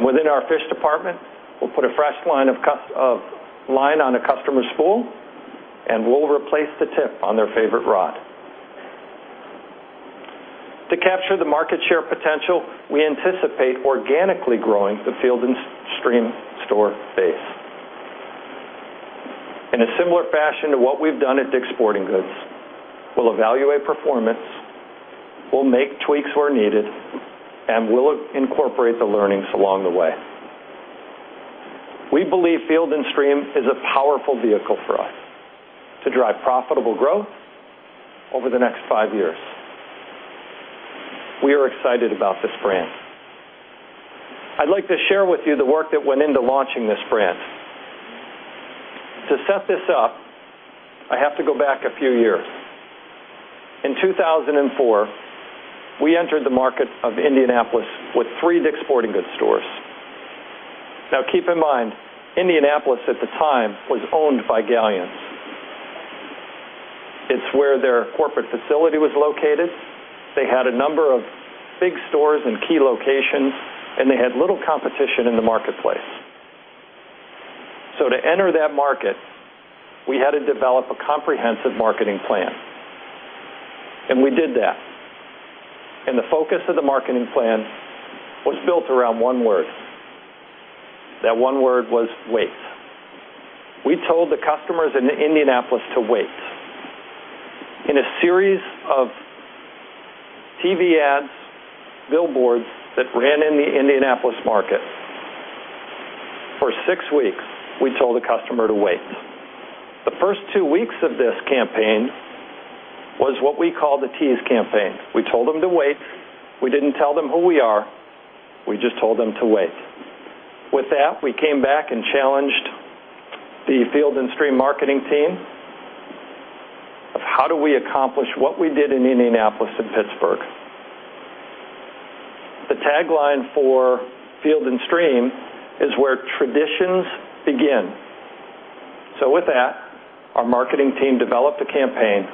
Within our fish department, we'll put a fresh line on a customer's spool. We'll replace the tip on their favorite rod. To capture the market share potential, we anticipate organically growing the Field & Stream store base. In a similar fashion to what we've done at DICK'S Sporting Goods, we'll evaluate performance, we'll make tweaks where needed. We'll incorporate the learnings along the way. We believe Field & Stream is a powerful vehicle for us to drive profitable growth over the next five years. We are excited about this brand. I'd like to share with you the work that went into launching this brand. To set this up, I have to go back a few years. In 2004, we entered the market of Indianapolis with three DICK'S Sporting Goods stores. Keep in mind, Indianapolis at the time was owned by Galyan's. It's where their corporate facility was located. They had a number of big stores and key locations, and they had little competition in the marketplace. To enter that market, we had to develop a comprehensive marketing plan, and we did that. The focus of the marketing plan was built around one word. That one word was wait. We told the customers in Indianapolis to wait. In a series of TV ads, billboards that ran in the Indianapolis market for six weeks, we told the customer to wait. The first two weeks of this campaign was what we call the tease campaign. We told them to wait. We didn't tell them who we are. We just told them to wait. With that, we came back and challenged the Field & Stream marketing team of how do we accomplish what we did in Indianapolis and Pittsburgh. The tagline for Field & Stream is, "Where traditions begin." With that, our marketing team developed a campaign,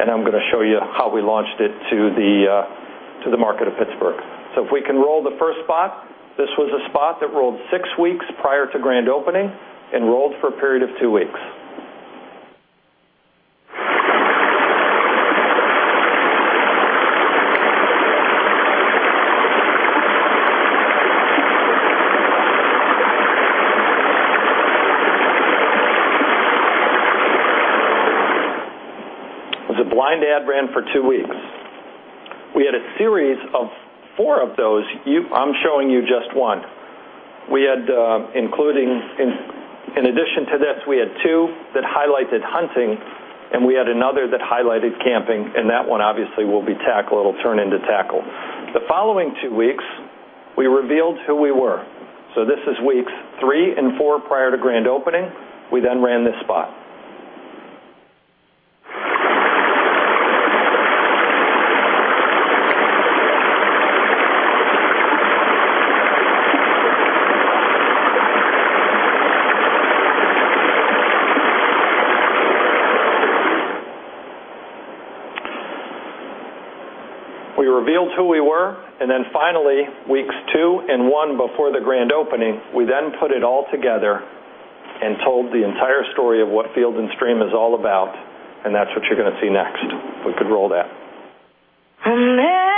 and I'm going to show you how we launched it to the market of Pittsburgh. If we can roll the first spot. This was a spot that rolled six weeks prior to grand opening and rolled for a period of two weeks. It was a blind ad brand for two weeks. We had a series of four of those. I'm showing you just one. In addition to this, we had two that highlighted hunting, and we had another that highlighted camping, and that one obviously will be tackle. It'll turn into tackle. The following two weeks, we revealed who we were. This is weeks three and four prior to grand opening. We then ran this spot. We revealed who we were, and then finally, weeks two and one before the grand opening, we then put it all together and told the entire story of what Field & Stream is all about, and that's what you're going to see next. We could roll that. America.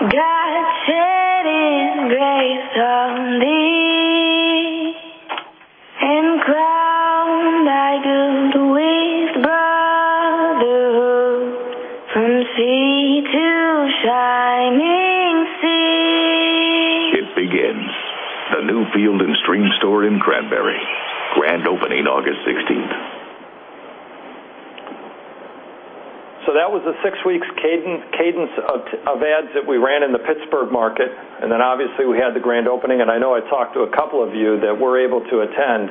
God shedding grace on thee. Crowned thy good with brotherhood. From sea to shining sea. It begins. The new Field & Stream store in Cranberry. Grand opening August 16th. That was the six weeks cadence of ads that we ran in the Pittsburgh market, and then obviously we had the grand opening, and I know I talked to a couple of you that were able to attend.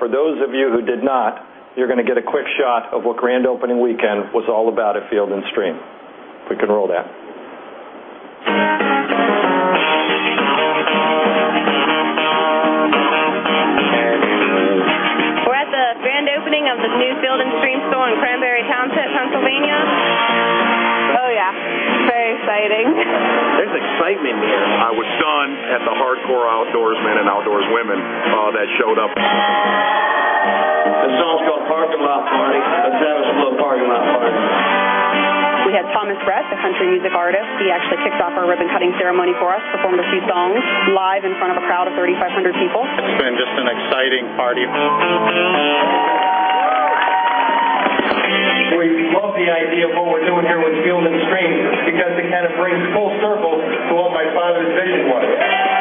For those of you who did not, you're going to get a quick shot of what grand opening weekend was all about at Field & Stream. We can roll that. We're at the grand opening of the new Field & Stream store in Cranberry Township, Pennsylvania. Oh, yeah. Very exciting. There's excitement in the air. I was stunned at the hardcore outdoorsmen and outdoorswomen that showed up. This song's called "Parking Lot Party." Let's have us a little parking lot party. We had Thomas Rhett, the country music artist. He actually kicked off our ribbon-cutting ceremony for us, performed a few songs live in front of a crowd of 3,500 people. It's been just an exciting party. We love the idea of what we're doing here with Field & Stream because it kind of brings full circle to what my father's vision was.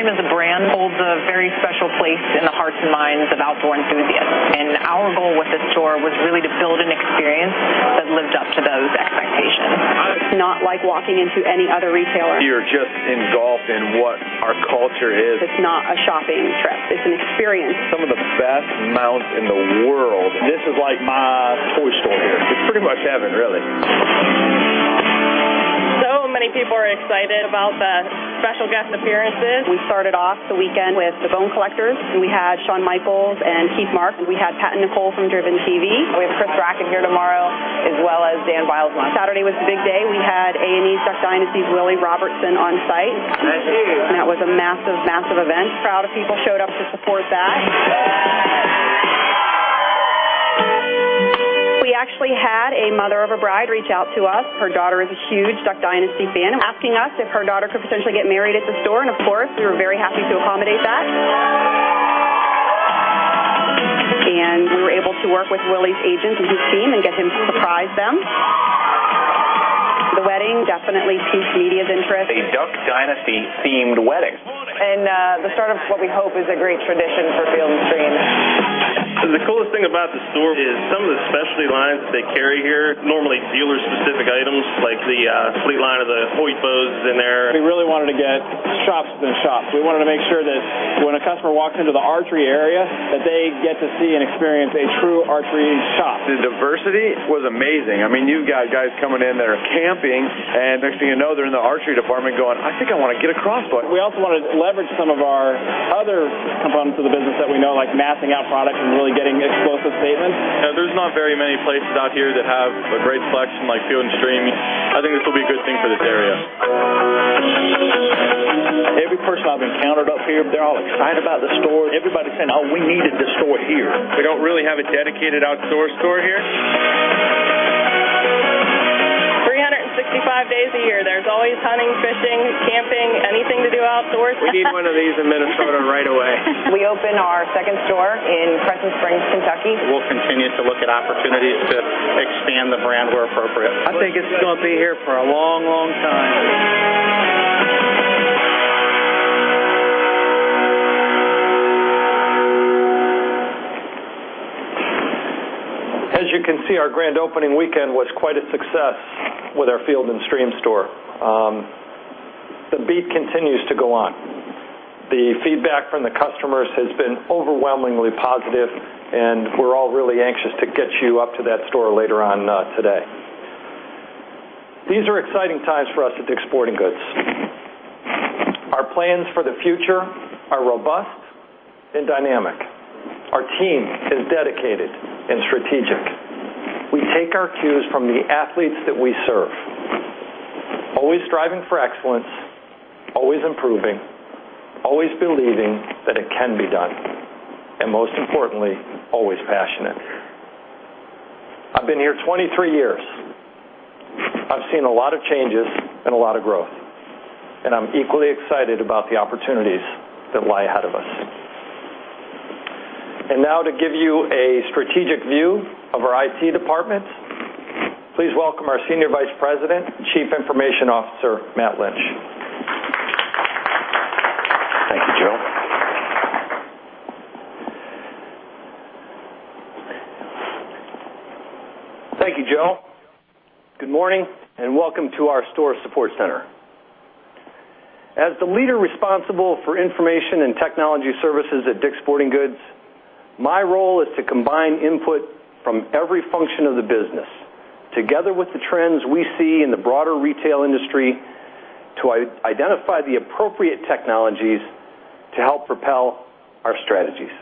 Field & Stream, as a brand, holds a very special place in the hearts and minds of outdoor enthusiasts, and our goal with the store was really to build an experience that lived up to those expectations. It's not like walking into any other retailer. You're just engulfed in what our culture is. It's not a shopping trip. It's an experience. Some of the best mounts in the world. This is like my toy store here. It is pretty much heaven, really. Many people are excited about the special guest appearances. We started off the weekend with The Bone Collectors, and we had Shawn Michaels and Keith Mark. We had Pat and Nicole from Driven TV. We have Chris Brackett here tomorrow, as well as Dan Wiles. Saturday was the big day. We had A&E's "Duck Dynasty's" Willie Robertson on site. That was a massive event. A crowd of people showed up to support that. We actually had a mother of a bride reach out to us, her daughter is a huge "Duck Dynasty" fan, asking us if her daughter could potentially get married at the store, and of course, we were very happy to accommodate that. We were able to work with Willie's agents and his team and get him to surprise them. The wedding definitely piqued media's interest. A "Duck Dynasty" themed wedding. The start of what we hope is a great tradition for Field & Stream. The coolest thing about the store is some of the specialty lines that they carry here, normally dealer-specific items, like the Fleet line of the Hoyt bows is in there. We really wanted to get shops in a shop. We wanted to make sure that when a customer walks into the archery area, that they get to see and experience a true archery shop. The diversity was amazing. You've got guys coming in that are camping, and next thing you know, they're in the archery department going, "I think I want to get a crossbow. We also wanted to leverage some of our other components of the business that we know, like mapping out products and really getting explosive statements. There's not very many places out here that have a great selection like Field & Stream. I think this will be a good thing for this area. Every person I've encountered up here, they're all excited about the store. Everybody's saying, "Oh, we needed this store here. We don't really have a dedicated outdoor store here. 365 days a year, there's always hunting, fishing, camping, anything to do outdoors. We need one of these in Minnesota right away. We opened our second store in Crescent Springs, Kentucky. We'll continue to look at opportunities to expand the brand where appropriate. I think it's going to be here for a long, long time. As you can see, our grand opening weekend was quite a success with our Field & Stream store. The beat continues to go on. The feedback from the customers has been overwhelmingly positive, and we're all really anxious to get you up to that store later on today. These are exciting times for us at DICK'S Sporting Goods. Our plans for the future are robust and dynamic. Our team is dedicated and strategic. We take our cues from the athletes that we serve, always striving for excellence, always improving, always believing that it can be done, and most importantly, always passionate. I've been here 23 years. I've seen a lot of changes and a lot of growth, and I'm equally excited about the opportunities that lie ahead of us. Now to give you a strategic view of our IT department, please welcome our Senior Vice President and Chief Information Officer, Matt Lynch. Thank you, Joe. Good morning and welcome to our store support center. As the leader responsible for information and technology services at DICK'S Sporting Goods, my role is to combine input from every function of the business, together with the trends we see in the broader retail industry, to identify the appropriate technologies to help propel our strategies.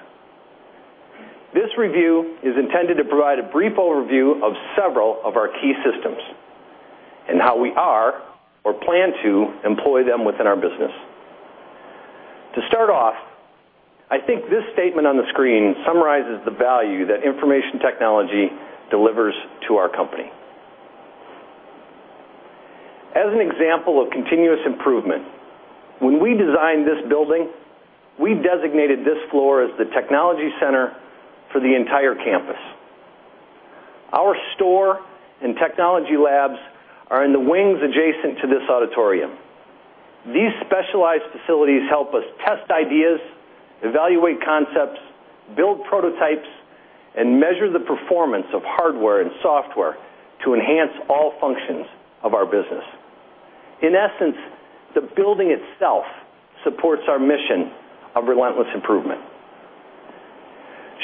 This review is intended to provide a brief overview of several of our key systems and how we are or plan to employ them within our business. To start off, I think this statement on the screen summarizes the value that information technology delivers to our company. As an example of continuous improvement, when we designed this building, we designated this floor as the technology center for the entire campus. Our store and technology labs are in the wings adjacent to this auditorium. These specialized facilities help us test ideas, evaluate concepts, build prototypes, and measure the performance of hardware and software to enhance all functions of our business. In essence, the building itself supports our mission of relentless improvement.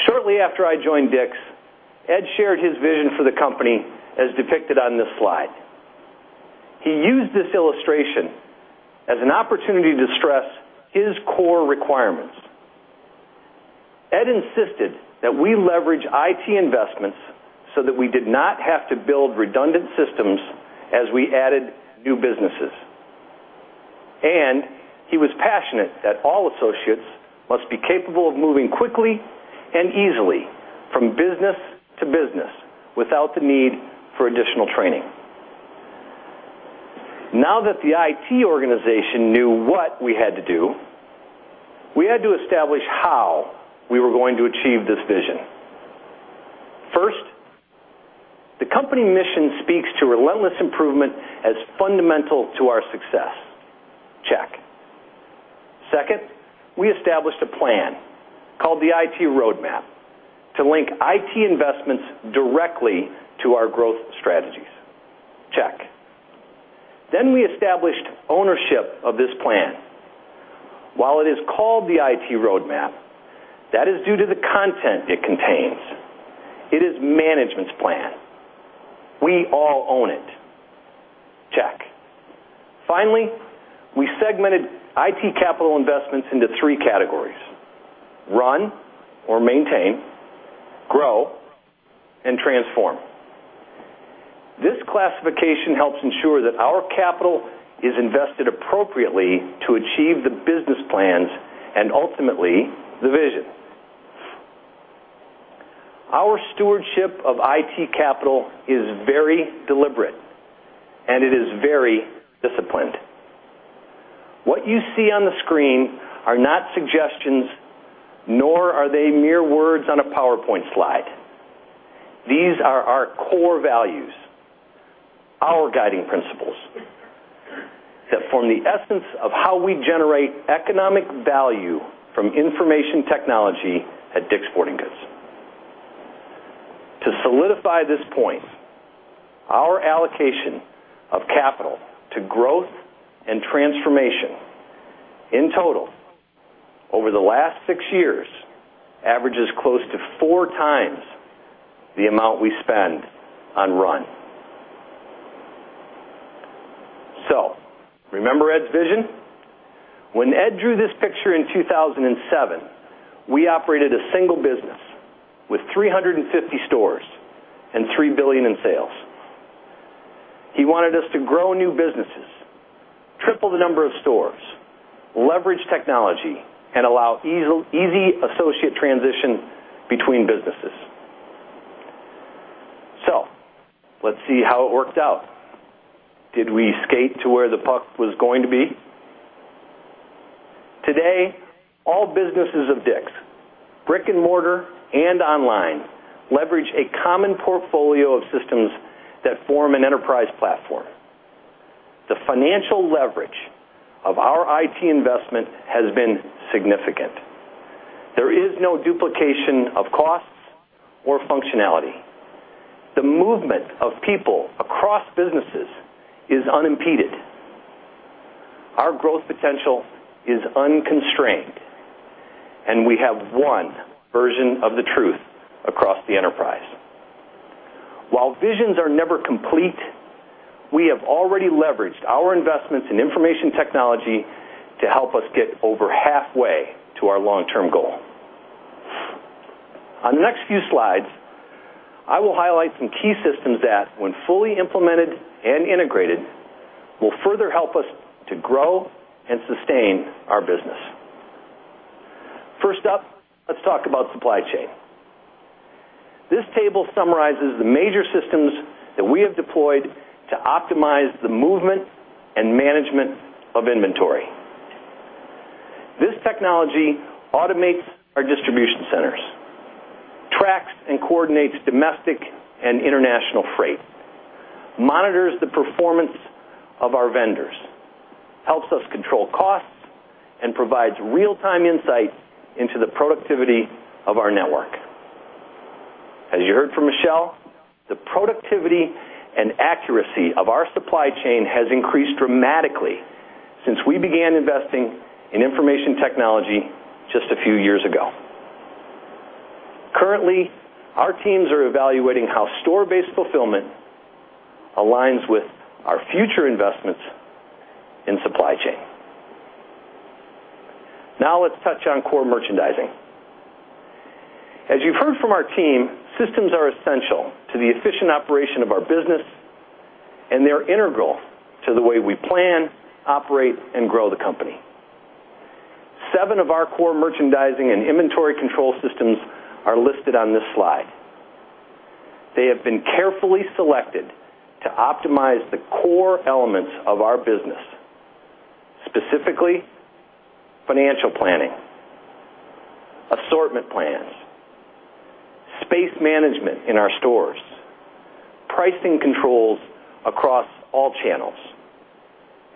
Shortly after I joined DICK'S, Ed shared his vision for the company as depicted on this slide. He used this illustration as an opportunity to stress his core requirements. Ed insisted that we leverage IT investments so that we did not have to build redundant systems as we added new businesses. He was passionate that all associates must be capable of moving quickly and easily from business to business without the need for additional training. Now that the IT organization knew what we had to do, we had to establish how we were going to achieve this vision. First, the company mission speaks to relentless improvement as fundamental to our success. Check. Second, we established a plan called the IT Roadmap to link IT investments directly to our growth strategies. Check. We established ownership of this plan. While it is called the IT Roadmap, that is due to the content it contains. It is management's plan. We all own it. Check. Finally, we segmented IT capital investments into three categories: run or maintain, grow, and transform. This classification helps ensure that our capital is invested appropriately to achieve the business plans and ultimately, the vision. Our stewardship of IT capital is very deliberate, and it is very disciplined. What you see on the screen are not suggestions, nor are they mere words on a PowerPoint slide. These are our core values, our guiding principles, that form the essence of how we generate economic value from information technology at DICK'S Sporting Goods. To solidify this point, our allocation of capital to growth and transformation, in total, over the last six years, averages close to four times the amount we spend on run. Remember Ed's vision? When Ed drew this picture in 2007, we operated a single business with 350 stores and $3 billion in sales. He wanted us to grow new businesses, triple the number of stores, leverage technology, and allow easy associate transition between businesses. Let's see how it worked out. Did we skate to where the puck was going to be? Today, all businesses of DICK'S, brick and mortar and online, leverage a common portfolio of systems that form an enterprise platform. The financial leverage of our IT investment has been significant. There is no duplication of costs or functionality. The movement of people across businesses is unimpeded. Our growth potential is unconstrained. We have one version of the truth across the enterprise. While visions are never complete, we have already leveraged our investments in information technology to help us get over halfway to our long-term goal. On the next few slides, I will highlight some key systems that, when fully implemented and integrated, will further help us to grow and sustain our business. First up, let's talk about supply chain. This table summarizes the major systems that we have deployed to optimize the movement and management of inventory. This technology automates our distribution centers, tracks and coordinates domestic and international freight, monitors the performance of our vendors, helps us control costs, and provides real-time insight into the productivity of our network. As you heard from Michelle, the productivity and accuracy of our supply chain has increased dramatically since we began investing in information technology just a few years ago. Currently, our teams are evaluating how store-based fulfillment aligns with our future investments in supply chain. Let's touch on core merchandising. As you've heard from our team, systems are essential to the efficient operation of our business, and they're integral to the way we plan, operate, and grow the company. Seven of our core merchandising and inventory control systems are listed on this slide. They have been carefully selected to optimize the core elements of our business, specifically financial planning, assortment plans, space management in our stores, pricing controls across all channels,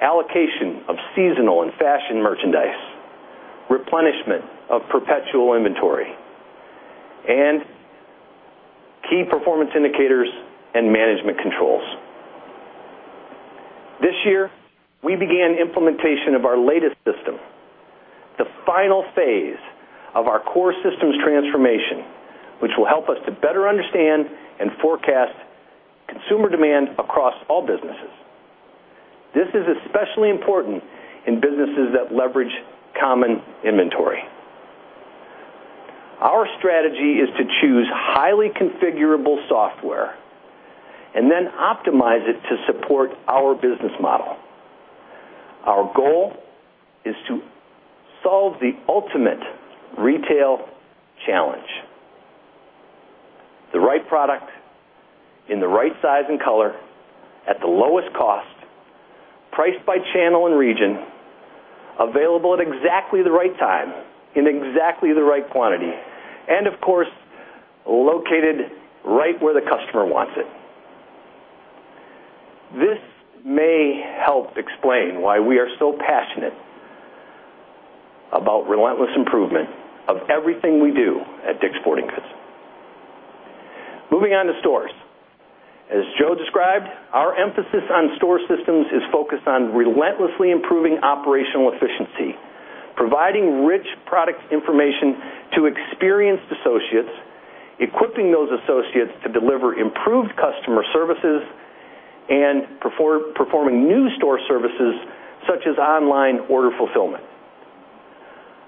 allocation of seasonal and fashion merchandise, replenishment of perpetual inventory, and key performance indicators and management controls. This year, we began implementation of our latest system, the final phase of our core systems transformation, which will help us to better understand and forecast consumer demand across all businesses. This is especially important in businesses that leverage common inventory. Our strategy is to choose highly configurable software and then optimize it to support our business model. Our goal is to solve the ultimate retail challenge: the right product in the right size and color, at the lowest cost, priced by channel and region, available at exactly the right time, in exactly the right quantity, and of course, located right where the customer wants it. This may help explain why we are so passionate about relentless improvement of everything we do at DICK'S Sporting Goods. Moving on to stores. As Joe described, our emphasis on store systems is focused on relentlessly improving operational efficiency, providing rich product information to experienced associates, equipping those associates to deliver improved customer services, and performing new store services, such as online order fulfillment.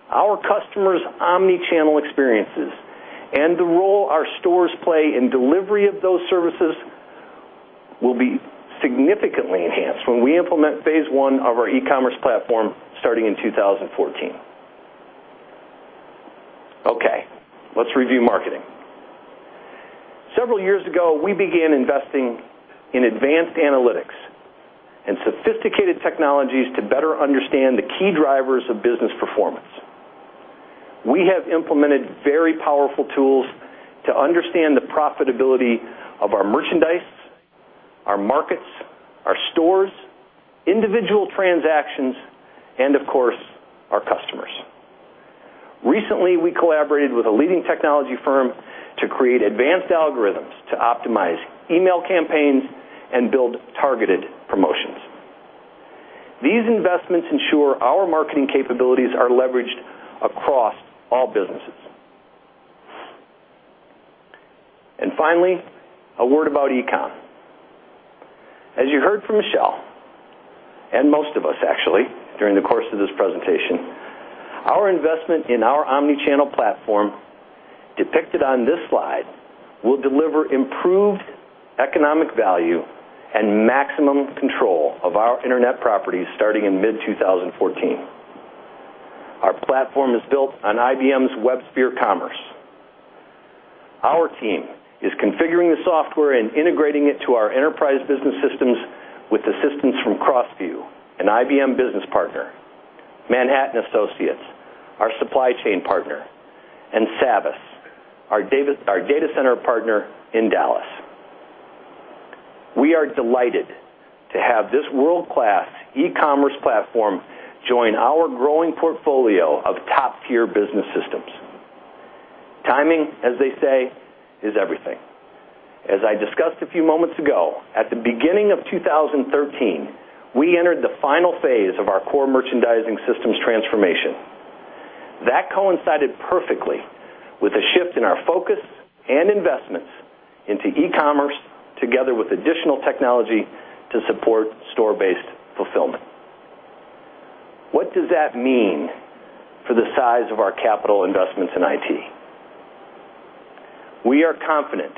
Our customers' omnichannel experiences and the role our stores play in delivery of those services will be significantly enhanced when we implement phase 1 of our e-commerce platform starting in 2014. Let's review marketing. Several years ago, we began investing in advanced analytics and sophisticated technologies to better understand the key drivers of business performance. We have implemented very powerful tools to understand the profitability of our merchandise, our markets, our stores, individual transactions, and of course, our customers. Recently, we collaborated with a leading technology firm to create advanced algorithms to optimize email campaigns and build targeted promotions. These investments ensure our marketing capabilities are leveraged across all businesses. Finally, a word about e-com. As you heard from Michelle, and most of us actually, during the course of this presentation, our investment in our omnichannel platform depicted on this slide will deliver improved economic value and maximum control of our internet properties starting in mid-2014. Our platform is built on IBM's WebSphere Commerce. Our team is configuring the software and integrating it to our enterprise business systems with assistance from CrossView and IBM Business Partner, Manhattan Associates, our supply chain partner, and Savvis, our data center partner in Dallas. We are delighted to have this world-class e-commerce platform join our growing portfolio of top-tier business systems. Timing, as they say, is everything. As I discussed a few moments ago, at the beginning of 2013, we entered the final phase of our core merchandising systems transformation. That coincided perfectly with a shift in our focus and investments into e-commerce together with additional technology to support store-based fulfillment. What does that mean for the size of our capital investments in IT? We are confident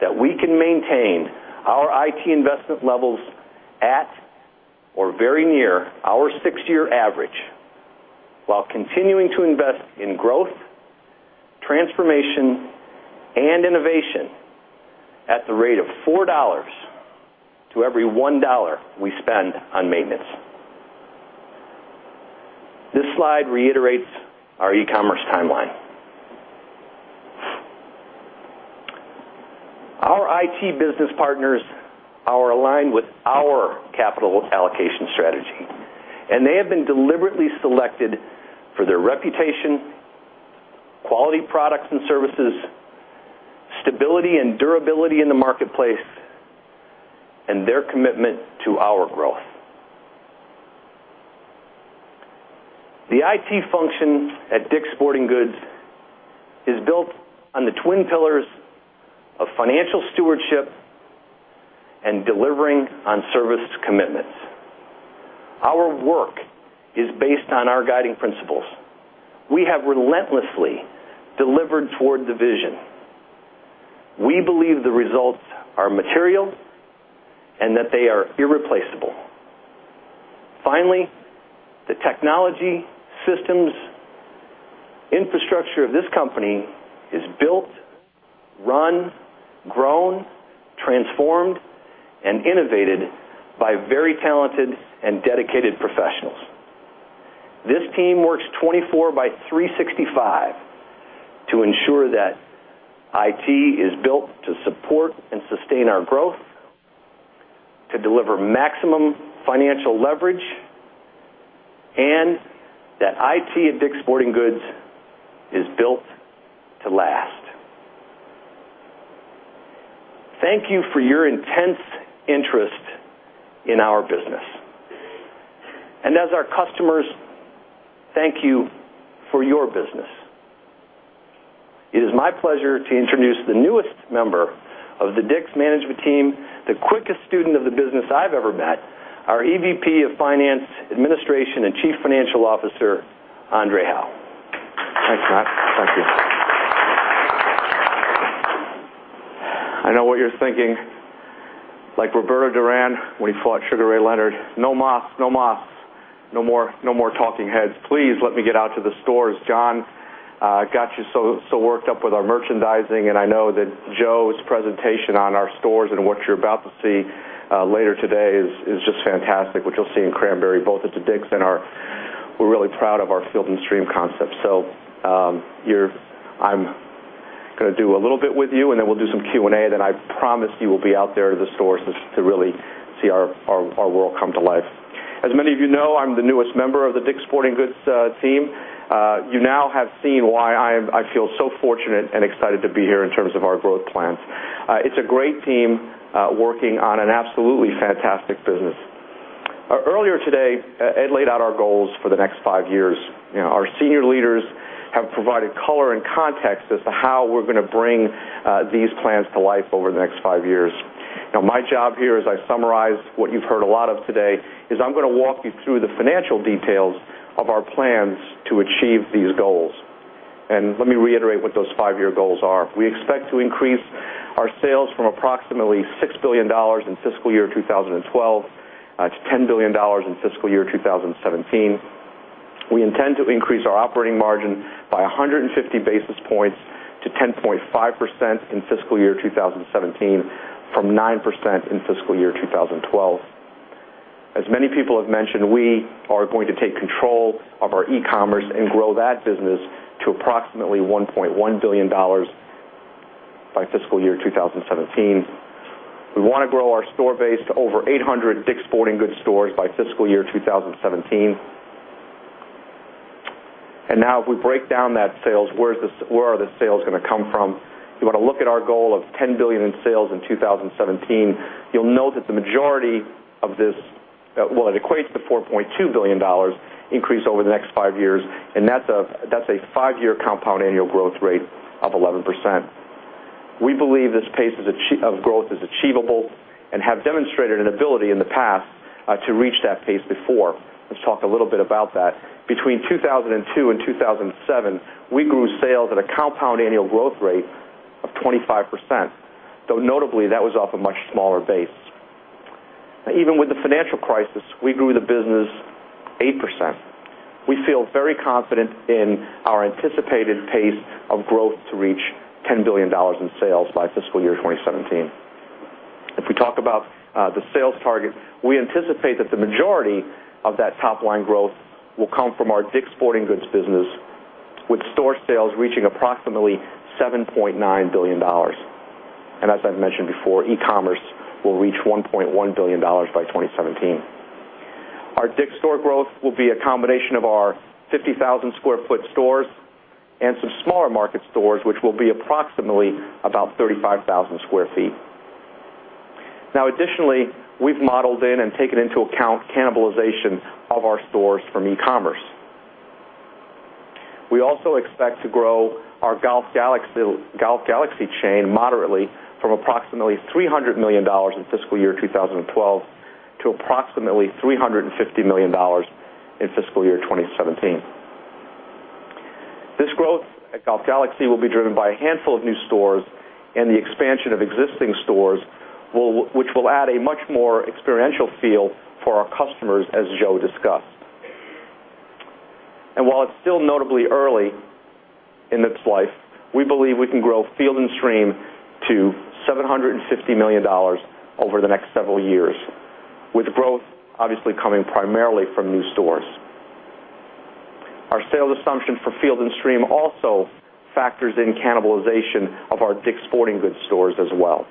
that we can maintain our IT investment levels at or very near our six-year average while continuing to invest in growth, transformation, and innovation at the rate of $4 to every $1 we spend on maintenance. This slide reiterates our e-commerce timeline. Our IT business partners are aligned with our capital allocation strategy, and they have been deliberately selected for their reputation, quality products and services, stability and durability in the marketplace, and their commitment to our growth. The IT function at DICK'S Sporting Goods is built on the twin pillars of financial stewardship and delivering on service commitments. Our work is based on our guiding principles. We have relentlessly delivered toward the vision. We believe the results are material and that they are irreplaceable. Finally, the technology systems infrastructure of this company is built, run, grown, transformed, and innovated by very talented and dedicated professionals. This team works 24 by 365 to ensure that IT is built to support and sustain our growth, to deliver maximum financial leverage, and that IT at DICK'S Sporting Goods is built to last. Thank you for your intense interest in our business. As our customers, thank you for your business. It is my pleasure to introduce the newest member of the DICK'S management team, the quickest student of the business I've ever met, our EVP of Finance, Administration and Chief Financial Officer, André Hawaux. Thanks, Matt. Thank you. I know what you're thinking, like Roberto Durán when he fought Sugar Ray Leonard, "No mas, no mas." No more talking heads. Please let me get out to the stores. John got you so worked up with our merchandising, and I know that Joe's presentation on our stores and what you're about to see later today is just fantastic, what you'll see in Cranberry, both at the DICK'S and our Field & Stream concept. I'm going to do a little bit with you, then we'll do some Q&A, then I promise you we'll be out there to the stores to really see our world come to life. As many of you know, I'm the newest member of the DICK'S Sporting Goods team. You now have seen why I feel so fortunate and excited to be here in terms of our growth plans. It's a great team working on an absolutely fantastic business. Earlier today, Ed laid out our goals for the next five years. Our senior leaders have provided color and context as to how we're going to bring these plans to life over the next five years. Now, my job here, as I summarize what you've heard a lot of today, is I'm going to walk you through the financial details of our plans to achieve these goals. Let me reiterate what those five-year goals are. We expect to increase our sales from approximately $6 billion in fiscal year 2012 to $10 billion in fiscal year 2017. We intend to increase our operating margin by 150 basis points to 10.5% in fiscal year 2017 from 9% in fiscal year 2012. As many people have mentioned, we are going to take control of our e-commerce and grow that business to approximately $1.1 billion by fiscal year 2017. We want to grow our store base to over 800 DICK'S Sporting Goods stores by fiscal year 2017. Now, if we break down that sales, where are the sales going to come from? You want to look at our goal of $10 billion in sales in 2017. You'll note that the majority of this, well, it equates to $4.2 billion increase over the next five years, and that's a five-year compound annual growth rate of 11%. We believe this pace of growth is achievable and have demonstrated an ability in the past to reach that pace before. Let's talk a little bit about that. Between 2002 and 2007, we grew sales at a compound annual growth rate of 25%. Though notably, that was off a much smaller base. Even with the financial crisis, we grew the business 8%. We feel very confident in our anticipated pace of growth to reach $10 billion in sales by fiscal year 2017. If we talk about the sales target, we anticipate that the majority of that top-line growth will come from our DICK'S Sporting Goods business, with store sales reaching approximately $7.9 billion. As I've mentioned before, e-commerce will reach $1.1 billion by 2017. Our DICK'S store growth will be a combination of our 50,000 sq ft stores and some smaller market stores, which will be approximately about 35,000 sq ft. Additionally, we've modeled in and taken into account cannibalization of our stores from e-commerce. We also expect to grow our Golf Galaxy chain moderately from approximately $300 million in fiscal year 2012 to approximately $350 million in fiscal year 2017. This growth at Golf Galaxy will be driven by a handful of new stores and the expansion of existing stores, which will add a much more experiential feel for our customers, as Joe discussed. While it's still notably early in its life, we believe we can grow Field & Stream to $750 million over the next several years, with growth obviously coming primarily from new stores. Our sales assumption for Field & Stream also factors in cannibalization of our DICK'S Sporting Goods stores as well.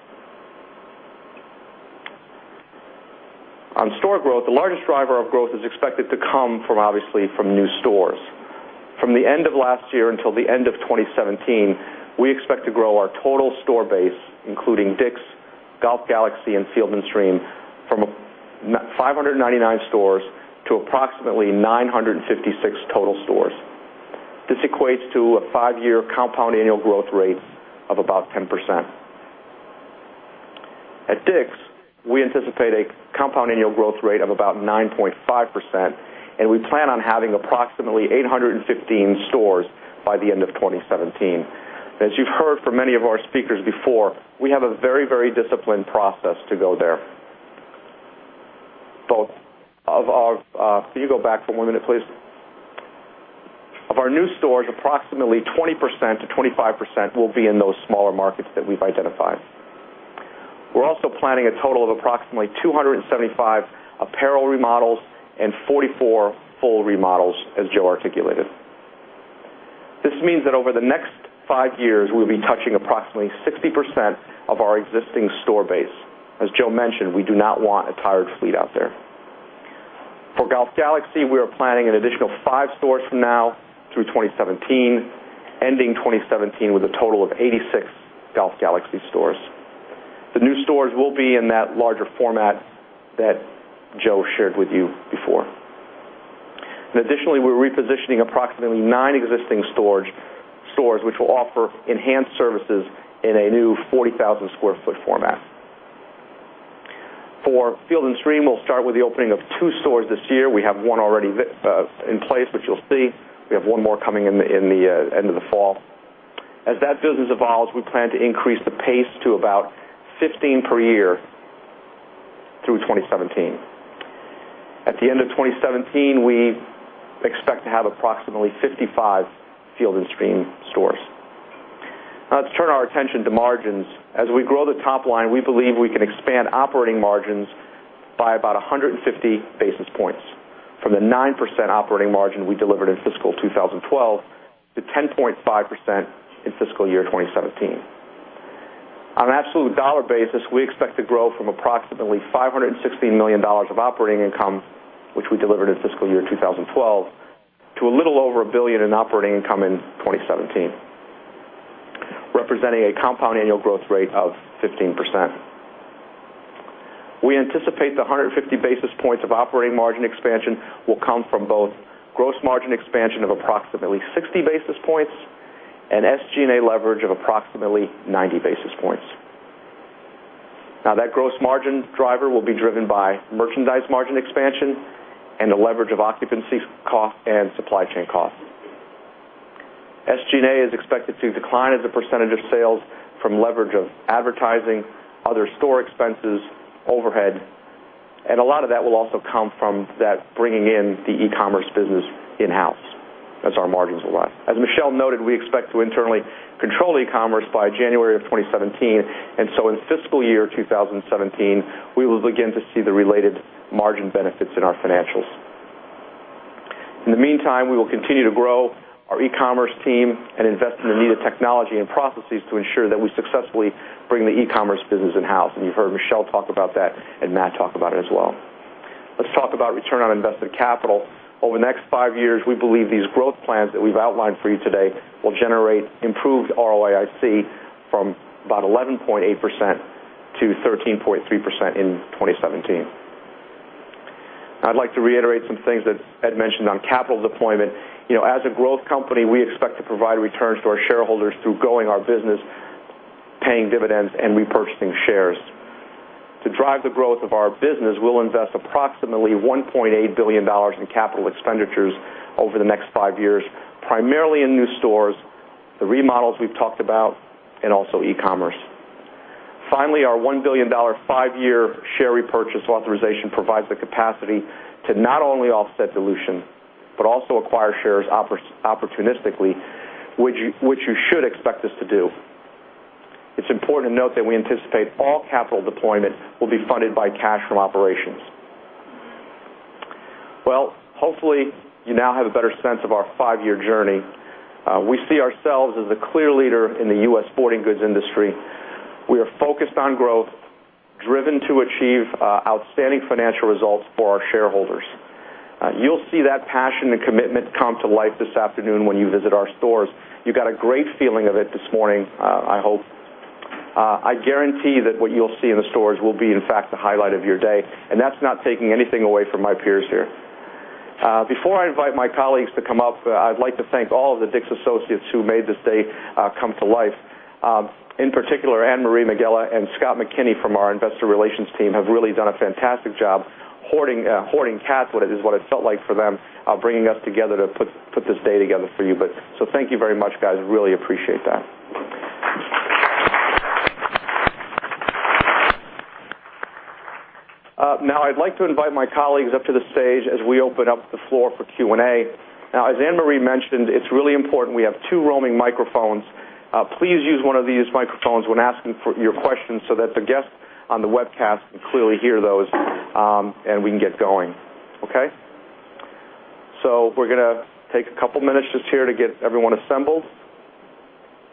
On store growth, the largest driver of growth is expected to come obviously from new stores. From the end of last year until the end of 2017, we expect to grow our total store base, including DICK'S, Golf Galaxy, and Field & Stream, from 599 stores to approximately 956 total stores. This equates to a five-year compound annual growth rate of about 10%. At DICK'S, we anticipate a compound annual growth rate of about 9.5%, and we plan on having approximately 815 stores by the end of 2017. As you've heard from many of our speakers before, we have a very disciplined process to go there. Can you go back for one minute, please? Of our new stores, approximately 20%-25% will be in those smaller markets that we've identified. We're also planning a total of approximately 275 apparel remodels and 44 full remodels, as Joe articulated. This means that over the next five years, we'll be touching approximately 60% of our existing store base. As Joe mentioned, we do not want a tired fleet out there. For Golf Galaxy, we are planning an additional five stores from now through 2017, ending 2017 with a total of 86 Golf Galaxy stores. The new stores will be in that larger format that Joe shared with you before. Additionally, we're repositioning approximately nine existing stores, which will offer enhanced services in a new 40,000 sq ft format. For Field & Stream, we'll start with the opening of two stores this year. We have one already in place, which you'll see. We have one more coming in the end of the fall. As that business evolves, we plan to increase the pace to about 15 per year through 2017. At the end of 2017, we expect to have approximately 55 Field & Stream stores. Let's turn our attention to margins. As we grow the top line, we believe we can expand operating margins by about 150 basis points from the 9% operating margin we delivered in fiscal 2012 to 10.5% in fiscal year 2017. On an absolute dollar basis, we expect to grow from approximately $560 million of operating income, which we delivered in fiscal year 2012, to a little over $1 billion in operating income in 2017, representing a compound annual growth rate of 15%. We anticipate the 150 basis points of operating margin expansion will come from both gross margin expansion of approximately 60 basis points and SG&A leverage of approximately 90 basis points. That gross margin driver will be driven by merchandise margin expansion and the leverage of occupancy cost and supply chain cost. SG&A is expected to decline as a percentage of sales from leverage of advertising, other store expenses, overhead, and a lot of that will also come from that bringing in the e-commerce business in-house as our margins allow. As Michelle noted, we expect to internally control e-commerce by January of 2017. In fiscal year 2017, we will begin to see the related margin benefits in our financials. In the meantime, we will continue to grow our e-commerce team and invest in the needed technology and processes to ensure that we successfully bring the e-commerce business in-house. You've heard Michelle talk about that and Matt talk about it as well. Let's talk about return on invested capital. Over the next five years, we believe these growth plans that we've outlined for you today will generate improved ROIC from about 11.8% to 13.3% in 2017. I'd like to reiterate some things that Ed mentioned on capital deployment. As a growth company, we expect to provide returns to our shareholders through growing our business, paying dividends, and repurchasing shares. To drive the growth of our business, we'll invest approximately $1.8 billion in capital expenditures over the next five years, primarily in new stores, the remodels we've talked about, and also e-commerce. Our $1 billion five-year share repurchase authorization provides the capacity to not only offset dilution, but also acquire shares opportunistically, which you should expect us to do. It's important to note that we anticipate all capital deployment will be funded by cash from operations. Hopefully, you now have a better sense of our five-year journey. We see ourselves as a clear leader in the U.S. sporting goods industry. We are focused on growth, driven to achieve outstanding financial results for our shareholders. You'll see that passion and commitment come to life this afternoon when you visit our stores. You got a great feeling of it this morning, I hope. I guarantee that what you'll see in the stores will be, in fact, the highlight of your day, and that's not taking anything away from my peers here. Before I invite my colleagues to come up, I'd like to thank all of the DICK'S associates who made this day come to life. In particular, Anne-Marie Megela and Scott McKinney from our investor relations team have really done a fantastic job herding cats, is what it felt like for them, bringing us together to put this day together for you. Thank you very much, guys. Really appreciate that. Now, I'd like to invite my colleagues up to the stage as we open up the floor for Q&A. Now, as Anne-Marie mentioned, it's really important we have two roaming microphones. Please use one of these microphones when asking your questions so that the guests on the webcast can clearly hear those and we can get going. Okay? We're going to take a couple minutes just here to get everyone assembled.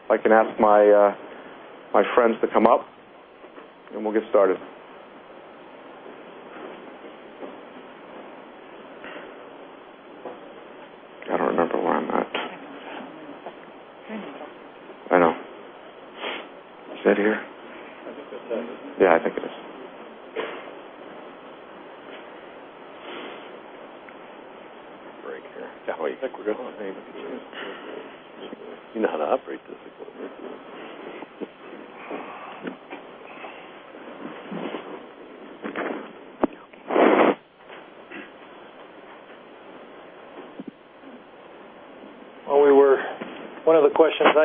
If I can ask my friends to come up and we'll get started. I don't remember where I'm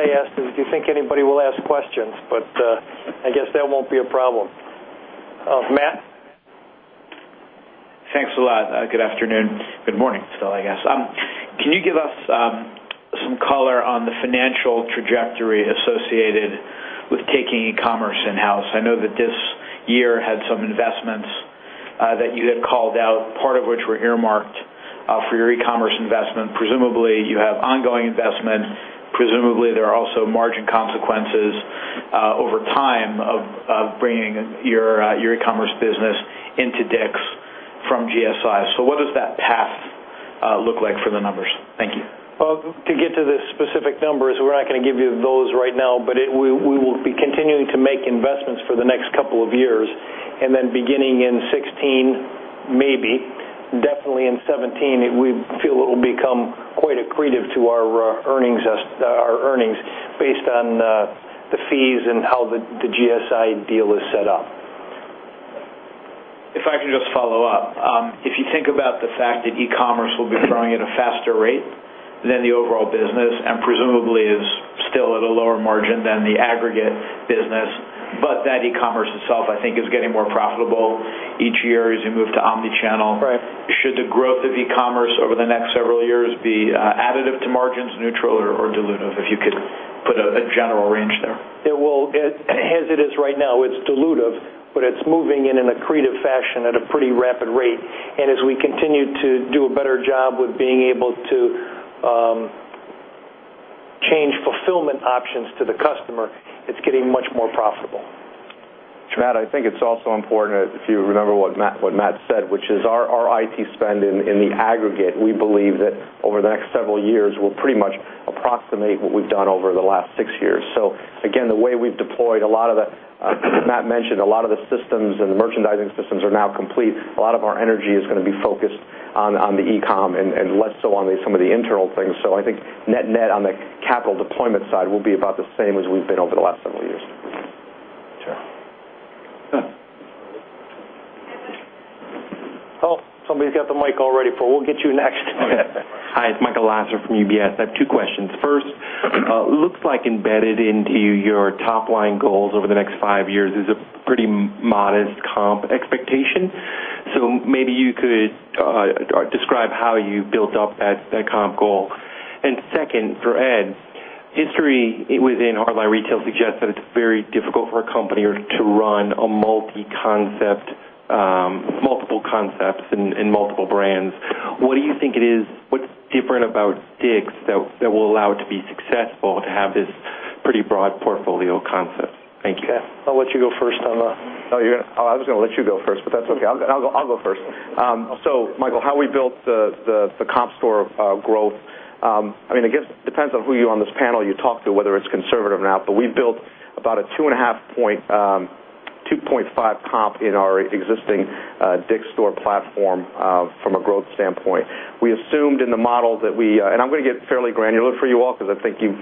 at. I know. It's only been a second. You know where. I know. Is it here? I think that's it. Yeah, I think it is. Break here. Edward, you think we're going anywhere? You know how to operate this equipment. Well, one of the questions I asked is, do you think anybody will ask questions? I guess that won't be a problem. Matt. Thanks a lot. Good afternoon. Good morning still, I guess. Can you give us some color on the financial trajectory associated with taking e-commerce in-house? I know that this year had some investments that you had called out, part of which were earmarked for your e-commerce investment, presumably you have ongoing investment. Presumably, there are also margin consequences over time of bringing your e-commerce business into DICK'S from GSI. What does that path look like for the numbers? Thank you. Well, to get to the specific numbers, we're not going to give you those right now. We will be continuing to make investments for the next couple of years, then beginning in 2016, maybe, definitely in 2017, we feel it will become quite accretive to our earnings based on the fees and how the GSI deal is set up. If I can just follow up. If you think about the fact that e-commerce will be growing at a faster rate than the overall business and presumably is still at a lower margin than the aggregate business, that e-commerce itself, I think, is getting more profitable each year as you move to omni-channel. Right. Should the growth of e-commerce over the next several years be additive to margins, neutral, or dilutive? If you could put a general range there. It will. As it is right now, it's dilutive, but it's moving in an accretive fashion at a pretty rapid rate. As we continue to do a better job with being able to change fulfillment options to the customer, it's getting much more profitable. Matt, I think it's also important if you remember what Matt said, which is our IT spend in the aggregate, we believe that over the next several years, will pretty much approximate what we've done over the last six years. Again, the way we've deployed a lot of the Matt mentioned, a lot of the systems and the merchandising systems are now complete. A lot of our energy is going to be focused on the e-com and less so on some of the internal things. I think net on the capital deployment side will be about the same as we've been over the last several years. Sure. Oh, somebody's got the mic all ready. We'll get you next. Looks like embedded into your top-line goals over the next five years is a pretty modest comp expectation. Maybe you could describe how you built up that comp goal. Second, for Ed, history within hardline retail suggests that it's very difficult for a company to run multiple concepts and multiple brands. What do you think it is? What's different about DICK'S that will allow it to be successful to have this pretty broad portfolio concept? Thank you. I'll let you go first on that. I was going to let you go first, that's okay. I'll go first. Michael, how we built the comp store growth. I guess it depends on who on this panel you talk to, whether it's conservative or not, we've built about a 2.5 comp in our existing DICK'S Store platform, from a growth standpoint. We assumed in the model that I'm going to get fairly granular for you all because I think you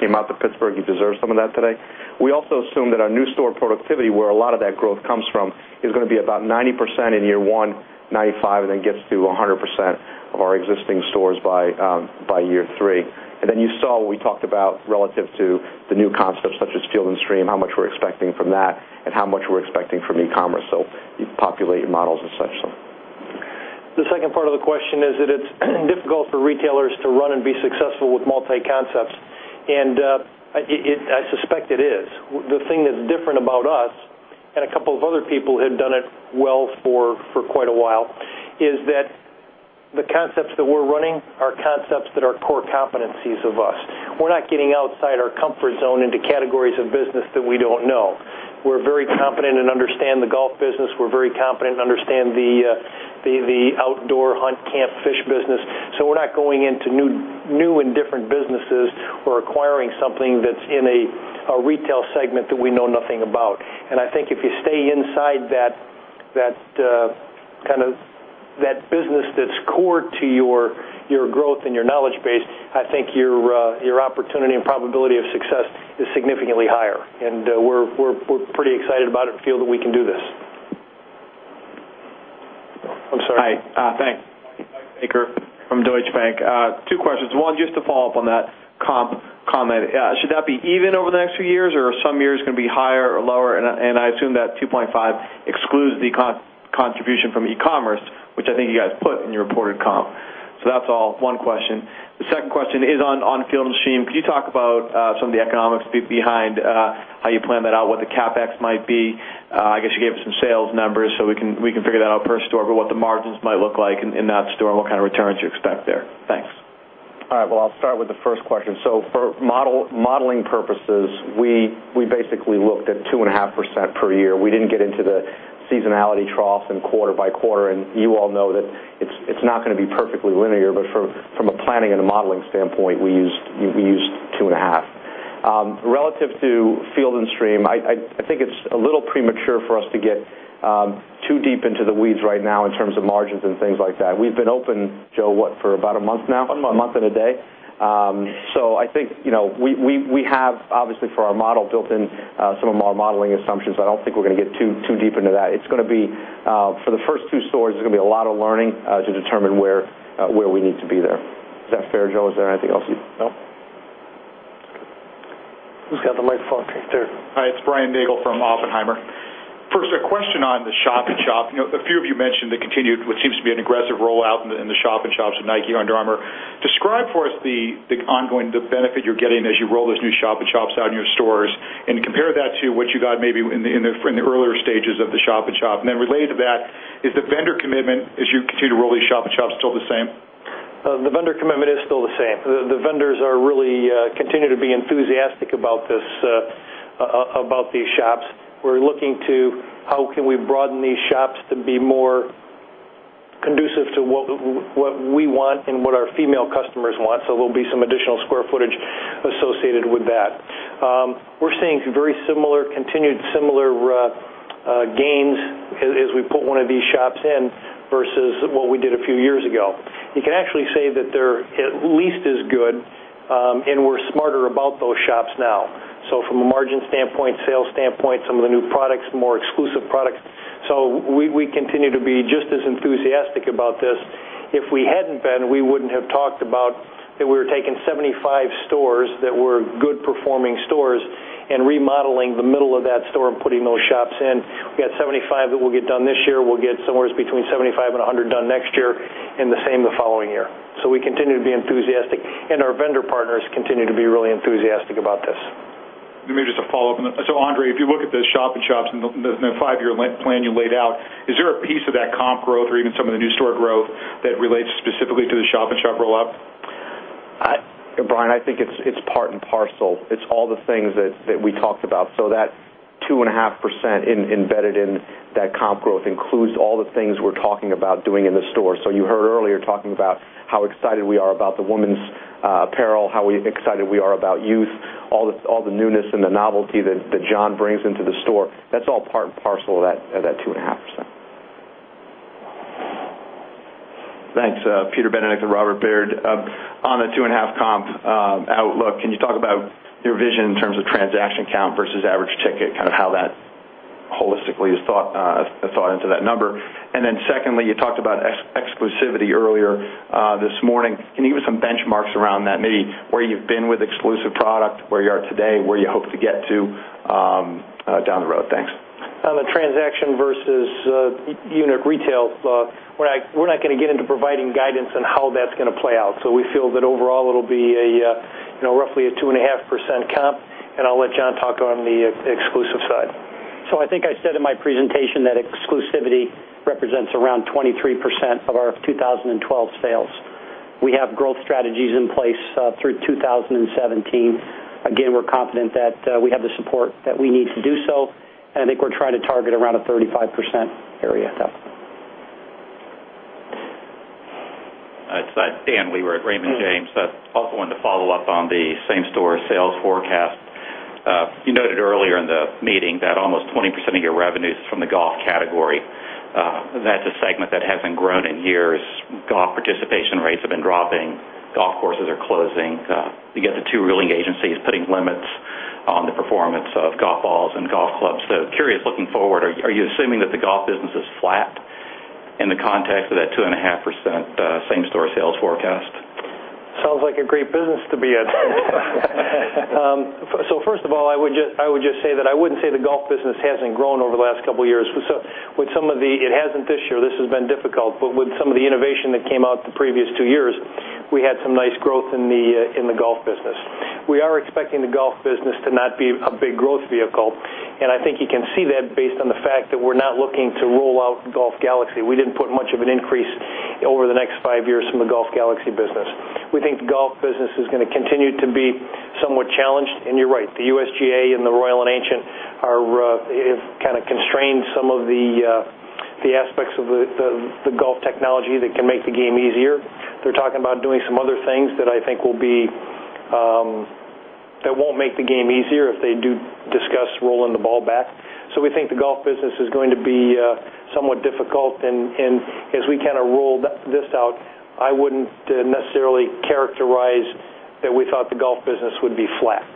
came out to Pittsburgh, you deserve some of that today. We also assume that our new store productivity, where a lot of that growth comes from, is going to be about 90% in year one, 95%, and then gets to 100% of our existing stores by year three. You saw what we talked about relative to the new concepts such as Field & Stream, how much we're expecting from that, and how much we're expecting from e-commerce. You populate your models as such. The second part of the question is that it's difficult for retailers to run and be successful with multi-concepts. I suspect it is. The thing that's different about us and a couple of other people who have done it well for quite a while, is that the concepts that we're running are concepts that are core competencies of us. We're not getting outside our comfort zone into categories of business that we don't know. We're very competent and understand the golf business. We're very competent and understand the outdoor hunt, camp, fish business. We're not going into new and different businesses or acquiring something that's in a retail segment that we know nothing about. I think if you stay inside that business that's core to your growth and your knowledge base, I think your opportunity and probability of success is significantly higher. We're pretty excited about it and feel that we can do this. I'm sorry. Hi. Thanks. Michael Baker from Deutsche Bank. Two questions. One, just to follow up on that comp comment. Should that be even over the next few years or some years going to be higher or lower? I assume that 2.5 excludes the contribution from e-commerce, which I think you guys put in your reported comp. That's all one question. The second question is on Field & Stream. Could you talk about some of the economics behind how you plan that out, what the CapEx might be? I guess you gave us some sales numbers, so we can figure that out per store. What the margins might look like in that store and what kind of returns you expect there. Thanks. All right. Well, I'll start with the first question. For modeling purposes, we basically looked at 2.5% per year. We didn't get into the seasonality troughs and quarter by quarter, and you all know that it's not going to be perfectly linear, but from a planning and a modeling standpoint, we used 2.5. Relative to Field & Stream, I think it's a little premature for us to get too deep into the weeds right now in terms of margins and things like that. We've been open, Joe, what, for about a month now? A month. A month and a day. I think we have, obviously, for our model, built in some of our modeling assumptions. I don't think we're going to get too deep into that. For the first two stores, there's going to be a lot of learning to determine where we need to be there. Is that fair, Joe? Is there anything else No? Who's got the microphone? There. Hi, it's Brian Nagel from Oppenheimer. First, a question on the shop in shop. A few of you mentioned the continued, what seems to be an aggressive rollout in the shop in shops with Nike, Under Armour. Describe for us the ongoing benefit you're getting as you roll those new shop-in-shops out in your stores, and compare that to what you got maybe in the earlier stages of the shop-in-shop. Related to that, is the vendor commitment as you continue to roll these shop-in-shops still the same? The vendor commitment is still the same. The vendors really continue to be enthusiastic about these shops. We're looking to how can we broaden these shops to be more conducive to what we want and what our female customers want, so there'll be some additional square footage associated with that. We're seeing very similar, continued similar gains as we put one of these shops in versus what we did a few years ago. You can actually say that they're at least as good, and we're smarter about those shops now. From a margin standpoint, sales standpoint, some of the new products, more exclusive products. We continue to be just as enthusiastic about this. If we hadn't been, we wouldn't have talked about that we were taking 75 stores that were good performing stores and remodeling the middle of that store and putting those shops in. We got 75 that we'll get done this year. We'll get somewhere between 75 and 100 done next year, and the same the following year. We continue to be enthusiastic, and our vendor partners continue to be really enthusiastic about this. Maybe just a follow-up. André, if you look at the shop-in-shops and the five-year plan you laid out, is there a piece of that comp growth or even some of the new store growth that relates specifically to the shop-in-shop rollout? Brian, I think it's part and parcel. It's all the things that we talked about. That 2.5% embedded in that comp growth includes all the things we're talking about doing in the store. You heard earlier talking about how excited we are about the women's apparel, how excited we are about youth, all the newness and the novelty that John brings into the store. That's all part and parcel of that 2.5%. Thanks. Peter Benedict, Robert W. Baird. On the 2.5% comp outlook, can you talk about your vision in terms of transaction count versus average ticket, kind of how that holistically is thought into that number. Secondly, you talked about exclusivity earlier this morning. Can you give us some benchmarks around that? Maybe where you've been with exclusive product, where you are today, where you hope to get to down the road. Thanks. On the transaction versus unit retail, we're not going to get into providing guidance on how that's going to play out. We feel that overall it'll be roughly a 2.5% comp, and I'll let John talk on the exclusive side. I think I said in my presentation that exclusivity represents around 23% of our 2012 sales. We have growth strategies in place through 2017. Again, we're confident that we have the support that we need to do so, I think we're trying to target around a 35% area. Dan Wewer at Raymond James. I also wanted to follow up on the same-store sales forecast. You noted earlier in the meeting that almost 20% of your revenue is from the golf category. That's a segment that hasn't grown in years. Golf participation rates have been dropping. Golf courses are closing. You got the two ruling agencies putting limits on the performance of golf balls and golf clubs. Curious, looking forward, are you assuming that the golf business is flat in the context of that 2.5% same-store sales forecast? Sounds like a great business to be in. First of all, I would just say that I wouldn't say the golf business hasn't grown over the last couple of years. It hasn't this year. This has been difficult. With some of the innovation that came out the previous two years, we had some nice growth in the golf business. We are expecting the golf business to not be a big growth vehicle, and I think you can see that based on the fact that we're not looking to roll out Golf Galaxy. We didn't put much of an increase over the next five years from the Golf Galaxy business. We think the golf business is going to continue to be somewhat challenged. You're right. The USGA and the Royal & Ancient have kind of constrained some of the aspects of the golf technology that can make the game easier. They're talking about doing some other things that I think that won't make the game easier if they do discuss rolling the ball back. We think the golf business is going to be somewhat difficult. As we kind of roll this out, I wouldn't necessarily characterize that we thought the golf business would be flat.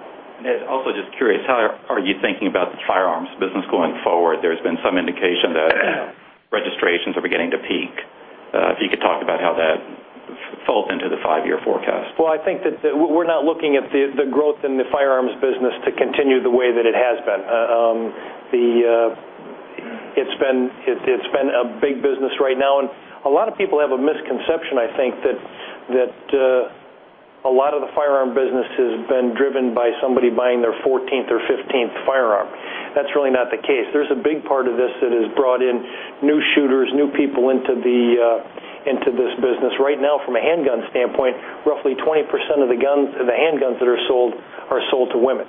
Also just curious, how are you thinking about the firearms business going forward? There's been some indication that registrations are beginning to peak. If you could talk about how that folds into the five-year forecast. I think that we're not looking at the growth in the firearms business to continue the way that it has been. It's been a big business right now, and a lot of people have a misconception, I think, that a lot of the firearm business has been driven by somebody buying their 14th or 15th firearm. That's really not the case. There's a big part of this that has brought in new shooters, new people into this business. Right now, from a handgun standpoint, roughly 20% of the handguns that are sold are sold to women.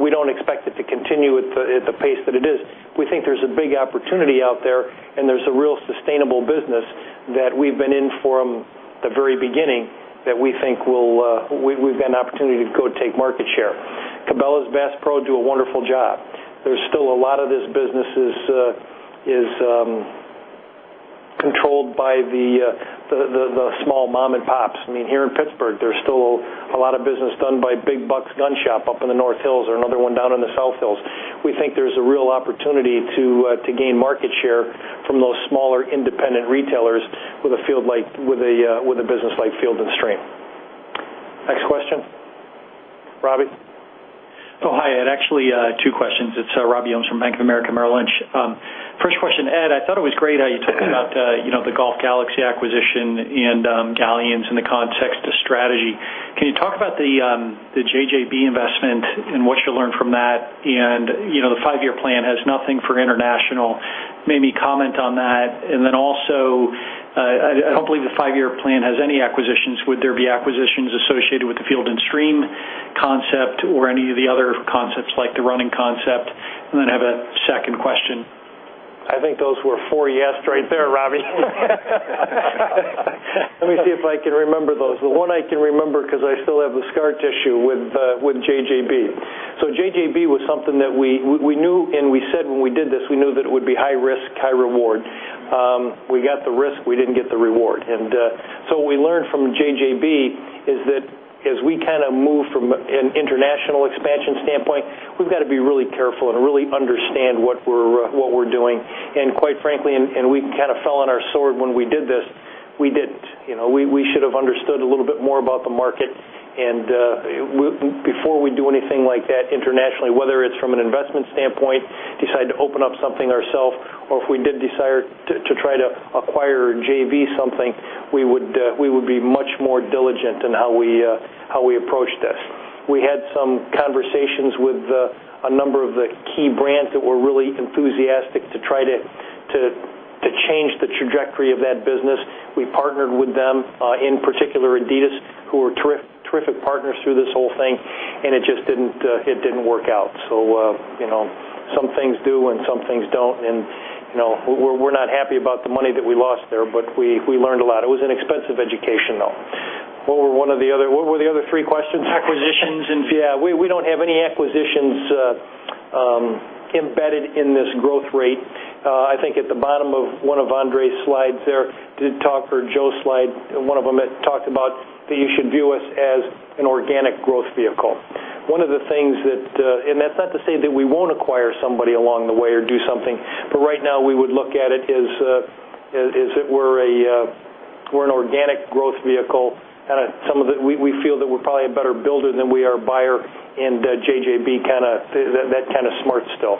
We don't expect it to continue at the pace that it is. We think there's a big opportunity out there and there's a real sustainable business that we've been in from the very beginning that we think we've got an opportunity to go take market share. Cabela's, Bass Pro do a wonderful job. There's still a lot of this business is controlled by the small mom and pops. I mean, here in Pittsburgh, there's still a lot of business done by Big Buck's Gun Shop up in the North Hills or another one down in the South Hills. We think there's a real opportunity to gain market share from those smaller independent retailers with a business like Field & Stream. Next question. Robbie? Hi, Ed. Actually, two questions. It's Robbie Ohmes from Bank of America Merrill Lynch. First question, Ed, I thought it was great how you talked about the Golf Galaxy acquisition and Galyan's in the context of strategy. Can you talk about the JJB investment and what you learned from that? The five-year plan has nothing for international. Maybe comment on that. Also, I don't believe the five-year plan has any acquisitions. Would there be acquisitions associated with the Field & Stream concept or any of the other concepts, like the running concept? Then I have a second question. I think those were four yeses right there, Robbie. Let me see if I can remember those. The one I can remember, because I still have the scar tissue with JJB. JJB was something that we knew, and we said when we did this, we knew that it would be high risk, high reward. We got the risk. We didn't get the reward. What we learned from JJB is that as we move from an international expansion standpoint, we've got to be really careful and really understand what we're doing. Quite frankly, we kind of fell on our sword when we did this. We should have understood a little bit more about the market. Before we do anything like that internationally, whether it's from an investment standpoint, decide to open up something ourself, or if we did desire to try to acquire or JV something, we would be much more diligent in how we approach this. We had some conversations with a number of the key brands that were really enthusiastic to try to change the trajectory of that business. We partnered with them, in particular Adidas, who were terrific partners through this whole thing, and it just didn't work out. Some things do and some things don't. We're not happy about the money that we lost there, but we learned a lot. It was an expensive education, though. What were the other three questions? Acquisitions and- We don't have any acquisitions embedded in this growth rate. I think at the bottom of one of André's slides there, did talk, or Joe's slide, one of them that talked about that you should view us as an organic growth vehicle. That's not to say that we won't acquire somebody along the way or do something. Right now, we would look at it as if we're an organic growth vehicle. We feel that we're probably a better builder than we are a buyer, and JJB, that kind of smarts still.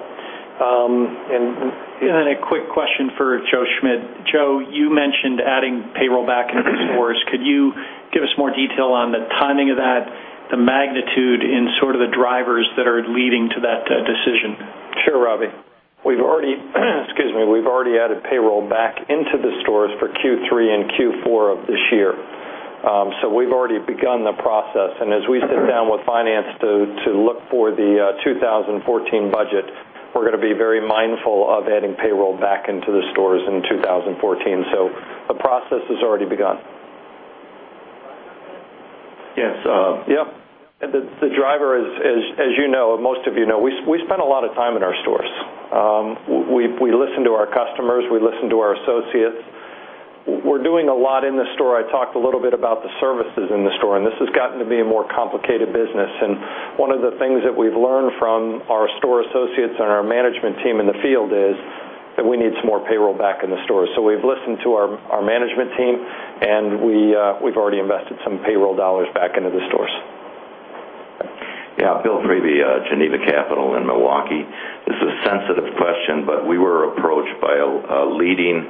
A quick question for Joseph Schmidt. Joe, you mentioned adding payroll back into the stores. Could you give us more detail on the timing of that, the magnitude, and sort of the drivers that are leading to that decision? Sure, Robbie. We've already added payroll back into the stores for Q3 and Q4 of this year. We've already begun the process. As we sit down with finance to look for the 2014 budget, we're going to be very mindful of adding payroll back into the stores in 2014. Yes. The driver is, as you know, most of you know, we spend a lot of time in our stores. We listen to our customers. We listen to our associates. We're doing a lot in the store. I talked a little bit about the services in the store, and this has gotten to be a more complicated business. One of the things that we've learned from our store associates and our management team in the field is that we need some more payroll back in the stores. We've listened to our management team, and we've already invested some payroll dollars back into the stores. Bill Priebe, Geneva Capital in Milwaukee. This is a sensitive question. We were approached by a leading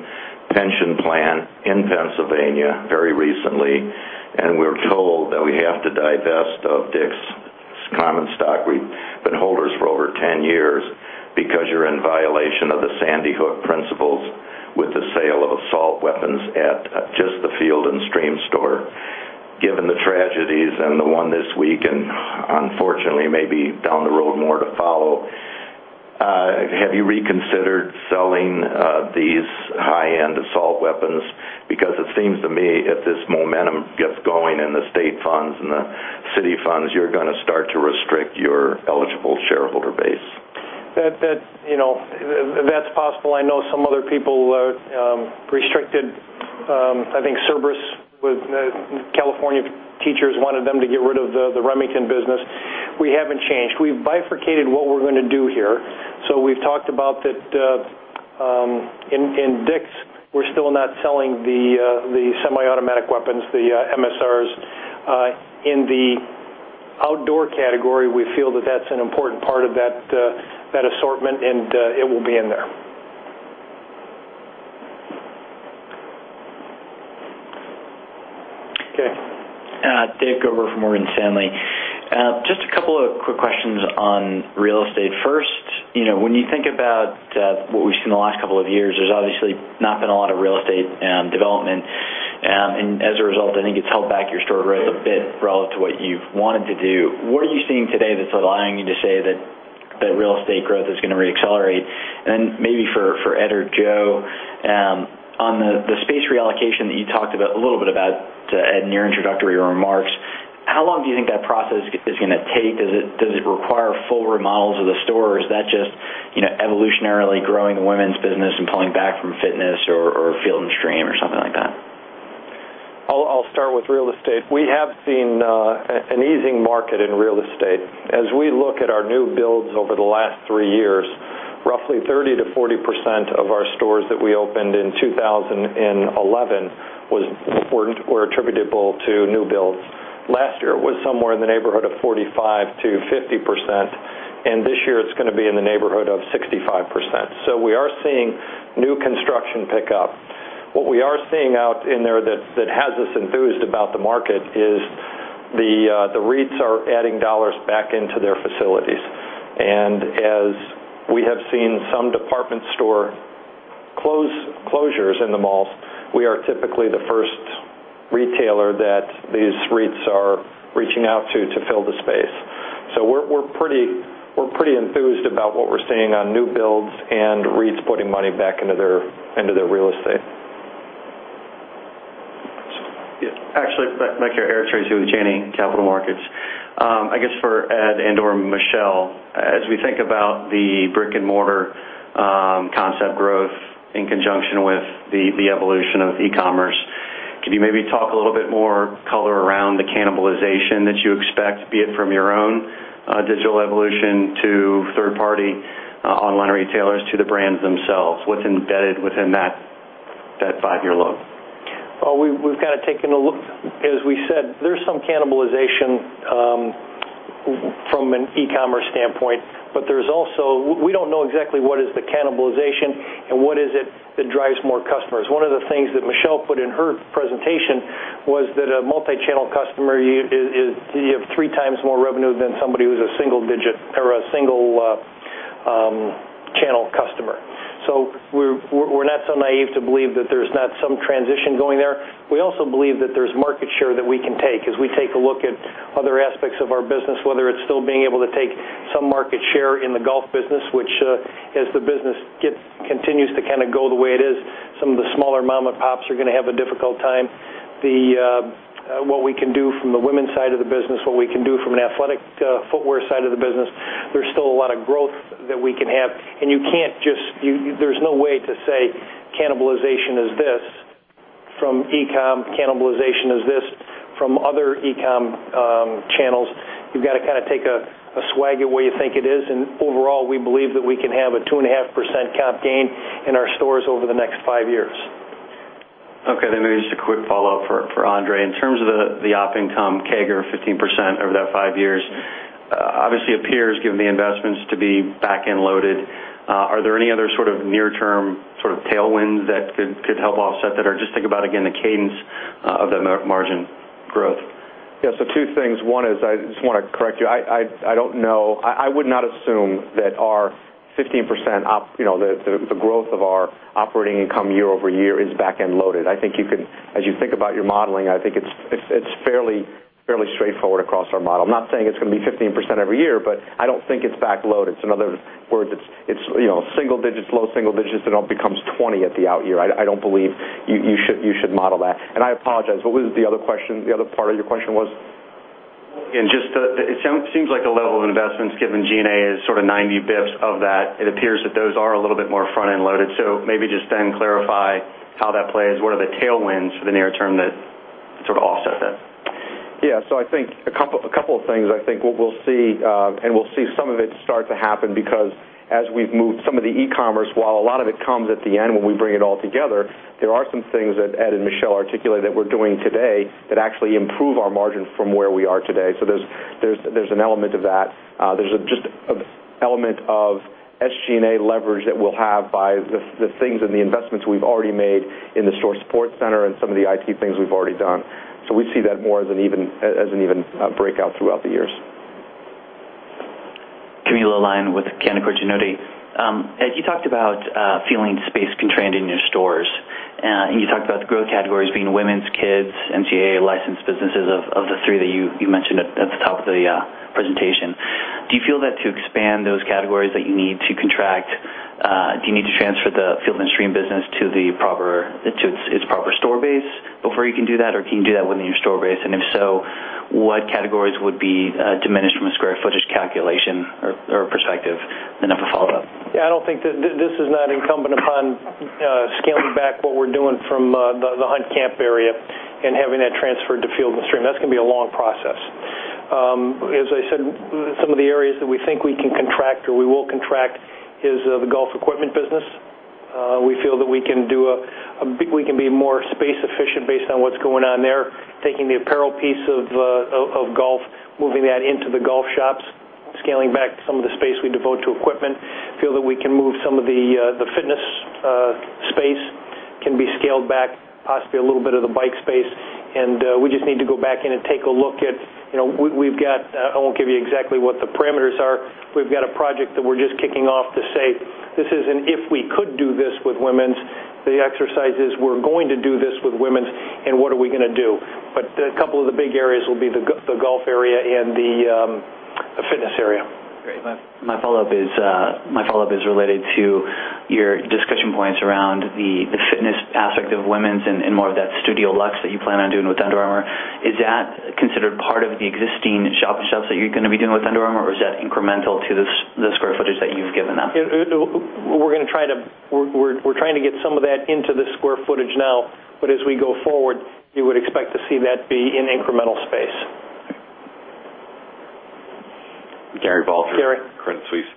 pension plan in Pennsylvania very recently, and we're told that we have to divest of DICK'S common stock. We've been holders for over 10 years because you're in violation of the Sandy Hook principles with the sale of assault weapons at just the Field & Stream store. Given the tragedies and the one this week, and unfortunately, maybe down the road, more to follow, have you reconsidered selling these high-end assault weapons? It seems to me if this momentum gets going in the state funds and the city funds, you're going to start to restrict your eligible shareholder base. That's possible. I know some other people restricted, I think, Cerberus with California teachers, wanted them to get rid of the Remington business. We haven't changed. We've bifurcated what we're going to do here. We've talked about that in DICK'S, we're still not selling the semiautomatic weapons, the MSRs. In the outdoor category, we feel that that's an important part of that assortment, and it will be in there. Okay. David Gober from Morgan Stanley. Just a couple of quick questions on real estate. First, when you think about what we've seen in the last couple of years, there's obviously not been a lot of real estate development. As a result, I think it's held back your store growth a bit relative to what you've wanted to do. What are you seeing today that's allowing you to say that real estate growth is going to re-accelerate? Maybe for Ed or Joe, on the space reallocation that you talked a little bit about, Ed, in your introductory remarks, how long do you think that process is going to take? Does it require full remodels of the store, or is that just evolutionarily growing the women's business and pulling back from fitness or Field & Stream or something like that? I'll start with real estate. We have seen an easing market in real estate. As we look at our new builds over the last three years Roughly 30%-40% of our stores that we opened in 2011 were attributable to new builds. Last year, it was somewhere in the neighborhood of 45%-50%, and this year it's going to be in the neighborhood of 65%. We are seeing new construction pick up. What we are seeing out in there that has us enthused about the market is the REITs are adding dollars back into their facilities. As we have seen some department store closures in the malls, we are typically the first retailer that these REITs are reaching out to fill the space. We're pretty enthused about what we're seeing on new builds and REITs putting money back into their real estate. Yes. Actually, [inaudible] with Janney Capital Markets. I guess for Ed and/or Michelle, as we think about the brick-and-mortar concept growth in conjunction with the evolution of e-commerce, can you maybe talk a little bit more color around the cannibalization that you expect, be it from your own digital evolution to third-party online retailers to the brands themselves? What's embedded within that five-year look? We've got to taken a look. As we said, there's some cannibalization from an e-commerce standpoint, we don't know exactly what is the cannibalization and what is it that drives more customers. One of the things that Michelle Willoughby put in her presentation was that a multi-channel customer, you have 3 times more revenue than somebody who's a single-channel customer. We're not so naive to believe that there's not some transition going there. We also believe that there's market share that we can take as we take a look at other aspects of our business, whether it's still being able to take some market share in the golf business, which as the business continues to kind of go the way it is, some of the smaller mom and pops are going to have a difficult time. What we can do from the women's side of the business, what we can do from an athletic footwear side of the business, there's still a lot of growth that we can have. There's no way to say cannibalization is this from e-com, cannibalization is this from other e-com channels. You've got to kind of take a swag at where you think it is. Overall, we believe that we can have a 2.5% comp gain in our stores over the next five years. Maybe just a quick follow-up for André. In terms of the op income CAGR of 15% over that five years, obviously appears, given the investments, to be back-end loaded. Are there any other sort of near-term sort of tailwinds that could help offset that? Just think about, again, the cadence of that margin growth. Two things. One is, I just want to correct you. I would not assume that the growth of our operating income year-over-year is back-end loaded. As you think about your modeling, I think it's fairly straightforward across our model. I'm not saying it's going to be 15% every year, I don't think it's back-loaded. In other words, it's single digits, low single digits, then it all becomes 20 at the out year. I don't believe you should model that. I apologize, what was the other part of your question was? It seems like the level of investments given G&A is sort of 90 basis points of that. It appears that those are a little bit more front-end loaded. Maybe just then clarify how that plays. What are the tailwinds for the near term that sort of offset that? I think a couple of things. I think what we'll see, and we'll see some of it start to happen because as we've moved some of the e-commerce, while a lot of it comes at the end when we bring it all together, there are some things that Ed and Michelle articulated that we're doing today that actually improve our margin from where we are today. There's an element of that. There's just an element of SG&A leverage that we'll have by the things and the investments we've already made in the store support center and some of the IT things we've already done. We see that more as an even breakout throughout the years. Camilo Lyon with Canaccord Genuity. Ed, you talked about feeling space-constrained in your stores. You talked about the growth categories being women's, kids, NCAA licensed businesses, of the three that you mentioned at the top of the presentation. Do you feel that to expand those categories that you need to contract, do you need to transfer the Field & Stream business to its proper store base before you can do that or can you do that within your store base? If so, what categories would be diminished from a square footage calculation or perspective? I have a follow-up. This is not incumbent upon scaling back what we're doing from the Hunt Camp area and having that transferred to Field & Stream. That's going to be a long process. As I said, some of the areas that we think we can contract or we will contract is the golf equipment business. We feel that we can be more space efficient based on what's going on there. Taking the apparel piece of golf, moving that into the golf shops, scaling back some of the space we devote to equipment. Feel that we can move some of the fitness space can be scaled back, possibly a little bit of the bike space. We just need to go back in and take a look at. I won't give you exactly what the parameters are. We've got a project that we're just kicking off to say, this isn't if we could do this with women's. The exercise is, we're going to do this with women's and what are we going to do? A couple of the big areas will be the golf area and the fitness area. Great. My follow-up is related to your discussion points around the fitness aspect of women's and more of that StudioLux that you plan on doing with Under Armour. Is that considered part of the existing shop shelves that you're going to be doing with Under Armour or is that incremental to the square footage that you've given them? We're trying to get some of that into the square footage now. As we go forward, you would expect to see that be in incremental space. Gary Balter. Gary. Credit Suisse.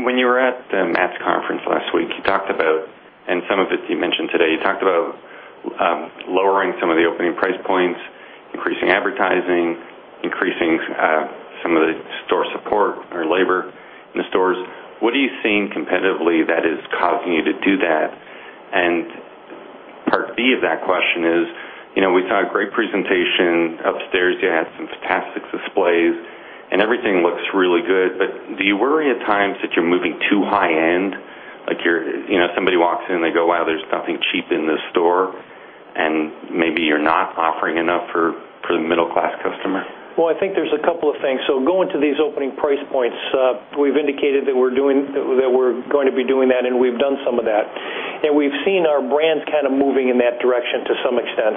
When you were at the [inaudible] conference last week, you talked about, and some of it you mentioned today, you talked about lowering some of the opening price points, increasing advertising, increasing some of the store support or labor in the stores. What are you seeing competitively that is causing you to do that? Part B of that question is, we saw a great presentation upstairs. You had some fantastic displays and everything looks really good. Do you worry at times that you're moving too high-end? Like somebody walks in and they go, "Wow, there's nothing cheap in this store." And maybe you're not offering enough for the middle-class customer. Well, I think there's a couple of things. Going to these opening price points, we've indicated that we're going to be doing that, and we've done some of that. We've seen our brands kind of moving in that direction to some extent.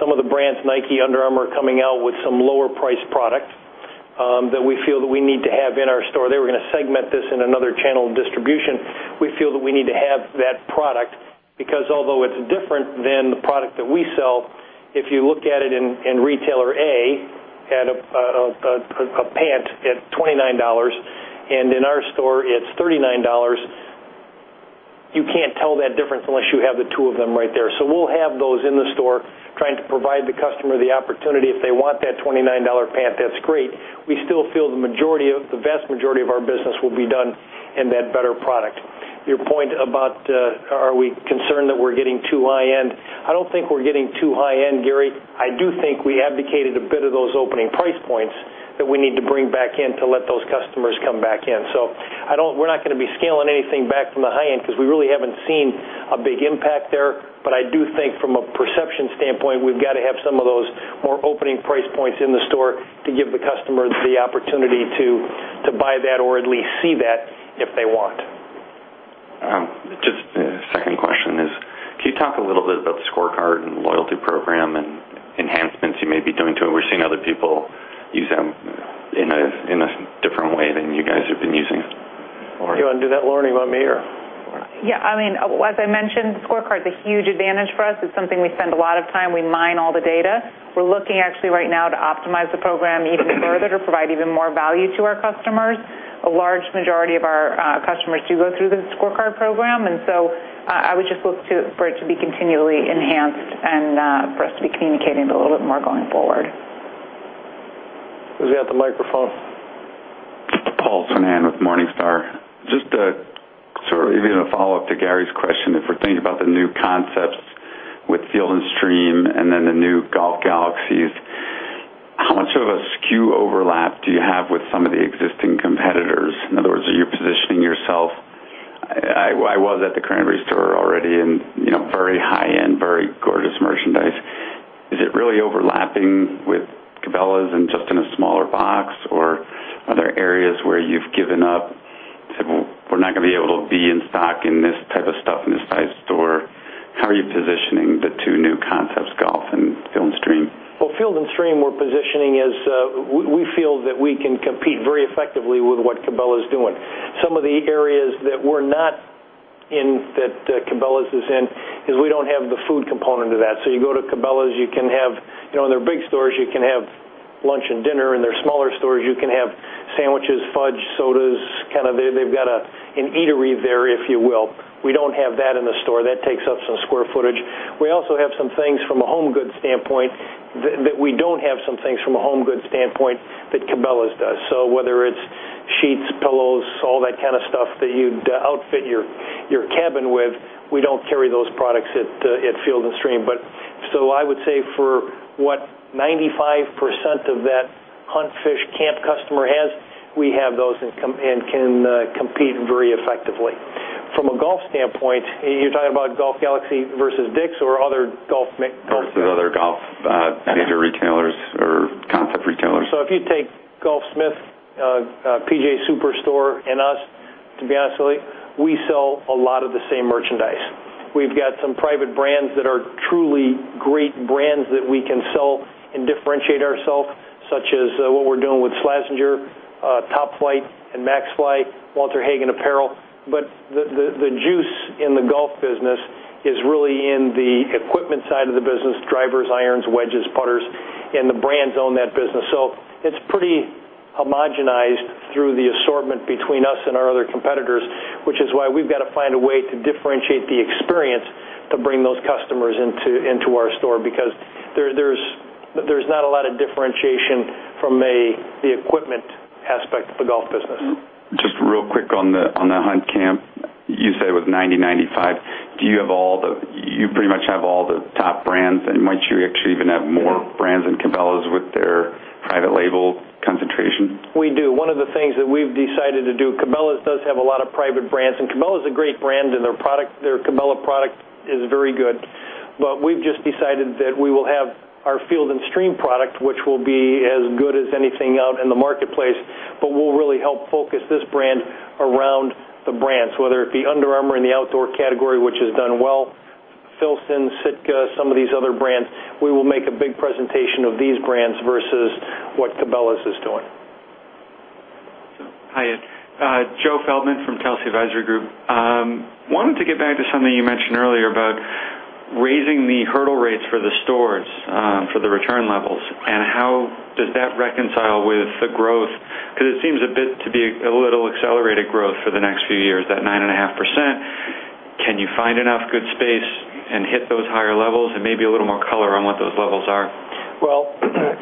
Some of the brands, Nike, Under Armour, are coming out with some lower priced product that we feel that we need to have in our store. They were going to segment this in another channel of distribution. We feel that we need to have that product because although it's different than the product that we sell, if you look at it in retailer A, at a pant at $29, and in our store, it's $39. You can't tell that difference unless you have the two of them right there. We'll have those in the store trying to provide the customer the opportunity. If they want that $29 pant, that's great. We still feel the vast majority of our business will be done in that better product. Your point about are we concerned that we're getting too high-end. I don't think we're getting too high-end, Gary. I do think we abdicated a bit of those opening price points that we need to bring back in to let those customers come back in. We're not going to be scaling anything back from the high-end because we really haven't seen a big impact there. I do think from a perception standpoint, we've got to have some of those more opening price points in the store to give the customers the opportunity to buy that or at least see that if they want. Just a second question is, can you talk a little bit about the ScoreCard and the loyalty program and enhancements you may be doing to it? We're seeing other people use them in a different way than you guys have been using. You want to do that, Lauren, you want me or? Yeah. As I mentioned, the ScoreCard is a huge advantage for us. It's something we spend a lot of time. We mine all the data. We're looking actually right now to optimize the program even further to provide even more value to our customers. A large majority of our customers do go through the ScoreCard program. I would just look for it to be continually enhanced and for us to be communicating it a little bit more going forward. Who's got the microphone? Paul Swinand with Morningstar. Sort of even a follow-up to Gary's question. If we're thinking about the new concepts with Field & Stream and then the new Golf Galaxy, how much of a SKU overlap do you have with some of the existing competitors? In other words, are you positioning yourself? I was at the Cranberry store already, and very high-end, very gorgeous merchandise. Is it really overlapping with Cabela's and just in a smaller box? Or are there areas where you've given up, said, "Well, we're not going to be able to be in stock in this type of stuff in this size store." How are you positioning the two new concepts, Golf and Field & Stream? Field & Stream, we're positioning as we feel that we can compete very effectively with what Cabela's doing. Some of the areas that we're not in that Cabela's is in, is we don't have the food component of that. You go to Cabela's, in their big stores, you can have lunch and dinner. In their smaller stores, you can have sandwiches, fudge, sodas. They've got an eatery there, if you will. We don't have that in the store. That takes up some square footage. We also have some things from a home goods standpoint that we don't have some things from a home goods standpoint that Cabela's does. Whether it's sheets, pillows, all that kind of stuff that you'd outfit your cabin with, we don't carry those products at Field & Stream. I would say for what 95% of that hunt, fish, camp customer has, we have those and can compete very effectively. From a golf standpoint, are you talking about Golf Galaxy versus DICK'S or other golf- Versus other golf major retailers or concept retailers. If you take Golfsmith, PGA TOUR Superstore, and us, to be honestly, we sell a lot of the same merchandise. We've got some private brands that are truly great brands that we can sell and differentiate ourselves, such as what we're doing with Slazenger, Top-Flite and Maxfli, Walter Hagen apparel. The juice in the golf business is really in the equipment side of the business, drivers, irons, wedges, putters, and the brands own that business. It's pretty homogenized through the assortment between us and our other competitors, which is why we've got to find a way to differentiate the experience to bring those customers into our store, because there's not a lot of differentiation from the equipment aspect of the golf business. Just real quick on the hunt camp. You say with 90, 95, you pretty much have all the top brands and might you actually even have more brands than Cabela's with their private label concentration? We do. One of the things that we've decided to do, Cabela's does have a lot of private brands, and Cabela's a great brand and their Cabela product is very good. We've just decided that we will have our Field & Stream product, which will be as good as anything out in the marketplace, but will really help focus this brand around the brands, whether it be Under Armour in the outdoor category, which has done well. Filson, Sitka, some of these other brands, we will make a big presentation of these brands versus what Cabela's is doing. Hi. Joseph Feldman from Telsey Advisory Group. Wanted to get back to something you mentioned earlier about raising the hurdle rates for the stores for the return levels, and how does that reconcile with the growth? Because it seems a bit to be a little accelerated growth for the next few years, that 9.5%. Can you find enough good space and hit those higher levels? Maybe a little more color on what those levels are.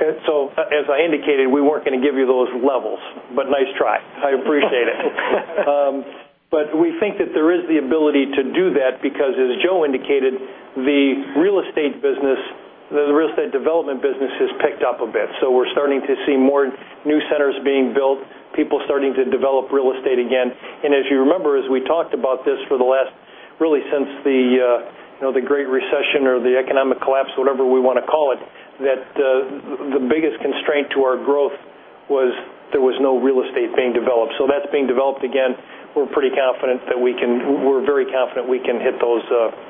As I indicated, we weren't going to give you those levels, but nice try. I appreciate it. We think that there is the ability to do that, because as Joe indicated, the real estate development business has picked up a bit. We're starting to see more new centers being built, people starting to develop real estate again. As you remember, as we talked about this for the last, really since the Great Recession or the economic collapse, whatever we want to call it, that the biggest constraint to our growth was there was no real estate being developed. That's being developed again. We're very confident we can hit those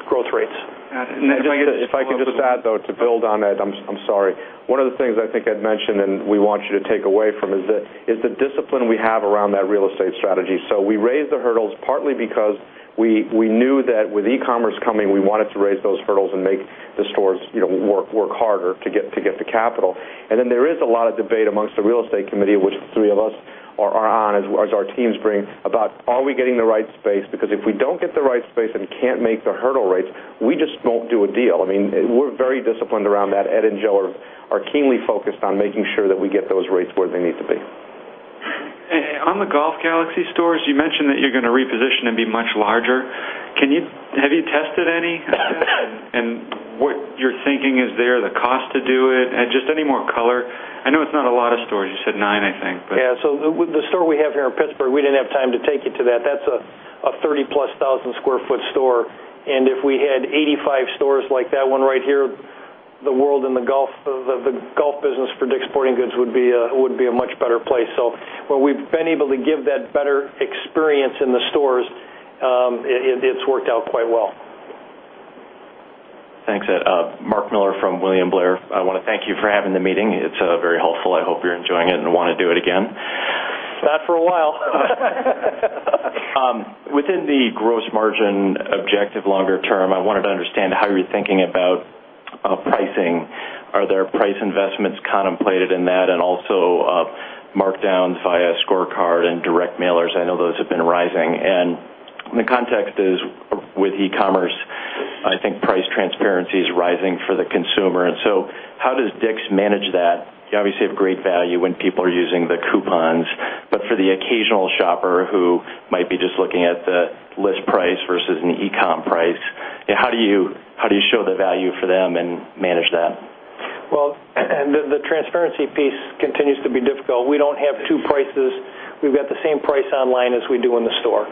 growth rates. If I could just add, though, to build on that, I'm sorry. One of the things I think I'd mentioned, and we want you to take away from, is the discipline we have around that real estate strategy. We raised the hurdles partly because we knew that with e-commerce coming, we wanted to raise those hurdles and make the stores work harder to get the capital. There is a lot of debate amongst the real estate committee, which the three of us are on, as our teams bring, about are we getting the right space? Because if we don't get the right space and can't make the hurdle rates, we just won't do a deal. We're very disciplined around that. Ed and Joe are keenly focused on making sure that we get those rates where they need to be. On the Golf Galaxy stores, you mentioned that you're going to reposition and be much larger. Have you tested any? Yeah. What you're thinking is there, the cost to do it, and just any more color. I know it's not a lot of stores, you said nine, I think. Yeah. The store we have here in Pittsburgh, we didn't have time to take you to that. That's a 30-plus thousand sq ft store. If we had 85 stores like that one right here, the world and the golf business for DICK'S Sporting Goods would be a much better place. Where we've been able to give that better experience in the stores, it's worked out quite well. Thanks, Ed. Mark Miller from William Blair. I want to thank you for having the meeting. It's very helpful. I hope you're enjoying it and want to do it again. Not for a while. Within the gross margin objective longer term, I wanted to understand how you're thinking about pricing. Are there price investments contemplated in that, and also markdowns via ScoreCard and direct mailers? I know those have been rising. The context is with e-commerce, I think price transparency is rising for the consumer, how does DICK'S manage that? You obviously have great value when people are using the coupons, but for the occasional shopper who might be just looking at the list price versus an e-comm price, how do you show the value for them and manage that? Well, the transparency piece continues to be difficult. We don't have two prices. We've got the same price online as we do in the store.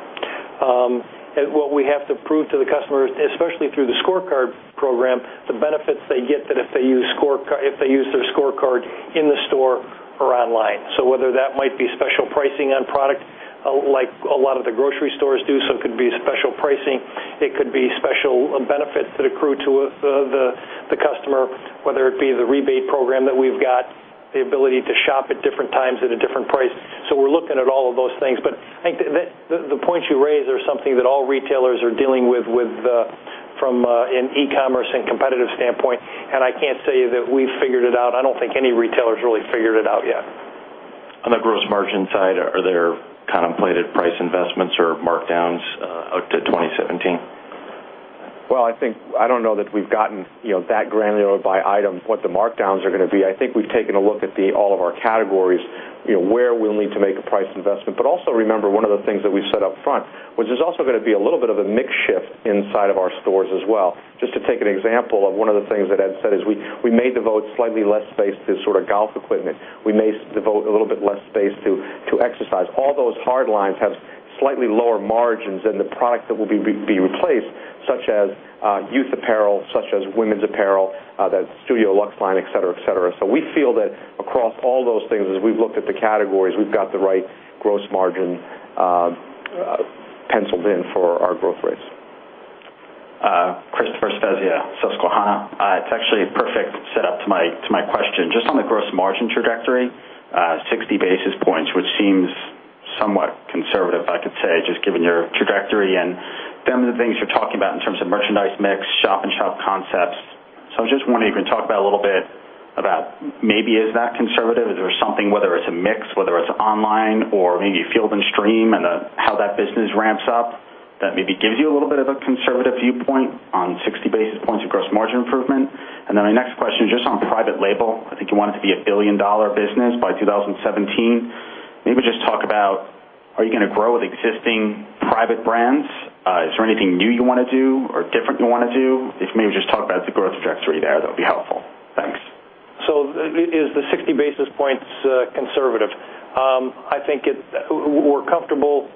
What we have to prove to the customers, especially through the ScoreCard program, the benefits they get if they use their ScoreCard in the store or online. Whether that might be special pricing on product, like a lot of the grocery stores do, it could be special pricing. It could be special benefits that accrue to the customer, whether it be the rebate program that we've got, the ability to shop at different times at a different price. We're looking at all of those things. I think the points you raise are something that all retailers are dealing with from an e-commerce and competitive standpoint, I can't say that we've figured it out. I don't think any retailer's really figured it out yet. On the gross margin side, are there contemplated price investments or markdowns out to 2017? Well, I don't know that we've gotten that granular by item, what the markdowns are going to be. I think we've taken a look at all of our categories, where we'll need to make a price investment. Also remember, one of the things that we've said up front, which there's also going to be a little bit of a mix shift inside of our stores as well. Just to take an example of one of the things that Ed said is we may devote slightly less space to golf equipment. We may devote a little bit less space to exercise. All those hard lines have slightly lower margins than the product that will be replaced, such as youth apparel, such as women's apparel, that StudioLux line, et cetera. We feel that across all those things, as we've looked at the categories, we've got the right gross margin penciled in for our growth rates. Christopher Svezia, Susquehanna. It's actually a perfect set up to my question. Just on the gross margin trajectory, 60 basis points, which seems somewhat conservative, I could say, just given your trajectory and some of the things you're talking about in terms of merchandise mix, shop-in-shop concepts. I just wonder, you can talk a little bit about maybe is that conservative? Is there something, whether it's a mix, whether it's online or maybe Field & Stream and how that business ramps up, that maybe gives you a little bit of a conservative viewpoint on 60 basis points of gross margin improvement? My next question, just on private label, I think you want it to be a billion-dollar business by 2017. Maybe just talk about, are you going to grow with existing private brands? Is there anything new you want to do or different you want to do? If you maybe just talk about the growth trajectory there, that would be helpful. Thanks. Is the 60 basis points conservative? I think we're comfortable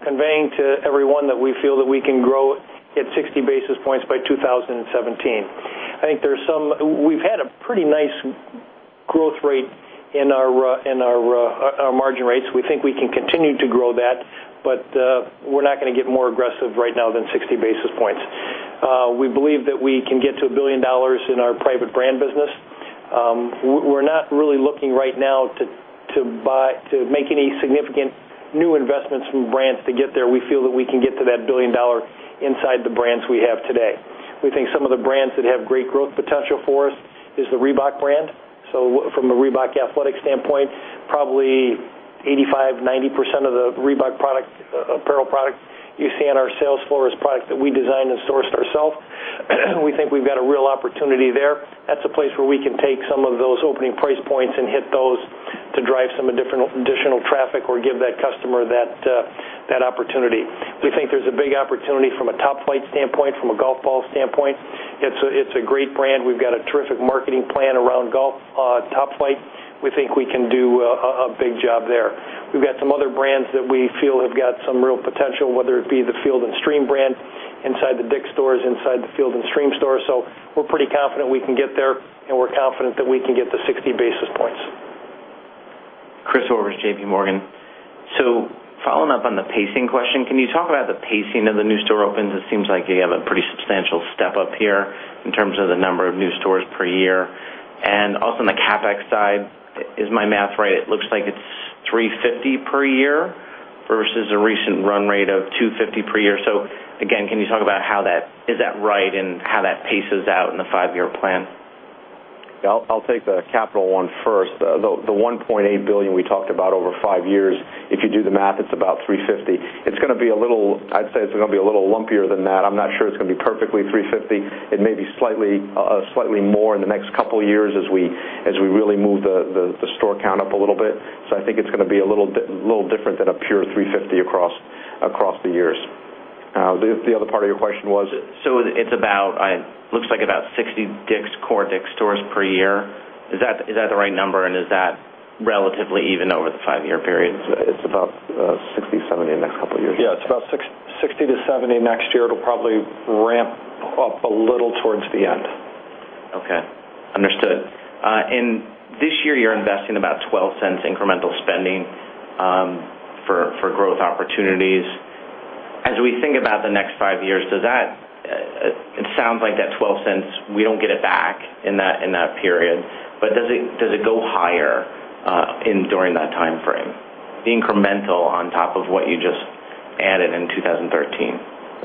conveying to everyone that we feel that we can grow at 60 basis points by 2017. We've had a pretty nice growth rate in our margin rates. We think we can continue to grow that, but we're not going to get more aggressive right now than 60 basis points. We believe that we can get to a $1 billion in our private brand business. We're not really looking right now to make any significant new investments from brands to get there. We feel that we can get to that $1 billion inside the brands we have today. We think some of the brands that have great growth potential for us is the Reebok brand. From a Reebok athletic standpoint, probably 85%, 90% of the Reebok apparel product you see on our sales floor is product that we design and source ourselves. We think we've got a real opportunity there. That's a place where we can take some of those opening price points and hit those to drive some additional traffic or give that customer that opportunity. We think there's a big opportunity from a Top-Flite standpoint, from a golf ball standpoint. It's a great brand. We've got a terrific marketing plan around golf. Top-Flite, we think we can do a big job there. We've got some other brands that we feel have got some real potential, whether it be the Field & Stream brand inside the DICK'S stores, inside the Field & Stream stores. We're pretty confident we can get there, and we're confident that we can get the 60 basis points. Christopher Horvers, JP Morgan. Following up on the pacing question, can you talk about the pacing of the new store opens? It seems like you have a pretty substantial step-up here in terms of the number of new stores per year. Also on the CapEx side, is my math right, it looks like it's $350 per year versus a recent run rate of $250 per year. Again, can you talk about is that right and how that paces out in the five-year plan? Yeah, I'll take the capital one first. The $1.8 billion we talked about over five years, if you do the math, it's about $350. I'd say it's going to be a little lumpier than that. I'm not sure it's going to be perfectly $350. It may be slightly more in the next couple of years as we really move the store count up a little bit. I think it's going to be a little different than a pure $350 across the years. The other part of your question was? It looks like about 60 core DICK'S stores per year. Is that the right number and is that relatively even over the five-year period? It's about 60, 70 in the next couple of years. Yeah, it's about 60 to 70 next year. It'll probably ramp up a little towards the end. Okay. Understood. In this year, you're investing about $0.12 incremental spending for growth opportunities. As we think about the next five years, it sounds like that $0.12, we don't get it back in that period, but does it go higher during that timeframe, incremental on top of what you just added in 2013?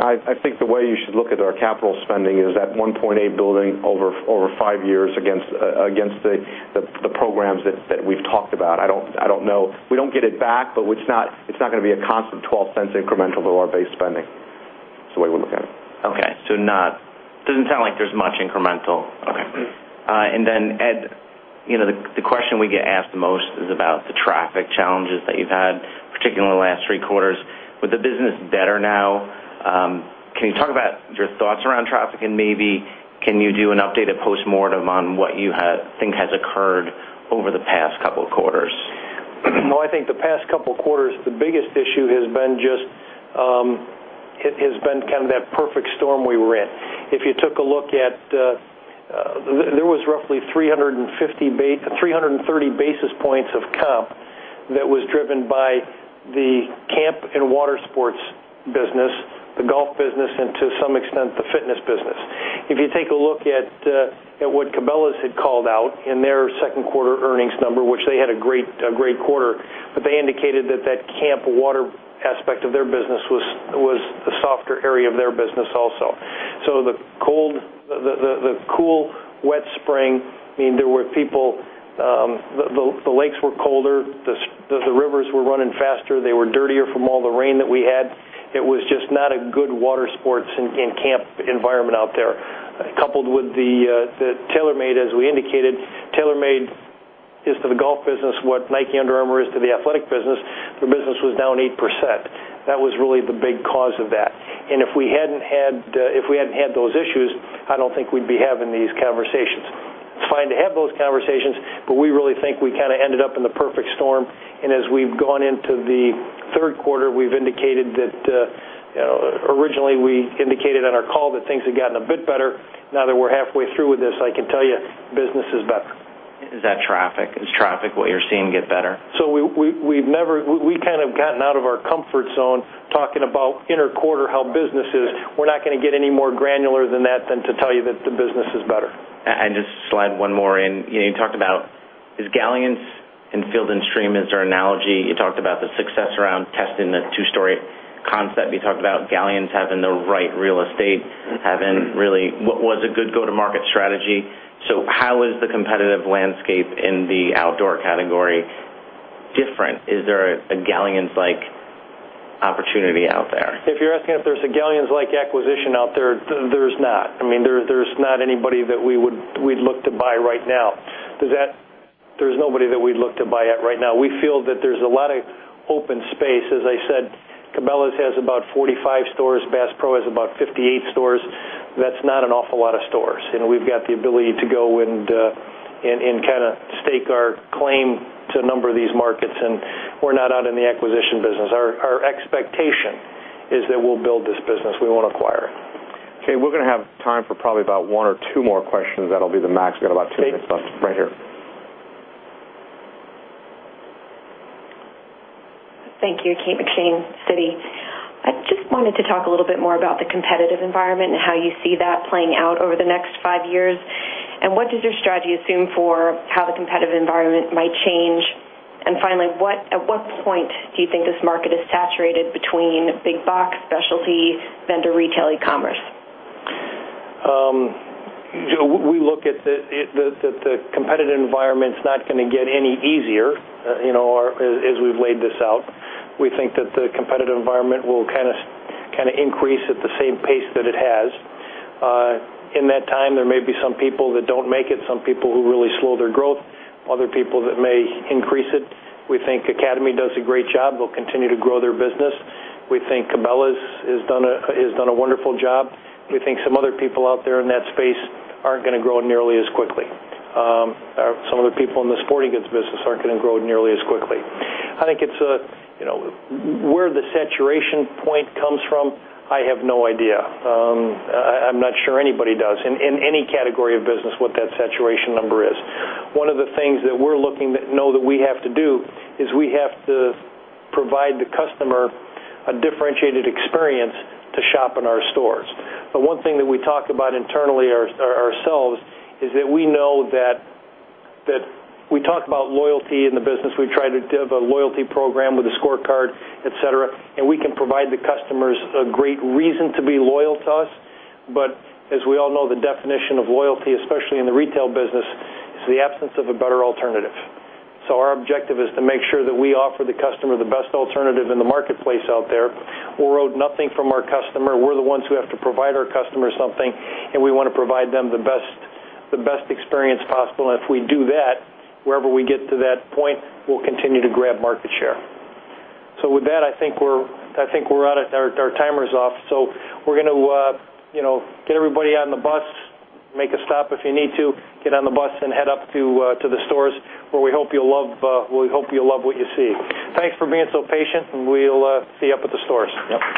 I think the way you should look at our capital spending is that $1.8 billion over five years against the programs that we've talked about. I don't know. We don't get it back, but it's not going to be a constant $0.12 incremental to our base spending. That's the way we look at it. Okay. Doesn't sound like there's much incremental. Okay. Ed, the question we get asked the most is about the traffic challenges that you've had, particularly in the last three quarters. With the business better now, can you talk about your thoughts around traffic and maybe can you do an updated postmortem on what you think has occurred over the past couple of quarters? I think the past couple of quarters, the biggest issue has been kind of that perfect storm we were in. There was roughly 330 basis points of comp that was driven by the camp and water sports business, the golf business, and to some extent, the fitness business. If you take a look at what Cabela's had called out in their second quarter earnings number, which they had a great quarter, but they indicated that that camp water aspect of their business was a softer area of their business also. The cool wet spring, the lakes were colder, the rivers were running faster. They were dirtier from all the rain that we had. It was just not a good water sports and camp environment out there. Coupled with the TaylorMade, as we indicated, TaylorMade is to the golf business what Nike Under Armour is to the athletic business. Their business was down 8%. That was really the big cause of that. If we hadn't had those issues, I don't think we'd be having these conversations. Fine to have those conversations, we really think we kind of ended up in the perfect storm, as we've gone into the third quarter, originally we indicated on our call that things had gotten a bit better. Now that we're halfway through with this, I can tell you business is better. Is that traffic? Is traffic what you're seeing get better? We kind of gotten out of our comfort zone talking about inter-quarter how business is. We're not going to get any more granular than that than to tell you that the business is better. Just slide one more in. You talked about, is Galyan's and Field & Stream is our analogy. You talked about the success around testing the 2-story concept. You talked about Galyan's having the right real estate, having really what was a good go-to-market strategy. How is the competitive landscape in the outdoor category different? Is there a Galyan's-like opportunity out there? If you're asking if there's a Galyan's-like acquisition out there's not. There's not anybody that we'd look to buy right now. There's nobody that we'd look to buy at right now. We feel that there's a lot of open space. As I said, Cabela's has about 45 stores. Bass Pro Shops has about 58 stores. That's not an awful lot of stores. We've got the ability to go and kind of stake our claim to a number of these markets, and we're not out in the acquisition business. Our expectation is that we'll build this business. We won't acquire. We're going to have time for probably about one or two more questions. That'll be the max. We got about two minutes left. Right here. Thank you. Kate McShane, Citi. I just wanted to talk a little bit more about the competitive environment and how you see that playing out over the next five years. What does your strategy assume for how the competitive environment might change? Finally, at what point do you think this market is saturated between big box specialty vendor retail e-commerce? We look at the competitive environment's not going to get any easier, as we've laid this out. We think that the competitive environment will increase at the same pace that it has. In that time, there may be some people that don't make it, some people who really slow their growth, other people that may increase it. We think Academy does a great job. They'll continue to grow their business. We think Cabela's has done a wonderful job. We think some other people out there in that space aren't going to grow nearly as quickly. Some of the people in the sporting goods business aren't going to grow nearly as quickly. Where the saturation point comes from, I have no idea. I'm not sure anybody does in any category of business what that saturation number is. One of the things that we know that we have to do is we have to provide the customer a differentiated experience to shop in our stores. The one thing that we talk about internally ourselves is that we know that we talk about loyalty in the business. We try to give a loyalty program with a ScoreCard, et cetera, and we can provide the customers a great reason to be loyal to us. As we all know, the definition of loyalty, especially in the retail business, is the absence of a better alternative. Our objective is to make sure that we offer the customer the best alternative in the marketplace out there. We'll owe nothing from our customer. We're the ones who have to provide our customers something, and we want to provide them the best experience possible. If we do that, wherever we get to that point, we'll continue to grab market share. With that, I think our timer's off. We're going to get everybody on the bus, make a stop if you need to, get on the bus and head up to the stores where we hope you'll love what you see. Thanks for being so patient, and we'll see you up at the stores. Yep.